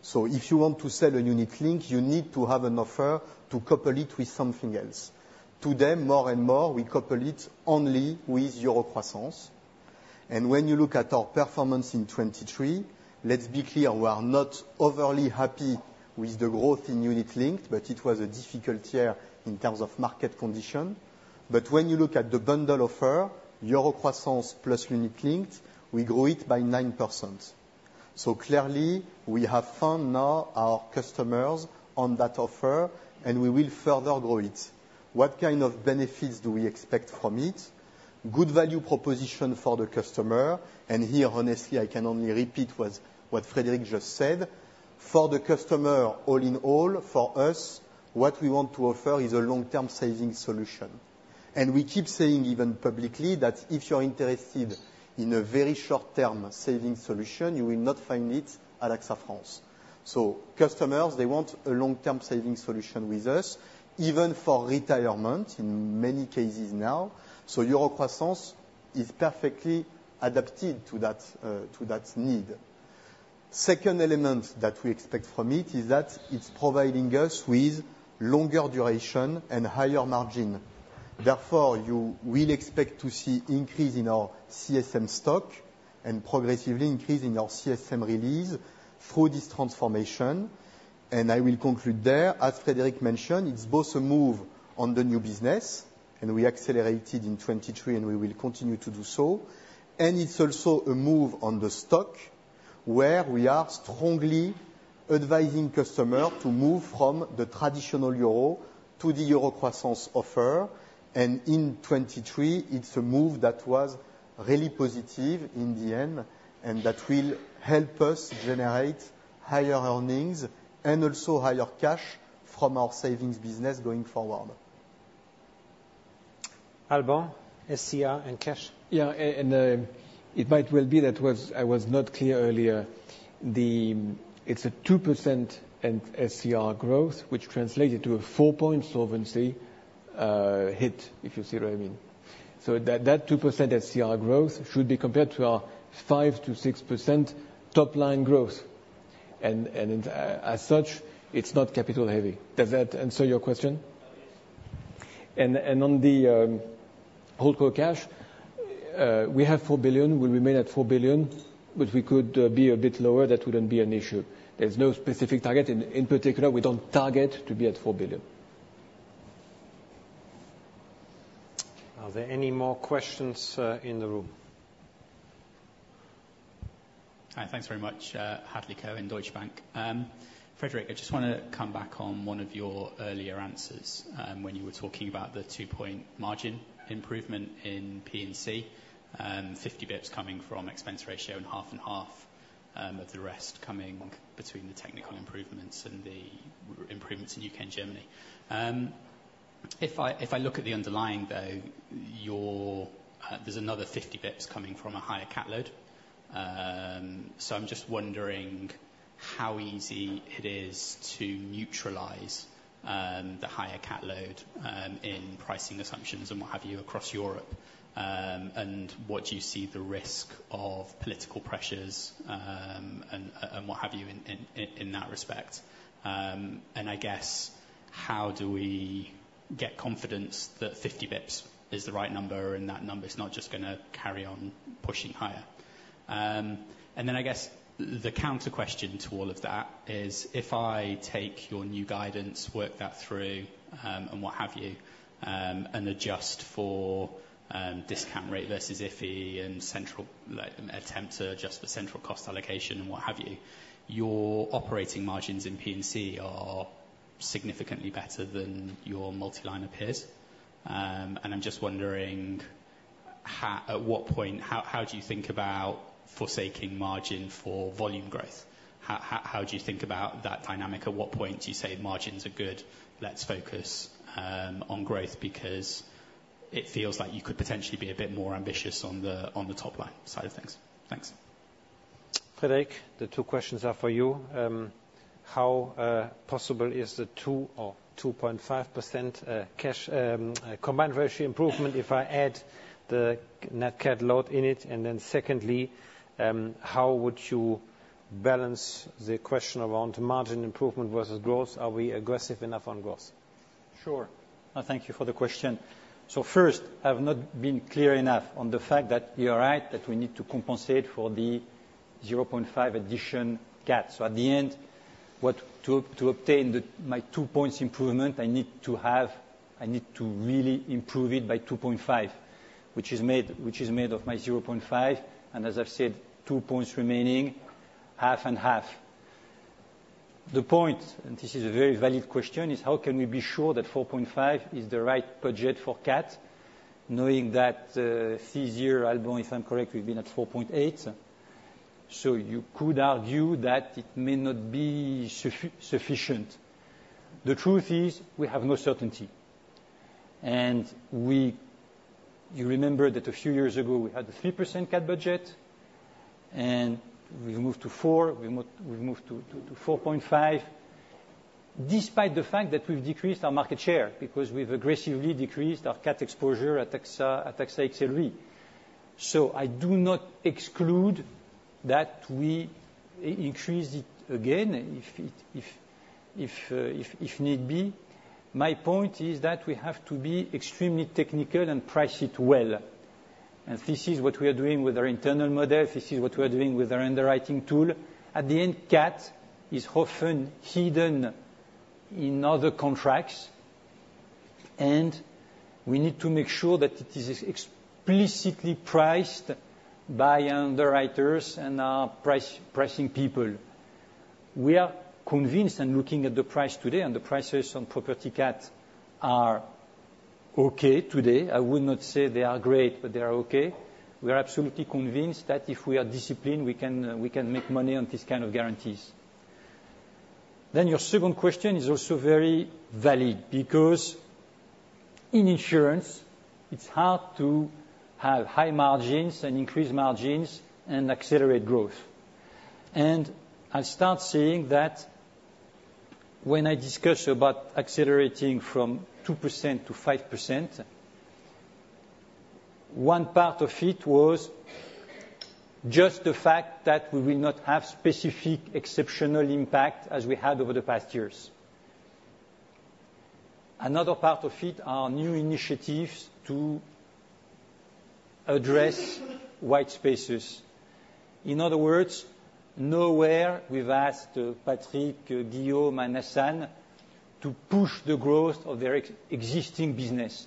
N: So if you want to sell a unit-linked, you need to have an offer to couple it with something else. Today, more and more, we couple it only with Eurocroissance. When you look at our performance in 2023, let's be clear. We are not overly happy with the growth in unit-linked. But it was a difficult year in terms of market condition. When you look at the bundle offer, Eurocroissance plus unit-linked, we grew it by 9%. So clearly, we have found now our customers on that offer. We will further grow it. What kind of benefits do we expect from it? Good value proposition for the customer. And here, honestly, I can only repeat what Frédéric just said. For the customer, all in all, for us, what we want to offer is a long-term savings solution. We keep saying even publicly that if you're interested in a very short-term savings solution, you will not find it at AXA France. So customers, they want a long-term savings solution with us, even for retirement in many cases now. So Eurocroissance is perfectly adapted to that need. Second element that we expect from it is that it's providing us with longer duration and higher margin. Therefore, you will expect to see an increase in our CSM stock and progressively an increase in our CSM release through this transformation. I will conclude there. As Frédéric mentioned, it's both a move on the new business. We accelerated in 2023. We will continue to do so. It's also a move on the stock where we are strongly advising customers to move from the traditional euro to the Eurocroissance offer. In 2023, it's a move that was really positive in the end and that will help us generate higher earnings and also higher cash from our savings business going forward.
B: Alban, SCR and cash.
D: Yeah. It might well be that I was not clear earlier. It's a 2% SCR growth, which translated to a 4-point solvency hit, if you see what I mean. So that 2% SCR growth should be compared to our 5%-6% top-line growth. And as such, it's not capital-heavy. Does that answer your question?
O: Yes.
D: On the holding cash, we have 4 billion. We'll remain at 4 billion. But we could be a bit lower. That wouldn't be an issue. There's no specific target. In particular, we don't target to be at 4 billion.
B: Are there any more questions in the room?
P: Hi. Thanks very much. Hadley Cohen in Deutsche Bank. Frédéric, I just want to come back on one of your earlier answers when you were talking about the 2-point margin improvement in P&C, 50 bps coming from expense ratio and half and half of the rest coming between the technical improvements and the improvements in UK and Germany. If I look at the underlying, though, there's another 50 bps coming from a higher cap load. So I'm just wondering how easy it is to neutralize the higher cap load in pricing assumptions and what have you across Europe. And what do you see the risk of political pressures and what have you in that respect? And I guess, how do we get confidence that 50 bps is the right number and that number is not just going to carry on pushing higher? And then I guess the counter question to all of that is, if I take your new guidance, work that through, and what have you, and adjust for discount rate versus IFRS and attempt to adjust for central cost allocation and what have you, your operating margins in P&C are significantly better than your multiliner peers. And I'm just wondering, at what point how do you think about forsaking margin for volume growth? How do you think about that dynamic? At what point do you say margins are good? Let's focus on growth because it feels like you could potentially be a bit more ambitious on the top-line side of things. Thanks.
B: Frédéric, the two questions are for you. How possible is the 2% or 2.5% combined ratio improvement if I add the net cat load in it? And then secondly, how would you balance the question around margin improvement versus growth? Are we aggressive enough on growth?
C: Sure. Thank you for the question. So first, I have not been clear enough on the fact that you're right that we need to compensate for the 0.5 addition cap. So at the end, to obtain my 2-points improvement, I need to really improve it by 2.5, which is made of my 0.5. And as I've said, 2 points remaining, half and half. The point, and this is a very valid question, is, how can we be sure that 4.5 is the right budget for cap, knowing that this year, Alban, if I'm correct, we've been at 4.8? So you could argue that it may not be sufficient. The truth is, we have no certainty. And you remember that a few years ago, we had a 3% cap budget. And we've moved to 4. We've moved to 4.5 despite the fact that we've decreased our market share because we've aggressively decreased our cat exposure at AXA XL. So I do not exclude that we increase it again if need be. My point is that we have to be extremely technical and price it well. And this is what we are doing with our internal model. This is what we are doing with our underwriting tool. At the end, cat is often hidden in other contracts. And we need to make sure that it is explicitly priced by our underwriters and our pricing people. We are convinced, and looking at the price today, and the prices on property cat are OK today. I would not say they are great. But they are OK. We are absolutely convinced that if we are disciplined, we can make money on this kind of guarantees. Then your second question is also very valid because in insurance, it's hard to have high margins and increased margins and accelerate growth. And I'll start saying that when I discuss about accelerating from 2%-5%, one part of it was just the fact that we will not have specific exceptional impact as we had over the past years. Another part of it are new initiatives to address white spaces. In other words, nowhere we've asked Patrick, Guillaume, and Hassan to push the growth of their existing business.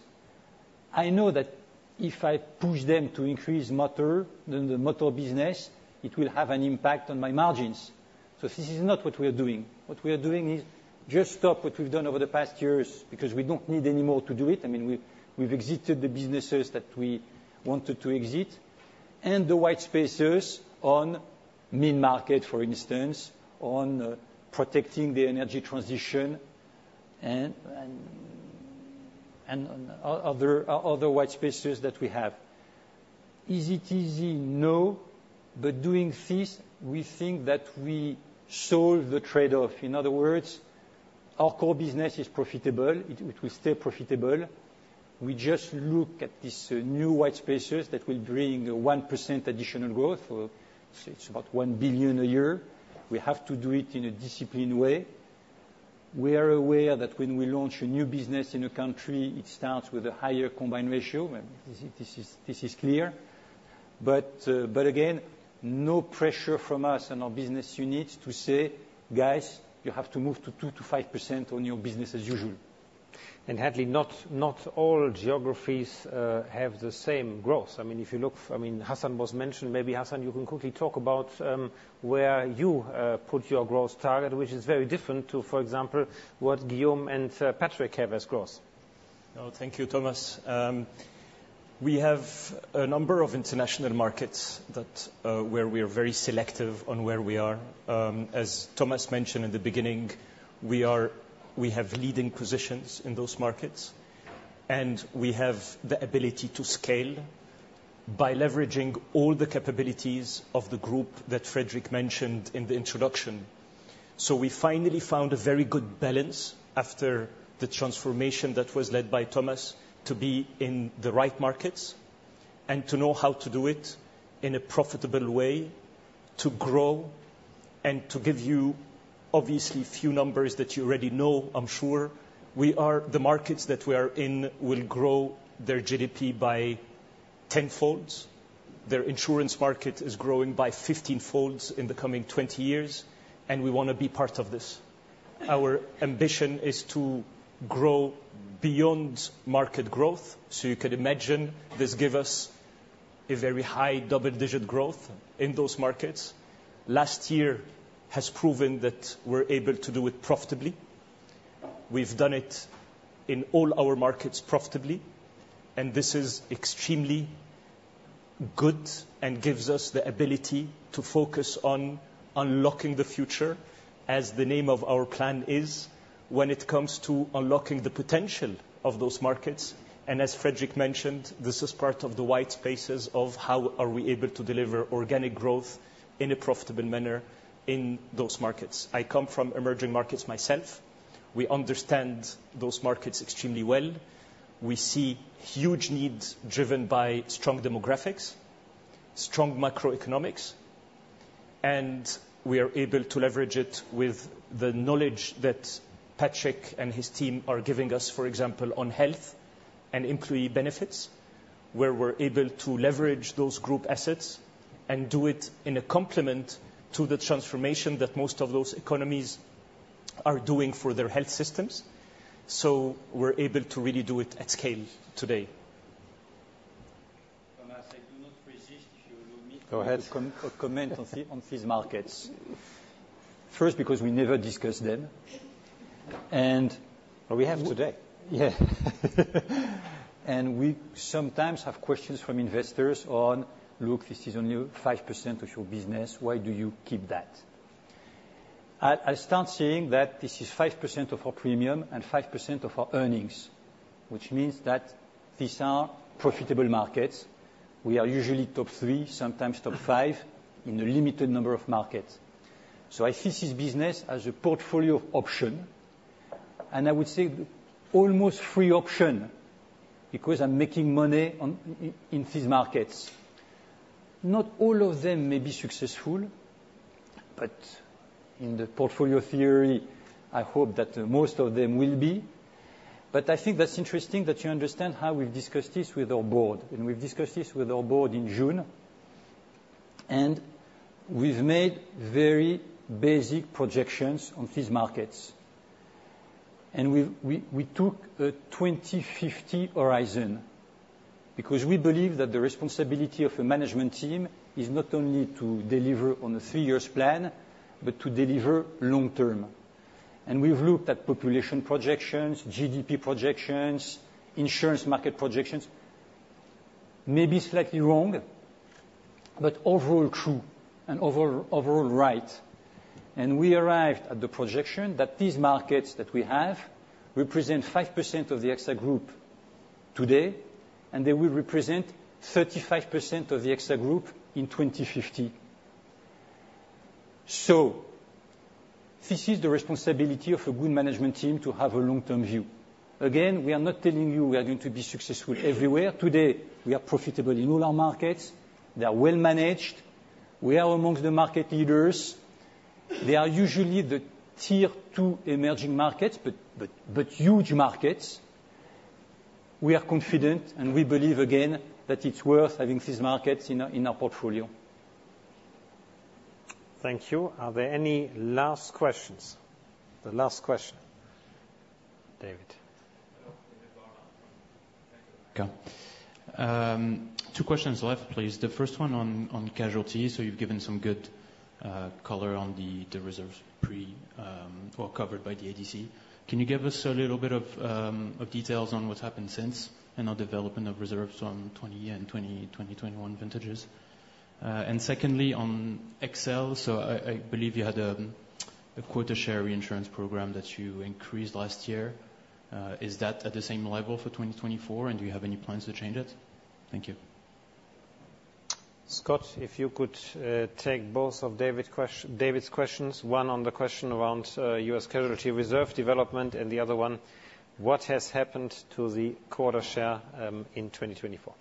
C: I know that if I push them to increase the motor business, it will have an impact on my margins. So this is not what we are doing. What we are doing is just stop what we've done over the past years because we don't need any more to do it. I mean, we've exited the businesses that we wanted to exit and the white spaces on mid-market, for instance, on protecting the energy transition and other white spaces that we have. Is it easy? No. But doing this, we think that we solve the trade-off. In other words, our core business is profitable. It will stay profitable. We just look at these new white spaces that will bring 1% additional growth. It's about 1 billion a year. We have to do it in a disciplined way. We are aware that when we launch a new business in a country, it starts with a higher Combined Ratio. This is clear. But again, no pressure from us and our business units to say, "Guys, you have to move to 2%-5% on your business as usual.
B: Hadley, not all geographies have the same growth. I mean, if you look I mean, Hassan was mentioned. Maybe, Hassan, you can quickly talk about where you put your growth target, which is very different to, for example, what Guillaume and Patrick have as growth.
H: No, thank you, Thomas. We have a number of international markets where we are very selective on where we are. As Thomas mentioned in the beginning, we have leading positions in those markets. We have the ability to scale by leveraging all the capabilities of the group that Frédéric mentioned in the introduction. We finally found a very good balance after the transformation that was led by Thomas to be in the right markets and to know how to do it in a profitable way, to grow, and to give you, obviously, a few numbers that you already know, I'm sure. The markets that we are in will grow their GDP by 10-fold. Their insurance market is growing by 15-fold in the coming 20 years. We want to be part of this. Our ambition is to grow beyond market growth. You can imagine, this gives us a very high double-digit growth in those markets. Last year has proven that we're able to do it profitably. We've done it in all our markets profitably. This is extremely good and gives us the ability to focus on unlocking the future, as the name of our plan is, when it comes to unlocking the potential of those markets. As Frédéric mentioned, this is part of the white spaces of, how are we able to deliver organic growth in a profitable manner in those markets? I come from emerging markets myself. We understand those markets extremely well. We see huge needs driven by strong demographics, strong macroeconomics. We are able to leverage it with the knowledge that Patrick and his team are giving us, for example, on health and employee benefits, where we're able to leverage those group assets and do it in a complement to the transformation that most of those economies are doing for their health systems. We're able to really do it at scale today.
C: Thomas, I do not resist, if you allow me, to comment on these markets. First, because we never discuss them. And.
B: Well, we have today.
C: Yeah. And we sometimes have questions from investors on, "Look, this is only 5% of your business. Why do you keep that?" I start saying that this is 5% of our premium and 5% of our earnings, which means that these are profitable markets. We are usually top three, sometimes top five, in a limited number of markets. So I see this business as a portfolio option. And I would say almost free option because I'm making money in these markets. Not all of them may be successful. But in the portfolio theory, I hope that most of them will be. But I think that's interesting that you understand how we've discussed this with our board. And we've discussed this with our board in June. And we've made very basic projections on these markets. We took a 2050 horizon because we believe that the responsibility of a management team is not only to deliver on a three-year plan but to deliver long-term. We've looked at population projections, GDP projections, insurance market projections, maybe slightly wrong but overall true and overall right. We arrived at the projection that these markets that we have represent 5% of the AXA Group today. They will represent 35% of the AXA Group in 2050. So this is the responsibility of a good management team to have a long-term view. Again, we are not telling you we are going to be successful everywhere. Today, we are profitable in all our markets. They are well managed. We are amongst the market leaders. They are usually the tier two emerging markets but huge markets. We are confident. We believe, again, that it's worth having these markets in our portfolio.
B: Thank you. Are there any last questions? The last question, David.
Q: Okay. Two questions left, please. The first one on casualty. So you've given some good color on the reserves covered by the ADC. Can you give us a little bit of details on what's happened since and our development of reserves on 2020 and 2021 vintages? And secondly, on AXA XL, so I believe you had a quota share reinsurance program that you increased last year. Is that at the same level for 2024? And do you have any plans to change it? Thank you.
B: Scott, if you could take both of David's questions, one on the question around U.S. casualty reserve development and the other one, what has happened to the quota share in 2024?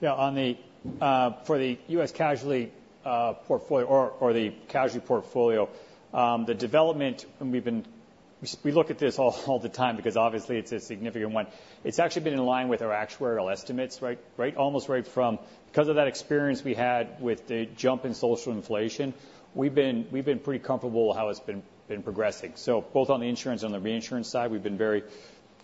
F: Yeah. For the U.S. casualty portfolio or the casualty portfolio, the development we look at this all the time because, obviously, it's a significant one. It's actually been in line with our actuarial estimates, almost right from because of that experience we had with the jump in social inflation, we've been pretty comfortable how it's been progressing. So both on the insurance and on the reinsurance side, we've been very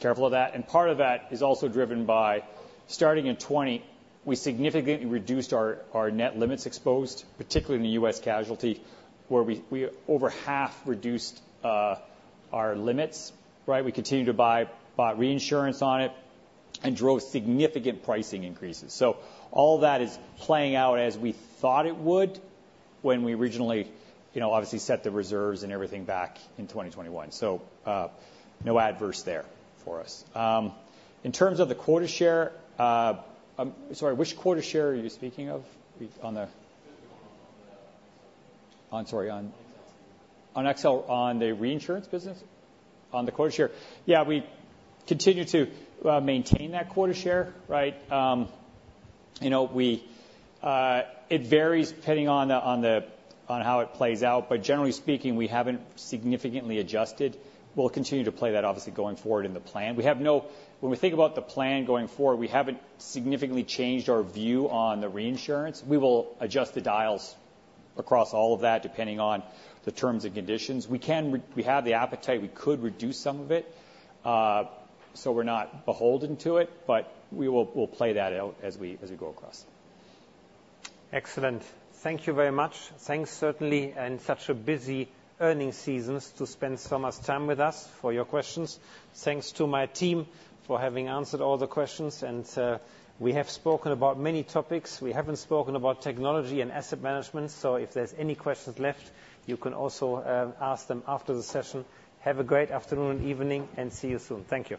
F: careful of that. And part of that is also driven by, starting in 2020, we significantly reduced our net limits exposed, particularly in the U.S. casualty, where we over half reduced our limits. We continued to buy reinsurance on it and drove significant pricing increases. So all that is playing out as we thought it would when we originally, obviously, set the reserves and everything back in 2021. So no adverse there for us. In terms of the quota share, sorry, which quota share are you speaking of on the?
Q: On the.
F: On, sorry, on. On XL, on the reinsurance business, on the quota share? Yeah, we continue to maintain that quota share. It varies depending on how it plays out. But generally speaking, we haven't significantly adjusted. We'll continue to play that, obviously, going forward in the plan. When we think about the plan going forward, we haven't significantly changed our view on the reinsurance. We will adjust the dials across all of that depending on the terms and conditions. We have the appetite. We could reduce some of it. So we're not beholden to it. But we'll play that out as we go across.
B: Excellent. Thank you very much. Thanks, certainly, in such a busy earnings season, to spend Thomas' time with us for your questions. Thanks to my team for having answered all the questions. We have spoken about many topics. We haven't spoken about technology and asset management. So if there's any questions left, you can also ask them after the session. Have a great afternoon and evening. See you soon. Thank you.